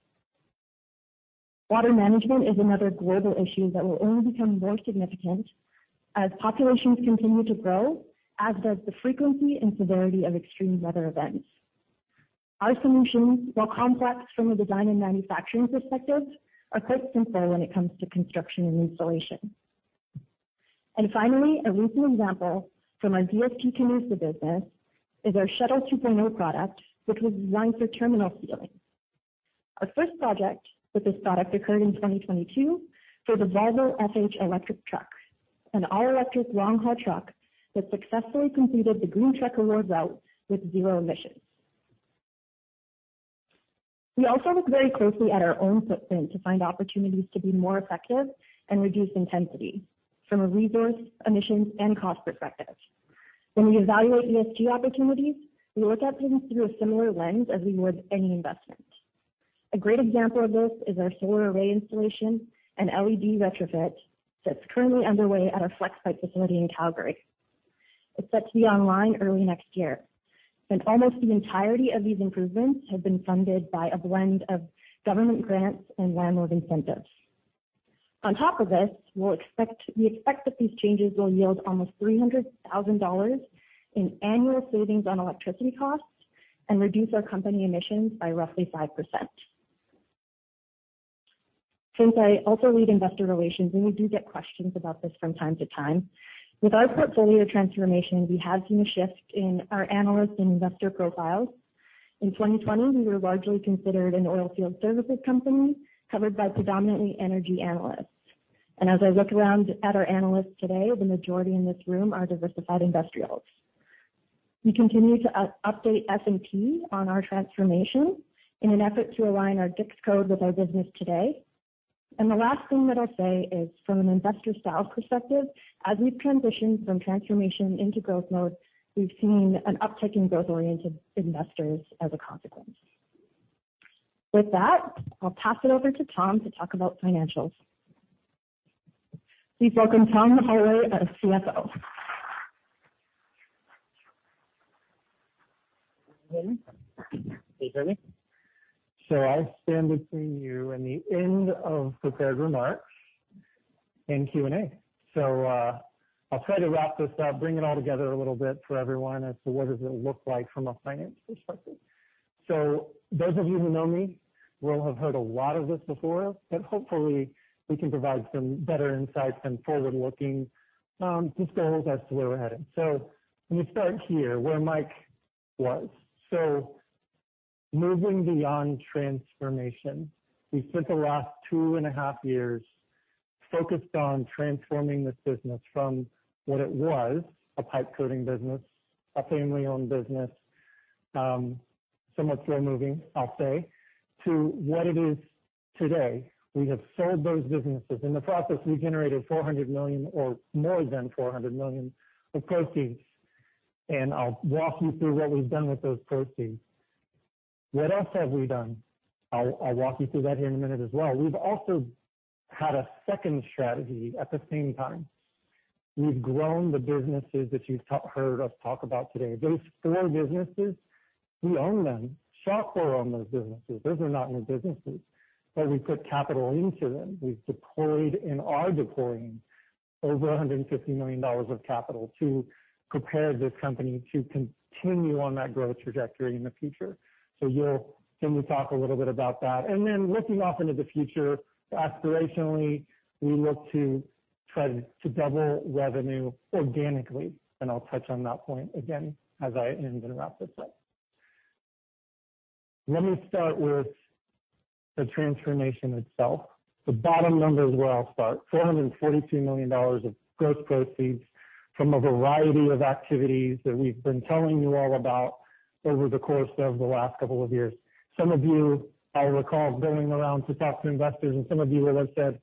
Water management is another global issue that will only become more significant as populations continue to grow, as does the frequency and severity of extreme weather events. Our solutions, while complex from a design and manufacturing perspective, are quite simple when it comes to construction and installation. Finally, a recent example from our DSG-Canusa business is our Shuttle Supernote product, which was designed for terminal sealing. Our first project with this product occurred in 2022 for the Volvo FH electric truck, an all-electric long-haul truck that successfully completed the Green Trucker Route with zero emissions. We also look very closely at our own footprint to find opportunities to be more effective and reduce intensity from a resource, emissions, and cost perspective. When we evaluate ESG opportunities, we look at things through a similar lens as we would any investment. A great example of this is our solar array installation and LED retrofit that's currently underway at our Flexpipe facility in Calgary. It's set to be online early next year, and almost the entirety of these improvements have been funded by a blend of government grants and landlord incentives. On top of this, we expect that these changes will yield almost 300,000 dollars in annual savings on electricity costs and reduce our company emissions by roughly 5%. Since I also lead investor relations, and we do get questions about this from time to time, with our portfolio transformation, we have seen a shift in our Analyst and Investor profiles. In 2020, we were largely considered an oilfield services company covered by predominantly energy analysts. As I look around at our analysts today, the majority in this room are diversified industrials. We continue to update S&P on our transformation in an effort to align our GICS code with our business today. The last thing that I'll say is, from an investor style perspective, as we've transitioned from transformation into growth mode, we've seen an uptick in growth-oriented investors as a consequence. With that, I'll pass it over to Tom to talk about financials. Please welcome Tom Holloway, our CFO.
Can you hear me? So I stand between you and the end of prepared remarks and Q&A. So, I'll try to wrap this up, bring it all together a little bit for everyone as to what does it look like from a finance perspective. So those of you who know me, will have heard a lot of this before, but hopefully we can provide some better insights and forward-looking, just goals as to where we're headed. So let me start here, where Mike was. So moving beyond transformation, we spent the last two and a half years focused on transforming this business from what it was, a pipe coating business, a family-owned business, somewhat slow-moving, I'll say, to what it is today. We have sold those businesses. In the process, we generated 400 million or more than 400 million of proceeds, and I'll walk you through what we've done with those proceeds. What else have we done? I'll, I'll walk you through that here in a minute as well. We've also had a second strategy at the same time. We've grown the businesses that you've heard us talk about today. Those four businesses, we own them. Shawcor own those businesses. Those are not new businesses, but we put capital into them. We've deployed and are deploying over 150 million dollars of capital to prepare this company to continue on that growth trajectory in the future. So you'll, then we'll talk a little bit about that. Then looking off into the future, aspirationally, we look to try to double revenue organically, and I'll touch on that point again, as I end and wrap this up. Let me start with the transformation itself. The bottom number is where I'll start. 442 million dollars of gross proceeds from a variety of activities that we've been telling you all about over the course of the last couple of years. Some of you, I recall, going around to talk to investors, and some of you will have said,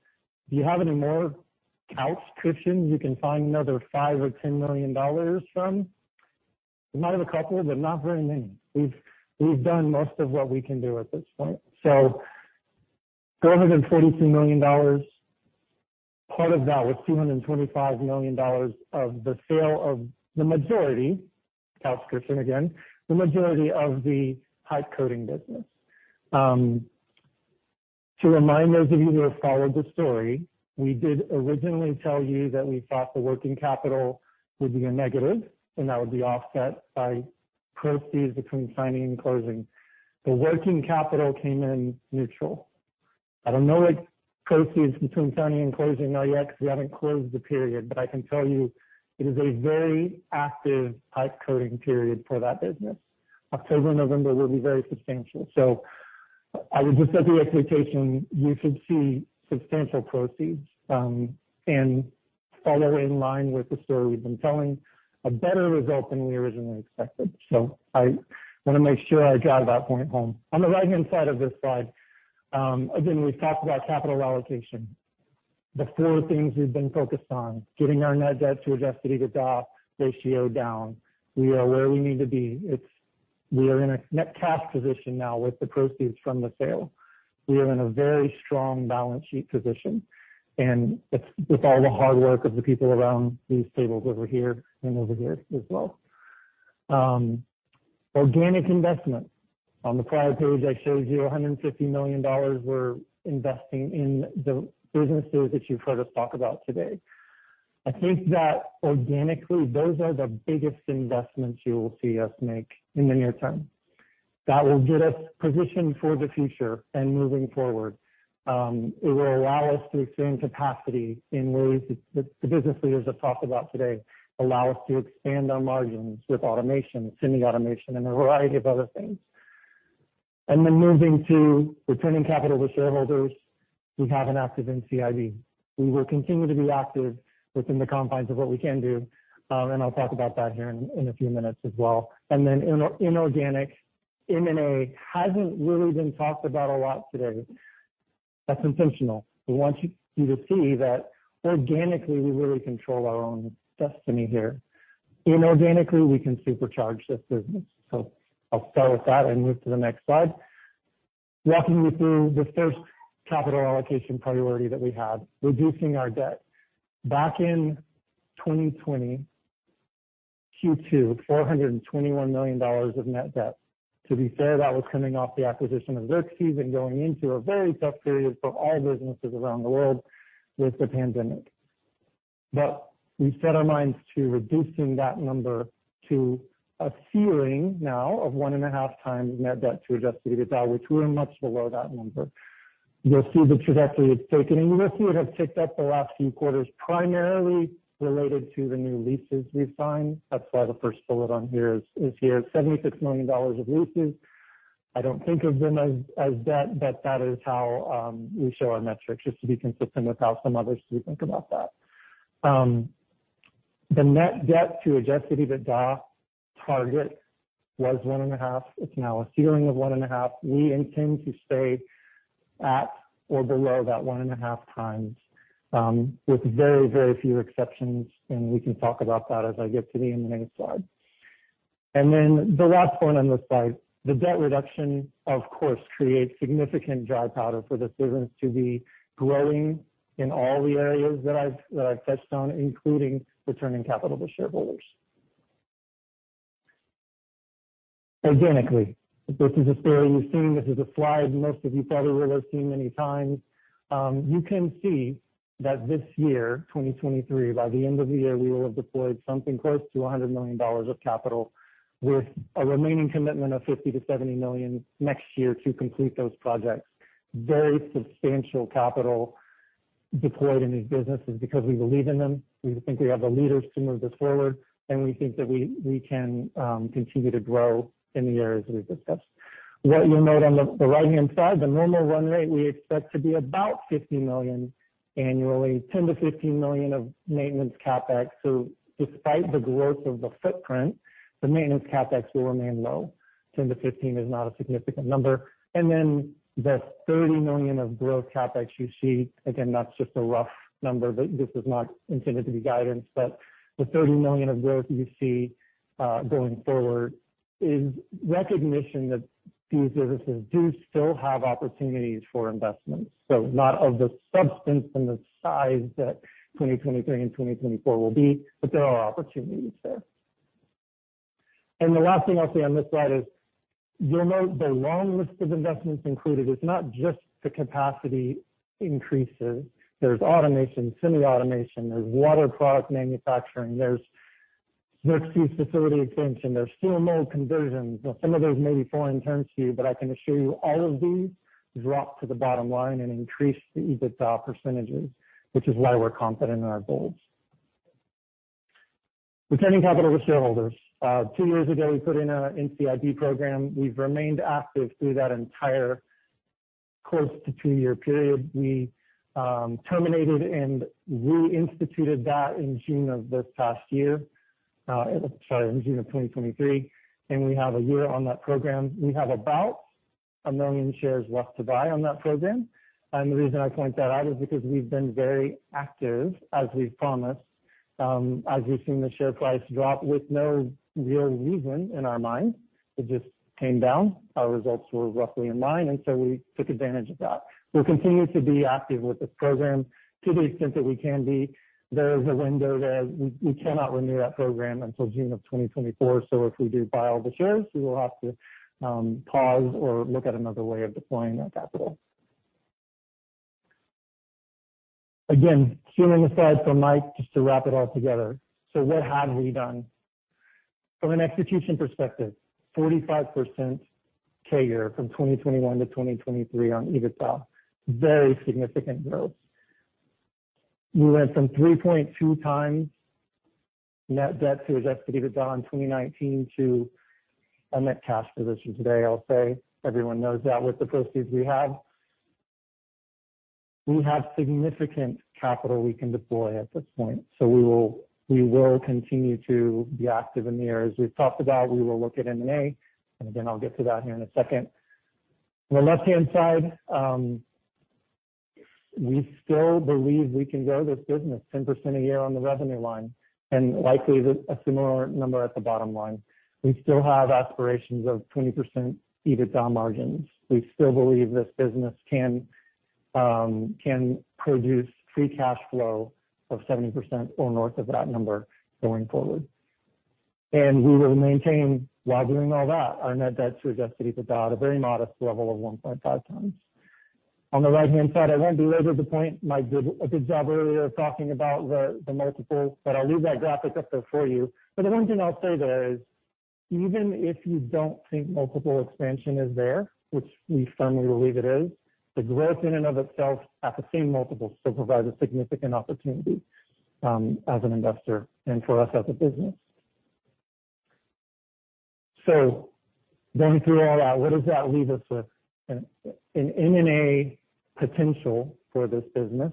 "Do you have any more couch cushions you can find another 5 million or 10 million dollars from?" We might have a couple, but not very many. We've, we've done most of what we can do at this point. So 442 million dollars, part of that was 225 million dollars of the sale of the majority of the pipe coating business. To remind those of you who have followed the story, we did originally tell you that we thought the working capital would be a negative, and that would be offset by proceeds between signing and closing. The working capital came in neutral. I don't know what proceeds between signing and closing are yet, because we haven't closed the period, but I can tell you it is a very active pipe coating period for that business. October, November will be very substantial. So I would just set the expectation, you should see substantial proceeds, and follow in line with the story we've been telling, a better result than we originally expected. So I want to make sure I drive that point home. On the right-hand side of this slide, again, we've talked about capital allocation. The four things we've been focused on, getting our net debt to adjusted EBITDA ratio down. We are where we need to be. It's we are in a net cash position now with the proceeds from the sale. We are in a very strong balance sheet position, and it's with all the hard work of the people around these tables over here and over here as well. Organic investment. On the prior page, I showed you 150 million dollars we're investing in the businesses that you've heard us talk about today. I think that organically, those are the biggest investments you will see us make in the near term. That will get us positioned for the future and moving forward. It will allow us to expand capacity in ways that the business leaders have talked about today, allow us to expand our margins with automation, semi-automation, and a variety of other things. Then moving to returning capital to shareholders, we have an active NCIB. We will continue to be active within the confines of what we can do, and I'll talk about that here in a few minutes as well. Then inorganic, M&A hasn't really been talked about a lot today. That's intentional. We want you to see that organically, we really control our own destiny here. Inorganically, we can supercharge this business. So I'll start with that and move to the next slide. Walking you through the first capital allocation priority that we had, reducing our debt. Back in 2020, Q2, 421 million dollars of net debt. To be fair, that was coming off the acquisition of Xerxes and going into a very tough period for all businesses around the world with the pandemic. But we set our minds to reducing that number to a ceiling now of 1.5x net debt to adjusted EBITDA, which we're much below that number. You'll see the trajectory it's taken, and you will see it has ticked up the last few quarters, primarily related to the new leases we've signed. That's why the first bullet on here is here. 76 million dollars of leases. I don't think of them as that, but that is how we show our metrics, just to be consistent with how some others who think about that. The net debt to adjusted EBITDA target was 1.5x. It's now a ceiling of 1.5x. We intend to stay at or below that 1.5x, with very, very few exceptions, and we can talk about that as I get to the M&A slide. Then the last point on this slide, the debt reduction, of course, creates significant dry powder for this business to be growing in all the areas that I've, that I've touched on, including returning capital to shareholders. Organically, this is a story you've seen. This is a slide most of you probably will have seen many times. You can see that this year, 2023, by the end of the year, we will have deployed something close to 100 million dollars of capital, with a remaining commitment of 50 million-70 million next year to complete those projects. Very substantial capital deployed in these businesses because we believe in them, we think we have the leaders to move this forward, and we think that we, we can, continue to grow in the areas we've discussed. What you'll note on the, the right-hand side, the normal run rate we expect to be about 50 million annually, 10-15 million of maintenance CapEx. So despite the growth of the footprint, the maintenance CapEx will remain low. 10 million-15 million is not a significant number. And then the 30 million of growth CapEx you see, again, that's just a rough number, but this is not intended to be guidance. But the 30 million of growth you see, going forward is recognition that these businesses do still have opportunities for investment. So not of the substance and the size that 2023 and 2024 will be, but there are opportunities there. And the last thing I'll say on this slide is, you'll note the long list of investments included is not just the capacity increases. There's automation, semi-automation, there's water product manufacturing, there's North Sea facility expansion, there's steel mill conversions. Some of those may be foreign in terms to you, but I can assure you all of these drop to the bottom line and increase the EBITDA percentages, which is why we're confident in our goals. Returning capital to shareholders. Two years ago, we put in a NCIB program. We've remained active through that entire close to two-year period. We terminated and reinstituted that in June of this past year, in June of 2023, and we have a year on that program. We have about 1 million shares left to buy on that program. The reason I point that out is because we've been very active, as we've promised, as we've seen the share price drop with no real reason in our minds. It just came down. Our results were roughly in line, and so we took advantage of that. We'll continue to be active with this program to the extent that we can be. There is a window there. We cannot renew that program until June of 2024. So if we do buy all the shares, we will have to pause or look at another way of deploying that capital. Again, stepping aside from Mike, just to wrap it all together. So what have we done? From an execution perspective, 45% CAGR from 2021 to 2023 on EBITDA. Very significant growth. We went from 3.2x net debt to adjusted EBITDA in 2019 to a net cash position today, I'll say. Everyone knows that with the proceeds we have. We have significant capital we can deploy at this point, so we will, we will continue to be active in the areas we've talked about. We will look at M&A, and again, I'll get to that here in a second. On the left-hand side, we still believe we can grow this business 10% a year on the revenue line, and likely a similar number at the bottom line. We still have aspirations of 20% EBITDA margins. We still believe this business can, can produce free cash flow of 70% or north of that number going forward. We will maintain, while doing all that, our net debt to adjusted EBITDA at a very modest level of 1.5x. On the right-hand side, I won't belabor the point. Mike did a good job earlier of talking about the multiples, but I'll leave that graphic up there for you. But the one thing I'll say there is, even if you don't think multiple expansion is there, which we firmly believe it is, the growth in and of itself at the same multiples still provides a significant opportunity as an investor and for us as a business. So going through all that, what does that leave us with? An M&A potential for this business.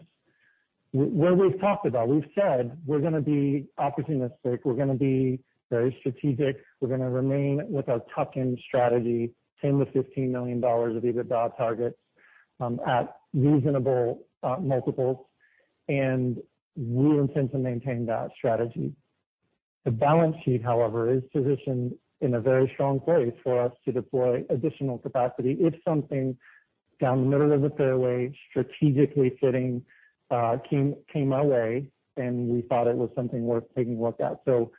Where we've talked about, we've said we're gonna be opportunistic, we're gonna be very strategic, we're gonna remain with our tuck-in strategy, 10 million-15 million dollars of EBITDA targets, at reasonable, multiples, and we intend to maintain that strategy. The balance sheet, however, is positioned in a very strong place for us to deploy additional capacity if something down the middle of the fairway, strategically fitting, came our way, and we thought it was something worth taking a look at. So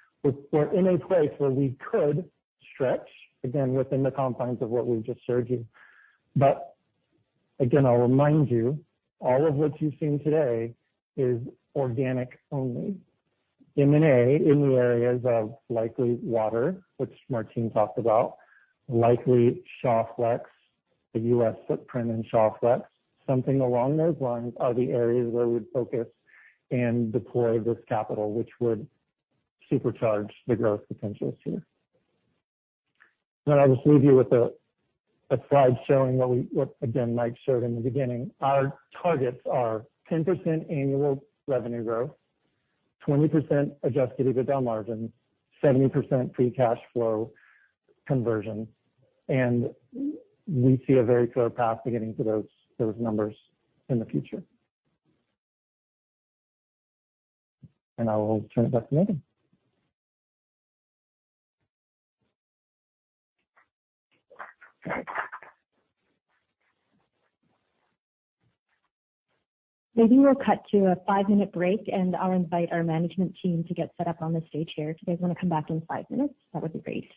we're in a place where we could stretch, again, within the confines of what we've just showed you. But again, I'll remind you, all of what you've seen today is organic only. M&A in the areas of likely water, which Martin talked about, likely software. The U.S. footprint in chocolate, something along those lines are the areas where we'd focus and deploy this capital, which would supercharge the growth potentials here. Then I'll just leave you with a, a slide showing what we, what, again, Mike showed in the beginning. Our targets are 10% annual revenue growth, 20% adjusted EBITDA margin, 70% free cash flow conversion, and we see a very clear path to getting to those, those numbers in the future. I will turn it back to Meghan.
Maybe we'll cut to a five-minute break, and I'll invite our management team to get set up on the stage here. Do you guys want to come back in five minutes? That would be great.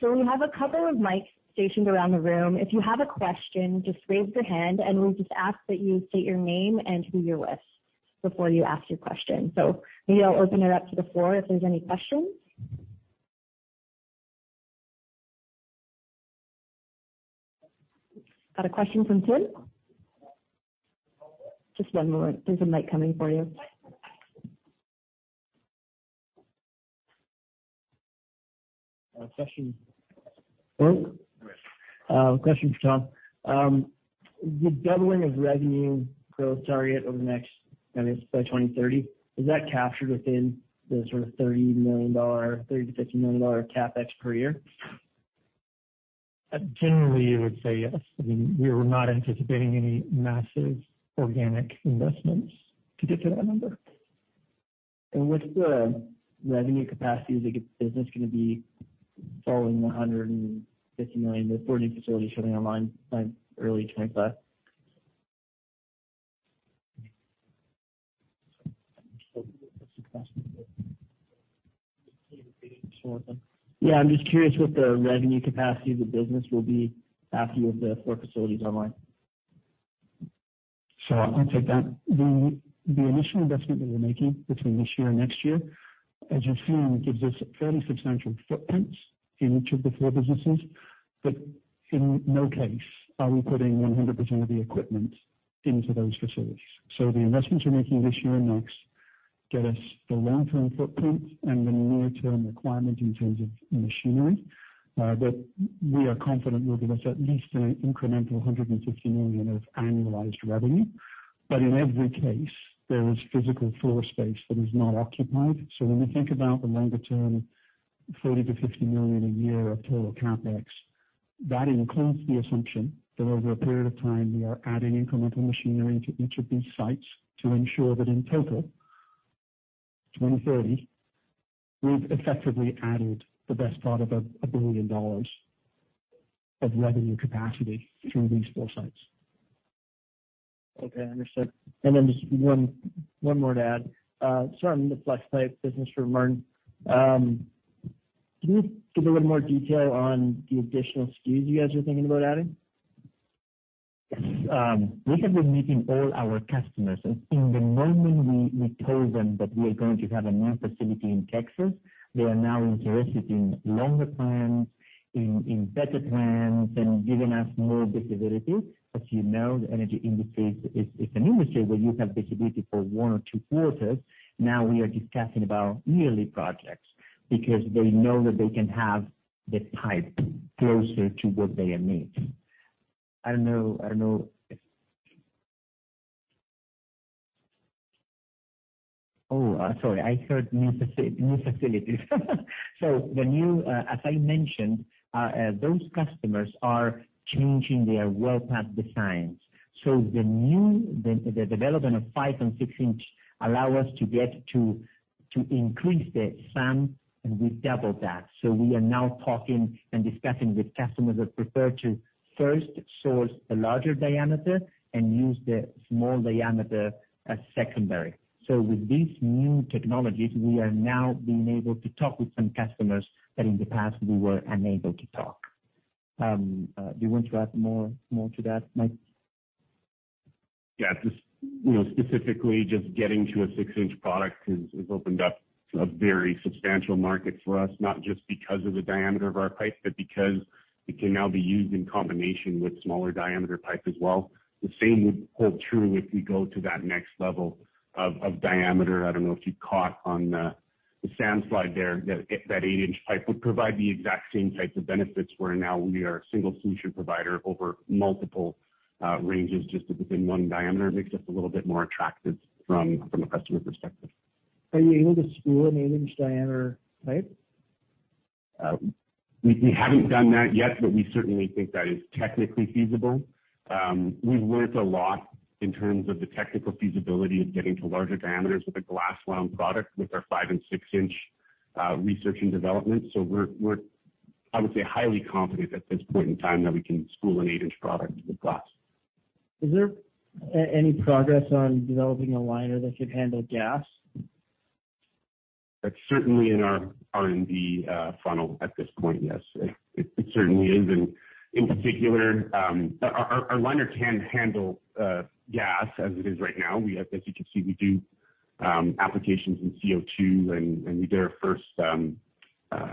So we have a couple of mics stationed around the room. If you have a question, just raise your hand, and we'll just ask that you state your name and who you're with before you ask your question. So maybe I'll open it up to the floor if there's any questions. Got a question from Tim? Just one moment. There's a mic coming for you.
Question for Tom. The doubling of revenue growth target over the next, I mean, by 2030, is that captured within the sort of 30 million-50 million dollar CapEx per year?
Generally, I would say yes. I mean, we were not anticipating any massive organic investments to get to that number.
What's the revenue capacity as the business is gonna be following the 150 million with 40 facilities coming online by early 2025?
Can you repeat it one more time?
Yeah, I'm just curious what the revenue capacity of the business will be after you have the four facilities online?
So I'll take that. The initial investment that we're making between this year and next year, as you've seen, gives us a fairly substantial footprint in each of the four businesses. But in no case are we putting 100% of the equipment into those facilities. So the investments we're making this year and next get us the long-term footprint and the near-term requirement in terms of machinery, that we are confident will give us at least an incremental 150 million of annualized revenue. But in every case, there is physical floor space that is not occupied. When we think about the longer-term 30-50 million a year of total CapEx, that includes the assumption that over a period of time, we are adding incremental machinery to each of these sites to ensure that in total, 2030, we've effectively added the best part of 1 billion dollars of revenue capacity through these four sites.
Okay, understood. Then just one more to add. On the Flexpipe business for Martin. Can you give a little more detail on the additional SKUs you guys are thinking about adding?
Yes. We have been meeting all our customers, and at the moment, we told them that we are going to have a new facility in Texas, they are now interested in longer plans, in better plans, and giving us more visibility. As you know, the energy industry is an industry where you have visibility for one or two quarters. Now we are discussing about yearly projects because they know that they can have the pipe closer to what they are need. I don't know if. Oh, sorry, I heard new facilities. So the new, as I mentioned, those customers are changing their well path designs. So the new, the development of 5- and 6-inch allow us to get to increase the sand, and we double that. We are now talking and discussing with customers that prefer to first source the larger diameter and use the small diameter as secondary. With these new technologies, we are now being able to talk with some customers that in the past we were unable to talk. Do you want to add more to that, Mike?
Yeah, just, you know, specifically just getting to a six-inch product has opened up a very substantial market for us, not just because of the diameter of our pipe, but because it can now be used in combination with smaller diameter pipe as well. The same would hold true if we go to that next level of diameter. I don't know if you caught on the sand slide there, that eight-inch pipe would provide the exact same types of benefits, where now we are a single solution provider over multiple ranges, just within one diameter. Makes us a little bit more attractive from a customer perspective.
Are you able to spool an eight-inch diameter pipe?
We haven't done that yet, but we certainly think that is technically feasible. We've learned a lot in terms of the technical feasibility of getting to larger diameters with a glass wound product, with our five- and six-inch research and development. So we're highly confident at this point in time that we can spool an eight-inch product with glass.
Is there any progress on developing a liner that could handle gas?
That's certainly in our R&D funnel at this point, yes. It certainly is, and in particular, our liner can handle gas as it is right now. We have. As you can see, we do applications in CO2, and we did our first,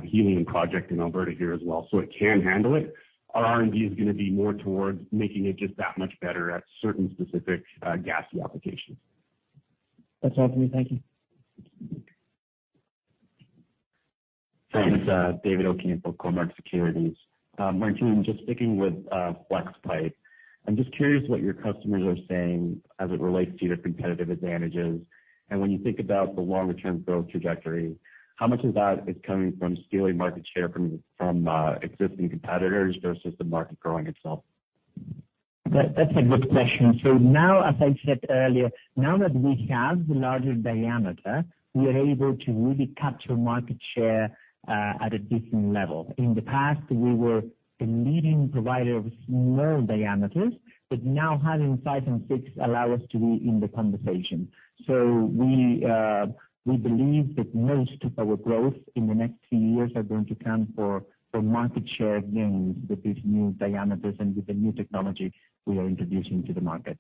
helium project in Alberta here as well, so it can handle it. Our R&D is gonna be more towards making it just that much better at certain specific, gassy applications.
That's all for me. Thank you.
Thanks. David McFadgen from Cormark Securities. Martin, just sticking with Flexpipe. I'm just curious what your customers are saying as it relates to your competitive advantages. And when you think about the longer-term growth trajectory, how much of that is coming from stealing market share from existing competitors versus the market growing itself?
That, that's a good question. So now, as I said earlier, now that we have the larger diameter, we are able to really capture market share at a different level. In the past, we were a leading provider of small diameters, but now having five and six allow us to be in the conversation. So we believe that most of our growth in the next few years are going to come from market share gains with these new diameters and with the new technology we are introducing to the market.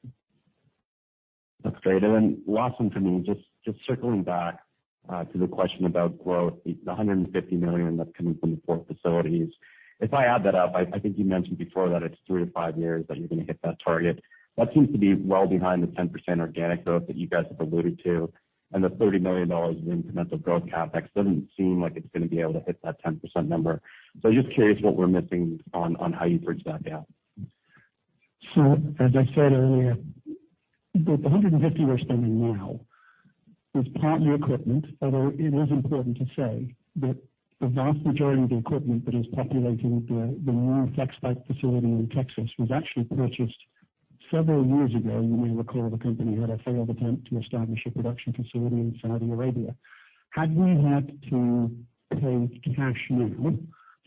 That's great. Last one for me, just circling back to the question about growth, the 150 million that's coming from the four facilities. If I add that up, I think you mentioned before that it's three-five years that you're gonna hit that target. That seems to be well behind the 10% organic growth that you guys have alluded to, and the 30 million dollars in incremental growth CapEx doesn't seem like it's gonna be able to hit that 10% number. So just curious what we're missing on how you bridge that gap.
So, as I said earlier, the 150 million we're spending now is partly equipment, although it is important to say that the vast majority of the equipment that is populating the new Flexpipe facility in Texas was actually purchased several years ago. You may recall the company had a failed attempt to establish a production facility in Saudi Arabia. Had we had to pay cash now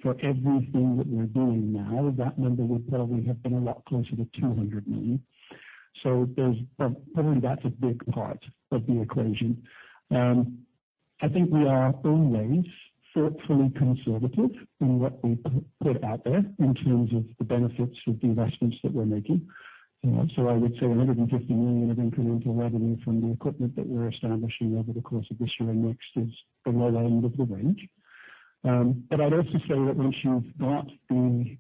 for everything that we're doing now, that number would probably have been a lot closer to 200 million. So there's probably that's a big part of the equation. I think we are always thoughtfully conservative in what we put out there in terms of the benefits of the investments that we're making. So I would say 150 million of incremental revenue from the equipment that we're establishing over the course of this year and next is the low end of the range. But I'd also say that once you've got the,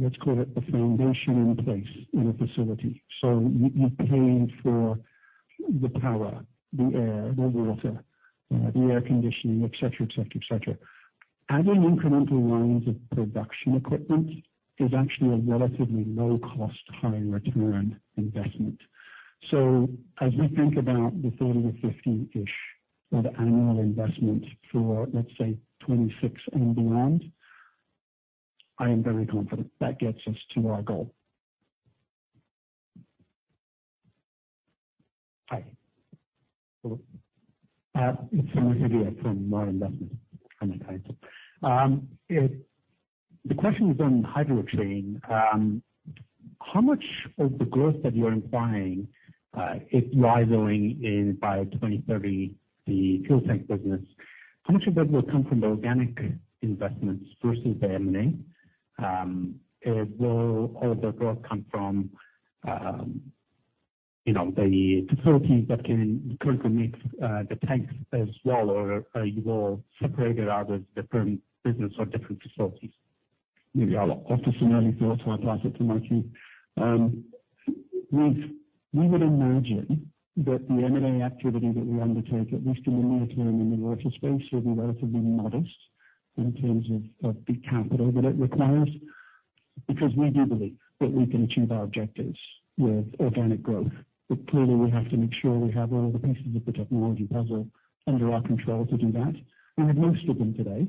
let's call it, the foundation in place in a facility, so you, you've paid for the power, the air, the water, the air conditioning, et cetera, et cetera, et cetera. Adding incremental lines of production equipment is actually a relatively low cost, high return investment. So as we think about the 30-50 million-ish of annual investment for, let's say, 2026 and beyond, I am very confident that gets us to our goal.
Hi. It's from here, from Marin Investment. It's the question is on HydroChain. How much of the growth that you're implying, if rising in by 2030, the fuel tank business, how much of that will come from the organic investments versus the M&A? And will all the growth come from, you know, the facilities that can currently make, the tanks as well, or you will separate it out as different business or different facilities?
Yeah. I'll toss this one over to my partner, to Martin.
We would imagine that the M&A activity that we undertake, at least in the near term in the water space, will be relatively modest in terms of the capital that it requires, because we do believe that we can achieve our objectives with organic growth. But clearly, we have to make sure we have all the pieces of the technology puzzle under our control to do that. We have most of them today.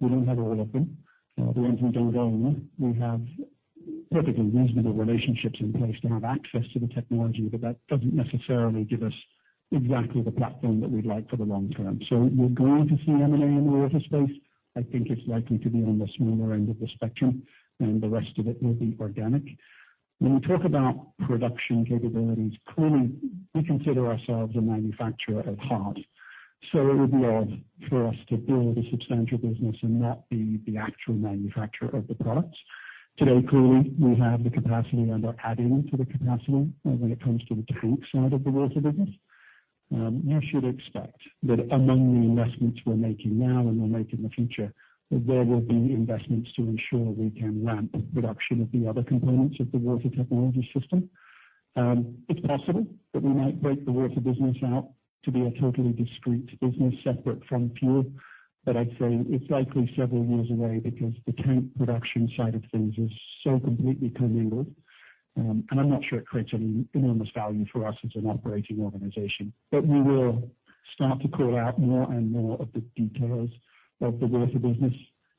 We don't have all of them. The ones we don't own, we have perfectly reasonable relationships in place to have access to the technology, but that doesn't necessarily give us exactly the platform that we'd like for the long term. So we're going to see M&A in the water space. I think it's likely to be on the smaller end of the spectrum, and the rest of it will be organic. When we talk about production capabilities, clearly, we consider ourselves a manufacturer at heart. So it would be odd for us to build a substantial business and not be the actual manufacturer of the products. Today, clearly, we have the capacity and are adding to the capacity when it comes to the tank side of the water business. You should expect that among the investments we're making now and we'll make in the future, that there will be investments to ensure we can ramp production of the other components of the water technology system. It's possible that we might break the water business out to be a totally discrete business, separate from fuel. But I'd say it's likely several years away because the tank production side of things is so completely commingled. And I'm not sure it creates any enormous value for us as an operating organization. But we will start to call out more and more of the details of the water business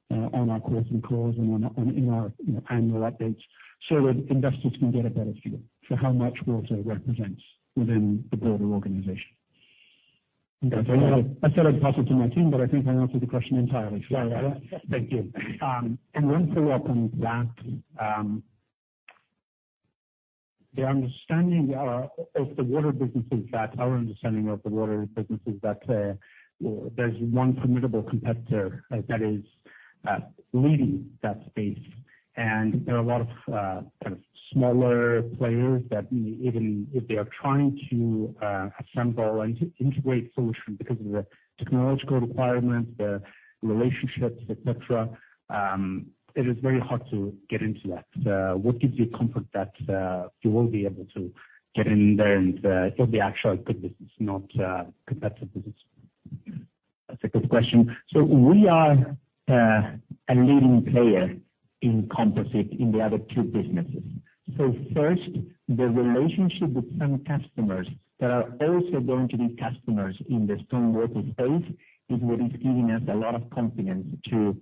on our quarterly calls and in our, you know, annual updates, so that investors can get a better feel for how much water represents within the broader organization. I said I'd pass it to my team, but I think I answered the question entirely.
Thank you. And once we welcome back, the understanding of the water business is that our understanding of the water business is that there's one formidable competitor, and that is? leading that space. And there are a lot of kind of smaller players that even if they are trying to assemble and integrate solution, because of the technological requirements, the relationships, et cetera, it is very hard to get into that. What gives you comfort that you will be able to get in there, and it'll be actually a good business, not a competitive business?
That's a good question. So we are a leading player in composite in the other two businesses. So first, the relationship with some customers that are also going to be customers in the stormwater space, is what is giving us a lot of confidence to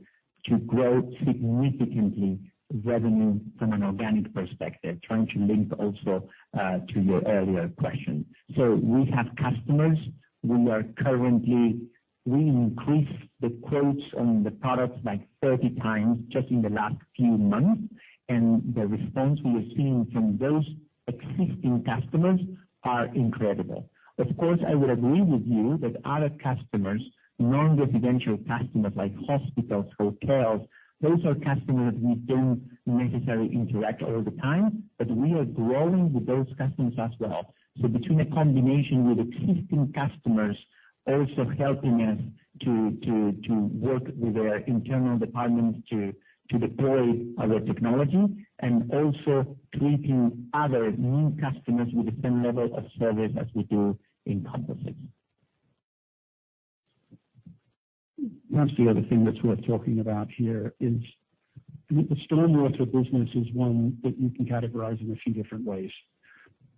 grow significantly revenue from an organic perspective, trying to link also to your earlier question. So we have customers. We are currently we increase the quotes on the products like 30x just in the last few months, and the response we are seeing from those existing customers are incredible. Of course, I would agree with you that other customers, non-residential customers, like hospitals, hotels, those are customers we don't necessarily interact all the time, but we are growing with those customers as well. Between a combination with existing customers, also helping us to work with their internal departments to deploy our technology, and also treating other new customers with the same level of service as we do in composite.
That's the other thing that's worth talking about here is, the stormwater business is one that you can categorize in a few different ways.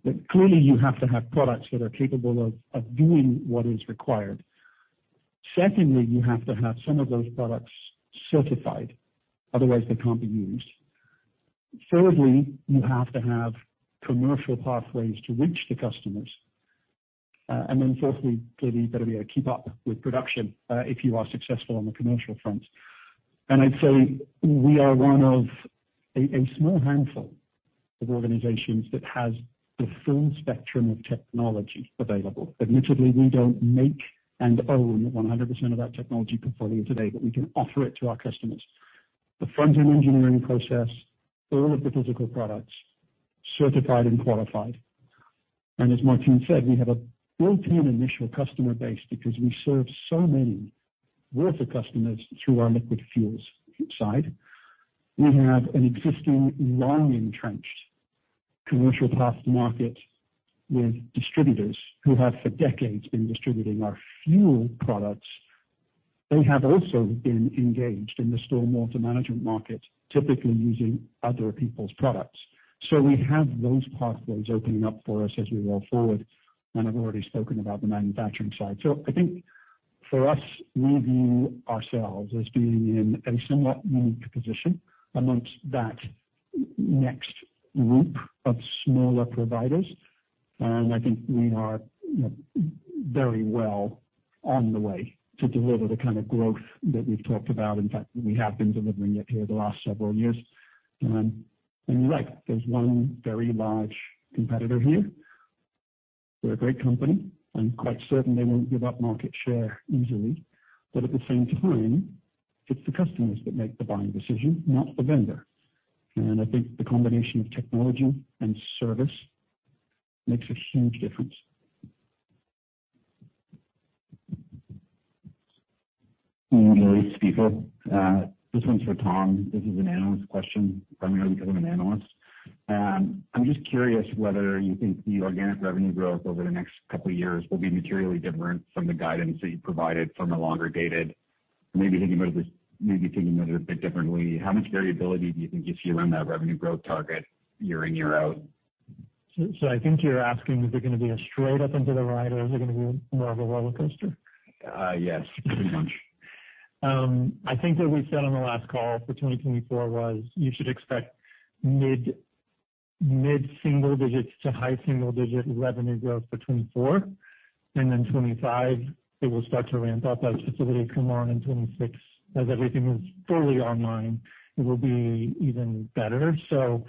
But clearly, you have to have products that are capable of doing what is required. Secondly, you have to have some of those products certified, otherwise they can't be used. Thirdly, you have to have commercial pathways to reach the customers. And then fourthly, clearly, you better be able to keep up with production, if you are successful on the commercial front. And I'd say we are one of a small handful of organizations that has the full spectrum of technology available. Admittedly, we don't make and own 100% of that technology portfolio today, but we can offer it to our customers. The front-end engineering process, all of the physical products, certified and qualified. And as Martín said, we have a built-in initial customer base because we serve so many water customers through our liquid fuels side. We have an existing, well-entrenched commercial path to market with distributors who have for decades been distributing our fuel products. They have also been engaged in the stormwater management market, typically using other people's products. So we have those pathways opening up for us as we roll forward. And I've already spoken about the manufacturing side. So I think for us, we view ourselves as being in a somewhat unique position amongst that next group of smaller providers. And I think we are very well on the way to deliver the kind of growth that we've talked about. In fact, we have been delivering it here the last several years. And you're right, there's one very large competitor here. They're a great company, I'm quite certain they won't give up market share easily. But at the same time, it's the customers that make the buying decision, not the vendor. And I think the combination of technology and service makes a huge difference. Louis Spiegle. This one's for Tom. This is an analyst question, primarily because I'm an analyst. I'm just curious whether you think the organic revenue growth over the next couple of years will be materially different from the guidance that you provided from a longer dated? Maybe thinking about it a bit differently, how much variability do you think you see around that revenue growth target year in, year out?
So, I think you're asking, is it going to be a straight up and to the right, or is it going to be more of a rollercoaster? Yes, pretty much. I think that we said on the last call for 2024 was, you should expect mid single digits to high single digit revenue growth between four, and then 25, it will start to ramp up as facility come on in 26. As everything is fully online, it will be even better. So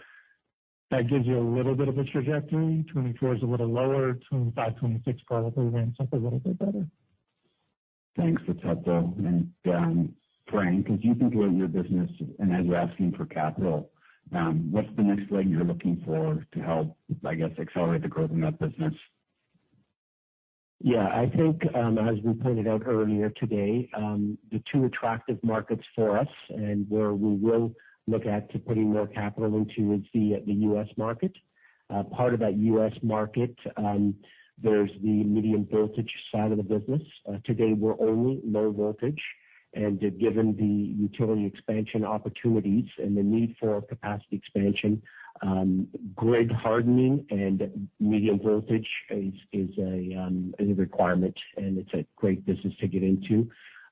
that gives you a little bit of a trajectory. 2024 is a little lower, 25, 26, probably ramps up a little bit better. Thanks. That's helpful. Frank, as you think about your business and as you're asking for capital, what's the next leg you're looking for to help, I guess, accelerate the growth in that business?
Yeah, I think, as we pointed out earlier today, the two attractive markets for us and where we will look at to putting more capital into is the, the U.S. market. Part of that U.S. market, there's the medium voltage side of the business. Today, we're only low voltage. And given the utility expansion opportunities and the need for capacity expansion, grid hardening and medium voltage is, is a, is a requirement, and it's a great business to get into.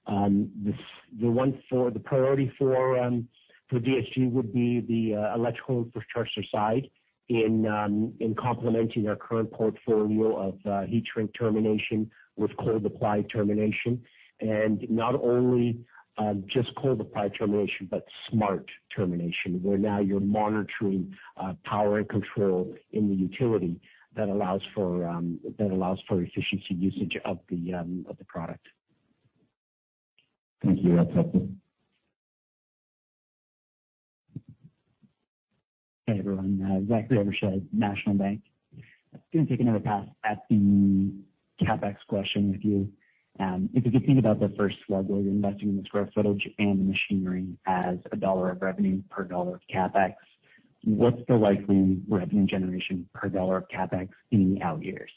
The, the one for the priority for, for DSG would be the, electrical infrastructure side in, in complementing our current portfolio of, heat shrink termination with cold apply termination.
Not only just cold applied termination, but smart termination, where now you're monitoring power and control in the utility that allows for efficient usage of the product. Thank you. That's helpful.
Hey, everyone, Zachary Evershed, National Bank. Just going to take another pass at the CapEx question with you. If you think about the first slug, where you're investing in the square footage and the machinery as a dollar of revenue per dollar of CapEx, what's the likely revenue generation per dollar of CapEx in the out years?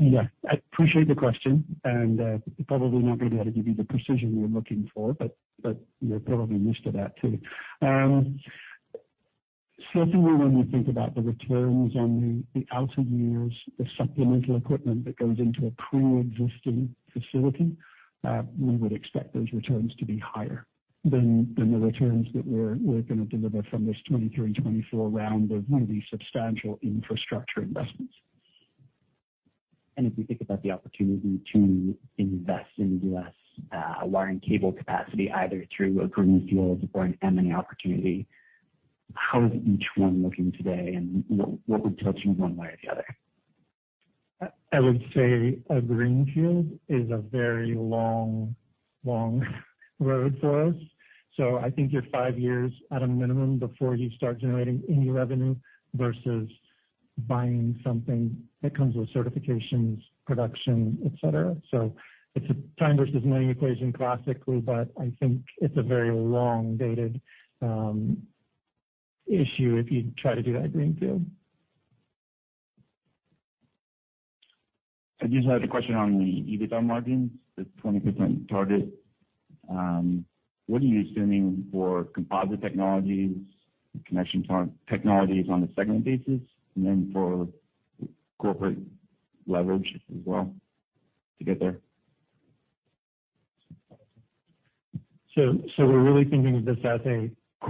Yeah, I appreciate the question, and, probably not going to be able to give you the precision you're looking for, but, but you're probably used to that, too. Certainly, when we think about the returns on the, the outer years, the supplemental equipment that goes into a pre-existing facility, we would expect those returns to be higher than, than the returns that we're, we're going to deliver from this 2023 and 2024 round of really substantial infrastructure investments.
If you think about the opportunity to invest in U.S. wiring cable capacity, either through a greenfield or an M&A opportunity, how is each one looking today, and what would tilt you one way or the other?
I would say a greenfield is a very long, long road for us. So I think you're five years at a minimum before you start generating any revenue versus buying something that comes with certifications, production, et cetera. So it's a time versus money equation, classically, but I think it's a very long-dated issue if you try to do that greenfield.
I just had a question on the EBITDA margins, the 20% target. What are you assuming for Composite Technologies, Connection Technologies on a segment basis, and then for corporate leverage as well to get there?
So, we're really thinking of this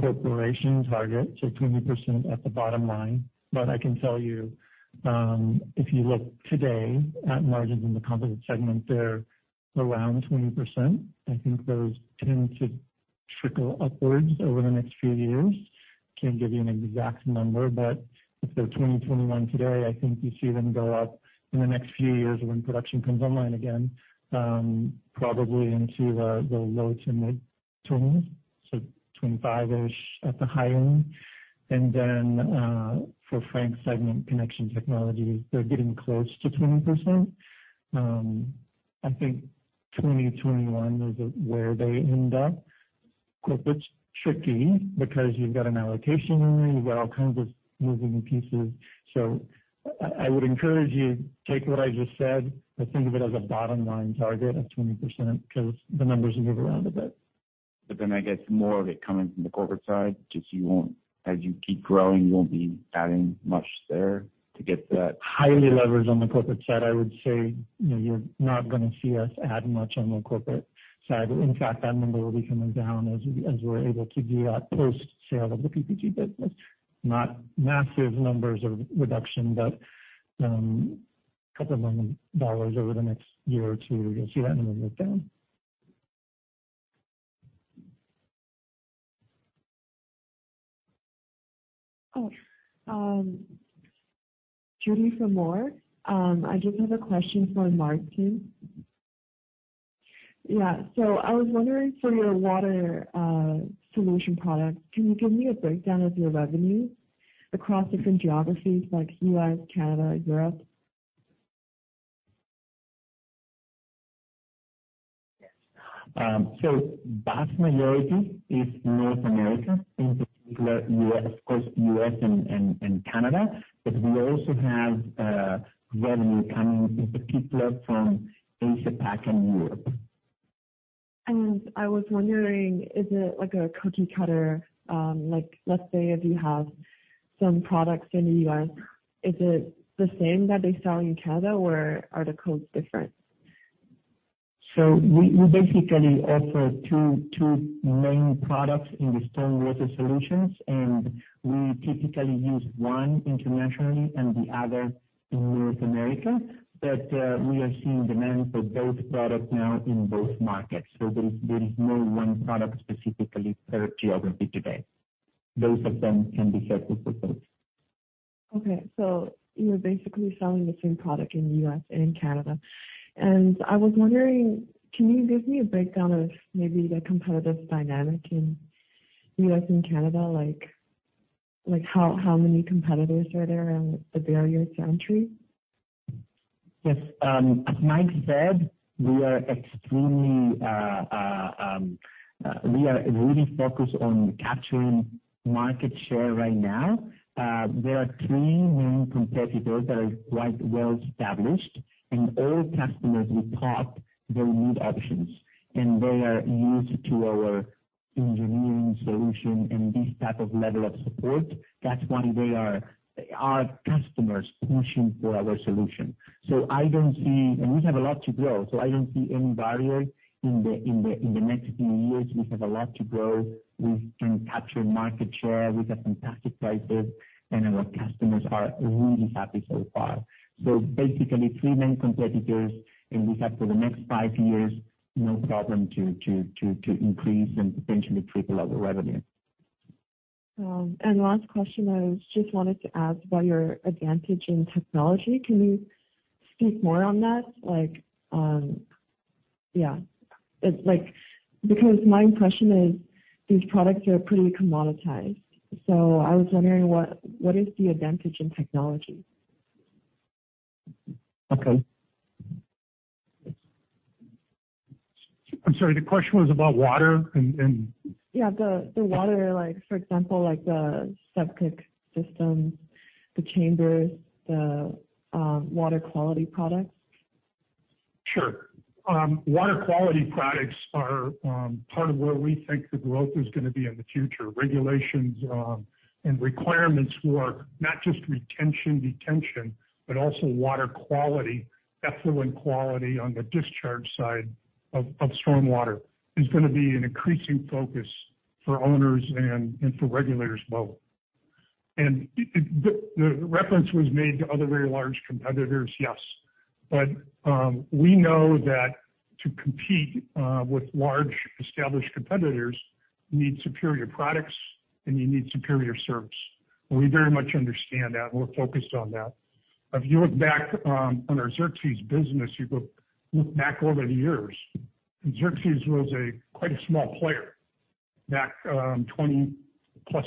as a corporate target, so 20% at the bottom line. But I can tell you, if you look today at margins in the Composite segment, they're around 20%. I think those tend to trickle upwards over the next few years. Can't give you an exact number, but if they're 20, 21 today, I think you see them go up in the next few years when production comes online again, probably into the low to mid-20%s, so 25%-ish at the high end. And then, for Frank's segment, Connection Technologies, they're getting close to 20%. I think 20, 21 is where they end up. Corporate's tricky because you've got an allocation in there, you've got all kinds of moving pieces. So I would encourage you, take what I just said, but think of it as a bottom-line target of 20%, because the numbers move around a bit.
But then I guess more of it coming from the corporate side, because you won't, as you keep growing, you won't be adding much there to get that.
Highly leveraged on the corporate side. I would say, you know, you're not going to see us add much on the corporate side. In fact, that number will be coming down as we, as we're able to do that post-sale of the PPG business. Not massive numbers of reduction, but 2 million dollars over the next year or two, you'll see that number move down.
Judy from Moore. I just have a question for Martin. Yeah. So I was wondering, for your water solution products, can you give me a breakdown of your revenue across different geographies like U.S., Canada, Europe?
So vast majority is North America, in particular, U.S., of course, U.S. and Canada. But we also have revenue coming in particular from Asia-Pac and Europe.
I was wondering, is it like a cookie cutter? Like, let's say, if you have some products in the U.S., is it the same that they sell in Canada, or are the codes different?
So we basically offer two main products in the stormwater solutions, and we typically use one internationally and the other in North America. But we are seeing demand for both products now in both markets. So there is no one product specifically per geography today. Both of them can be served with the goods.
Okay. So you're basically selling the same product in the U.S. and in Canada. And I was wondering, can you give me a breakdown of maybe the competitive dynamic in U.S. and Canada? Like, how many competitors are there and the barriers to entry?
Yes. As Mike said, we are extremely, we are really focused on capturing market share right now. There are three main competitors that are quite well established, and all customers we talk, they need options, and they are used to our engineering solution and this type of level of support. That's why they are our customers pushing for our solution. So I don't see. And we have a lot to grow, so I don't see any barrier in the next few years. We have a lot to grow. We can capture market share. We have fantastic prices, and our customers are really happy so far. So basically, three main competitors, and we have for the next five years, no problem to increase and potentially triple our revenue.
And last question, I just wanted to ask about your advantage in technology. Can you speak more on that? Like, yeah, it's like, because my impression is these products are pretty commoditized, so I was wondering what is the advantage in technology?
Okay.
I'm sorry, the question was about water and
Yeah, the water, like, for example, like the septic systems, the water quality products.
Sure. Water quality products are part of where we think the growth is gonna be in the future. Regulations and requirements for not just retention, detention, but also water quality, effluent quality on the discharge side of storm water is gonna be an increasing focus for owners and for regulators both. And the reference was made to other very large competitors. Yes, but we know that to compete with large established competitors, you need superior products and you need superior service. And we very much understand that, and we're focused on that. If you look back on our Xerxes business, you go look back over the years, and Xerxes was quite a small player back 20+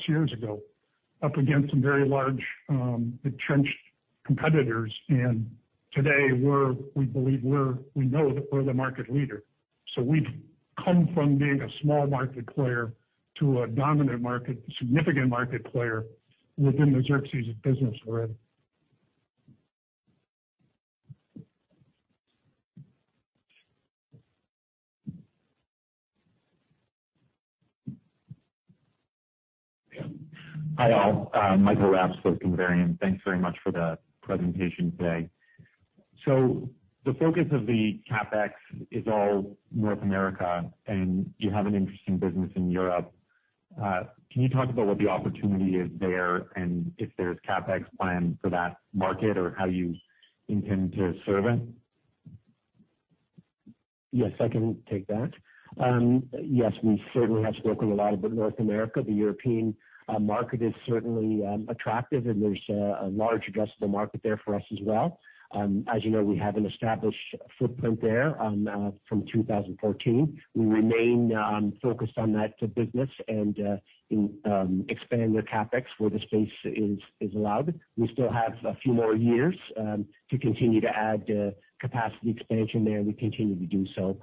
years ago, up against some very large entrenched competitors. And today we're, we believe we're, we know that we're the market leader. We've come from being a small market player to a dominant market, significant market player within the Xerxes business we're in.
Hi, all. Michael Rapp, Slok Variant. Thanks very much for the presentation today. The focus of the CapEx is all North America, and you have an interesting business in Europe. Can you talk about what the opportunity is there and if there's CapEx plan for that market or how you intend to serve it?
Yes, I can take that. Yes, we certainly have spoken a lot about North America. The European market is certainly attractive, and there's a large addressable market there for us as well. As you know, we have an established footprint there from 2014. We remain focused on that business and expand the CapEx where the space is allowed. We still have a few more years to continue to add capacity expansion there. We continue to do so.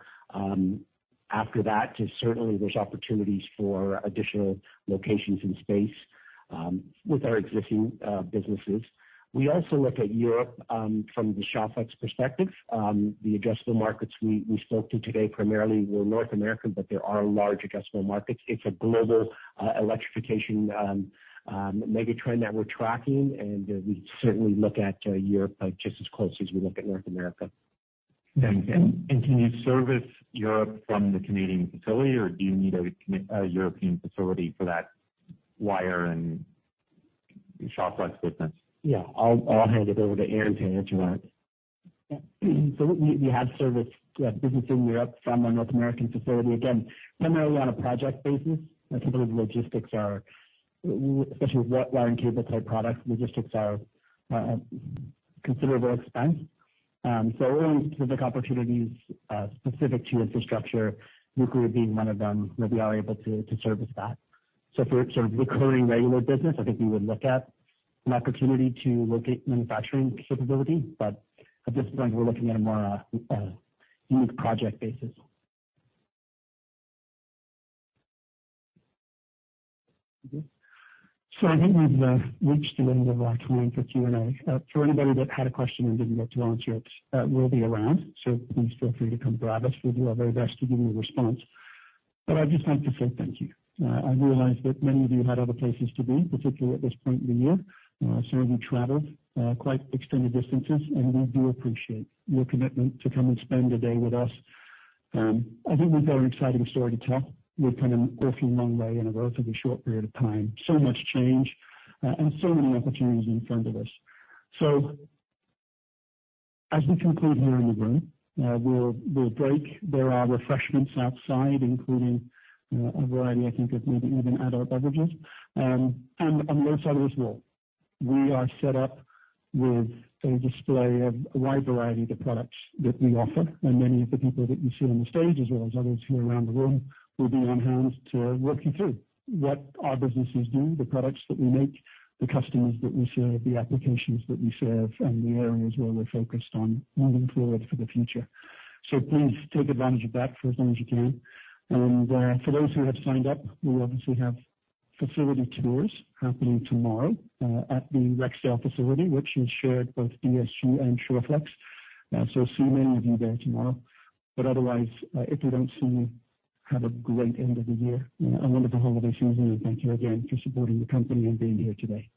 After that, certainly there's opportunities for additional locations in space with our existing businesses. We also look at Europe from the Shawflex perspective. The addressable markets we spoke to today primarily were North America, but there are large addressable markets. It's a global electrification mega trend that we're tracking, and we certainly look at Europe just as closely as we look at North America.
Thank you. Can you service Europe from the Canadian facility, or do you need a European facility for that wire and Shawflex business?
Yeah. I'll hand it over to Aaron to answer that.
So we have service business in Europe from our North American facility, again, primarily on a project basis. I think those logistics are, especially with wire and cable type products, logistics are considerable expense. So in specific opportunities specific to infrastructure, nuclear being one of them, where we are able to service that. So for sort of recurring regular business, I think we would look at an opportunity to locate manufacturing capability, but at this point we're looking at a more unique project basis.
So I think we've reached the end of our time for Q&A. For anybody that had a question and didn't get to answer it, we'll be around, so please feel free to come grab us. We'll do our very best to give you a response. But I'd just like to say thank you. I realize that many of you had other places to be, particularly at this point in the year. Some of you traveled quite extended distances, and we do appreciate your commitment to come and spend a day with us. I think we've got an exciting story to tell. We've come an awfully long way in a relatively short period of time. So much change, and so many opportunities in front of us. So as we conclude here in the room, we'll break. There are refreshments outside, including a variety, I think, of maybe even adult beverages. On the other side as well, we are set up with a display of a wide variety of the products that we offer. Many of the people that you see on the stage, as well as others here around the room, will be on hand to walk you through what our businesses do, the products that we make, the customers that we serve, the applications that we serve, and the areas where we're focused on moving forward for the future. Please take advantage of that for as long as you can. For those who have signed up, we obviously have facility tours happening tomorrow at the Rexdale facility, which is shared both DSG and Shawflex. So, see many of you there tomorrow, but otherwise, if we don't see you, have a great end of the year and wonderful holiday season, and thank you again for supporting the company and being here today.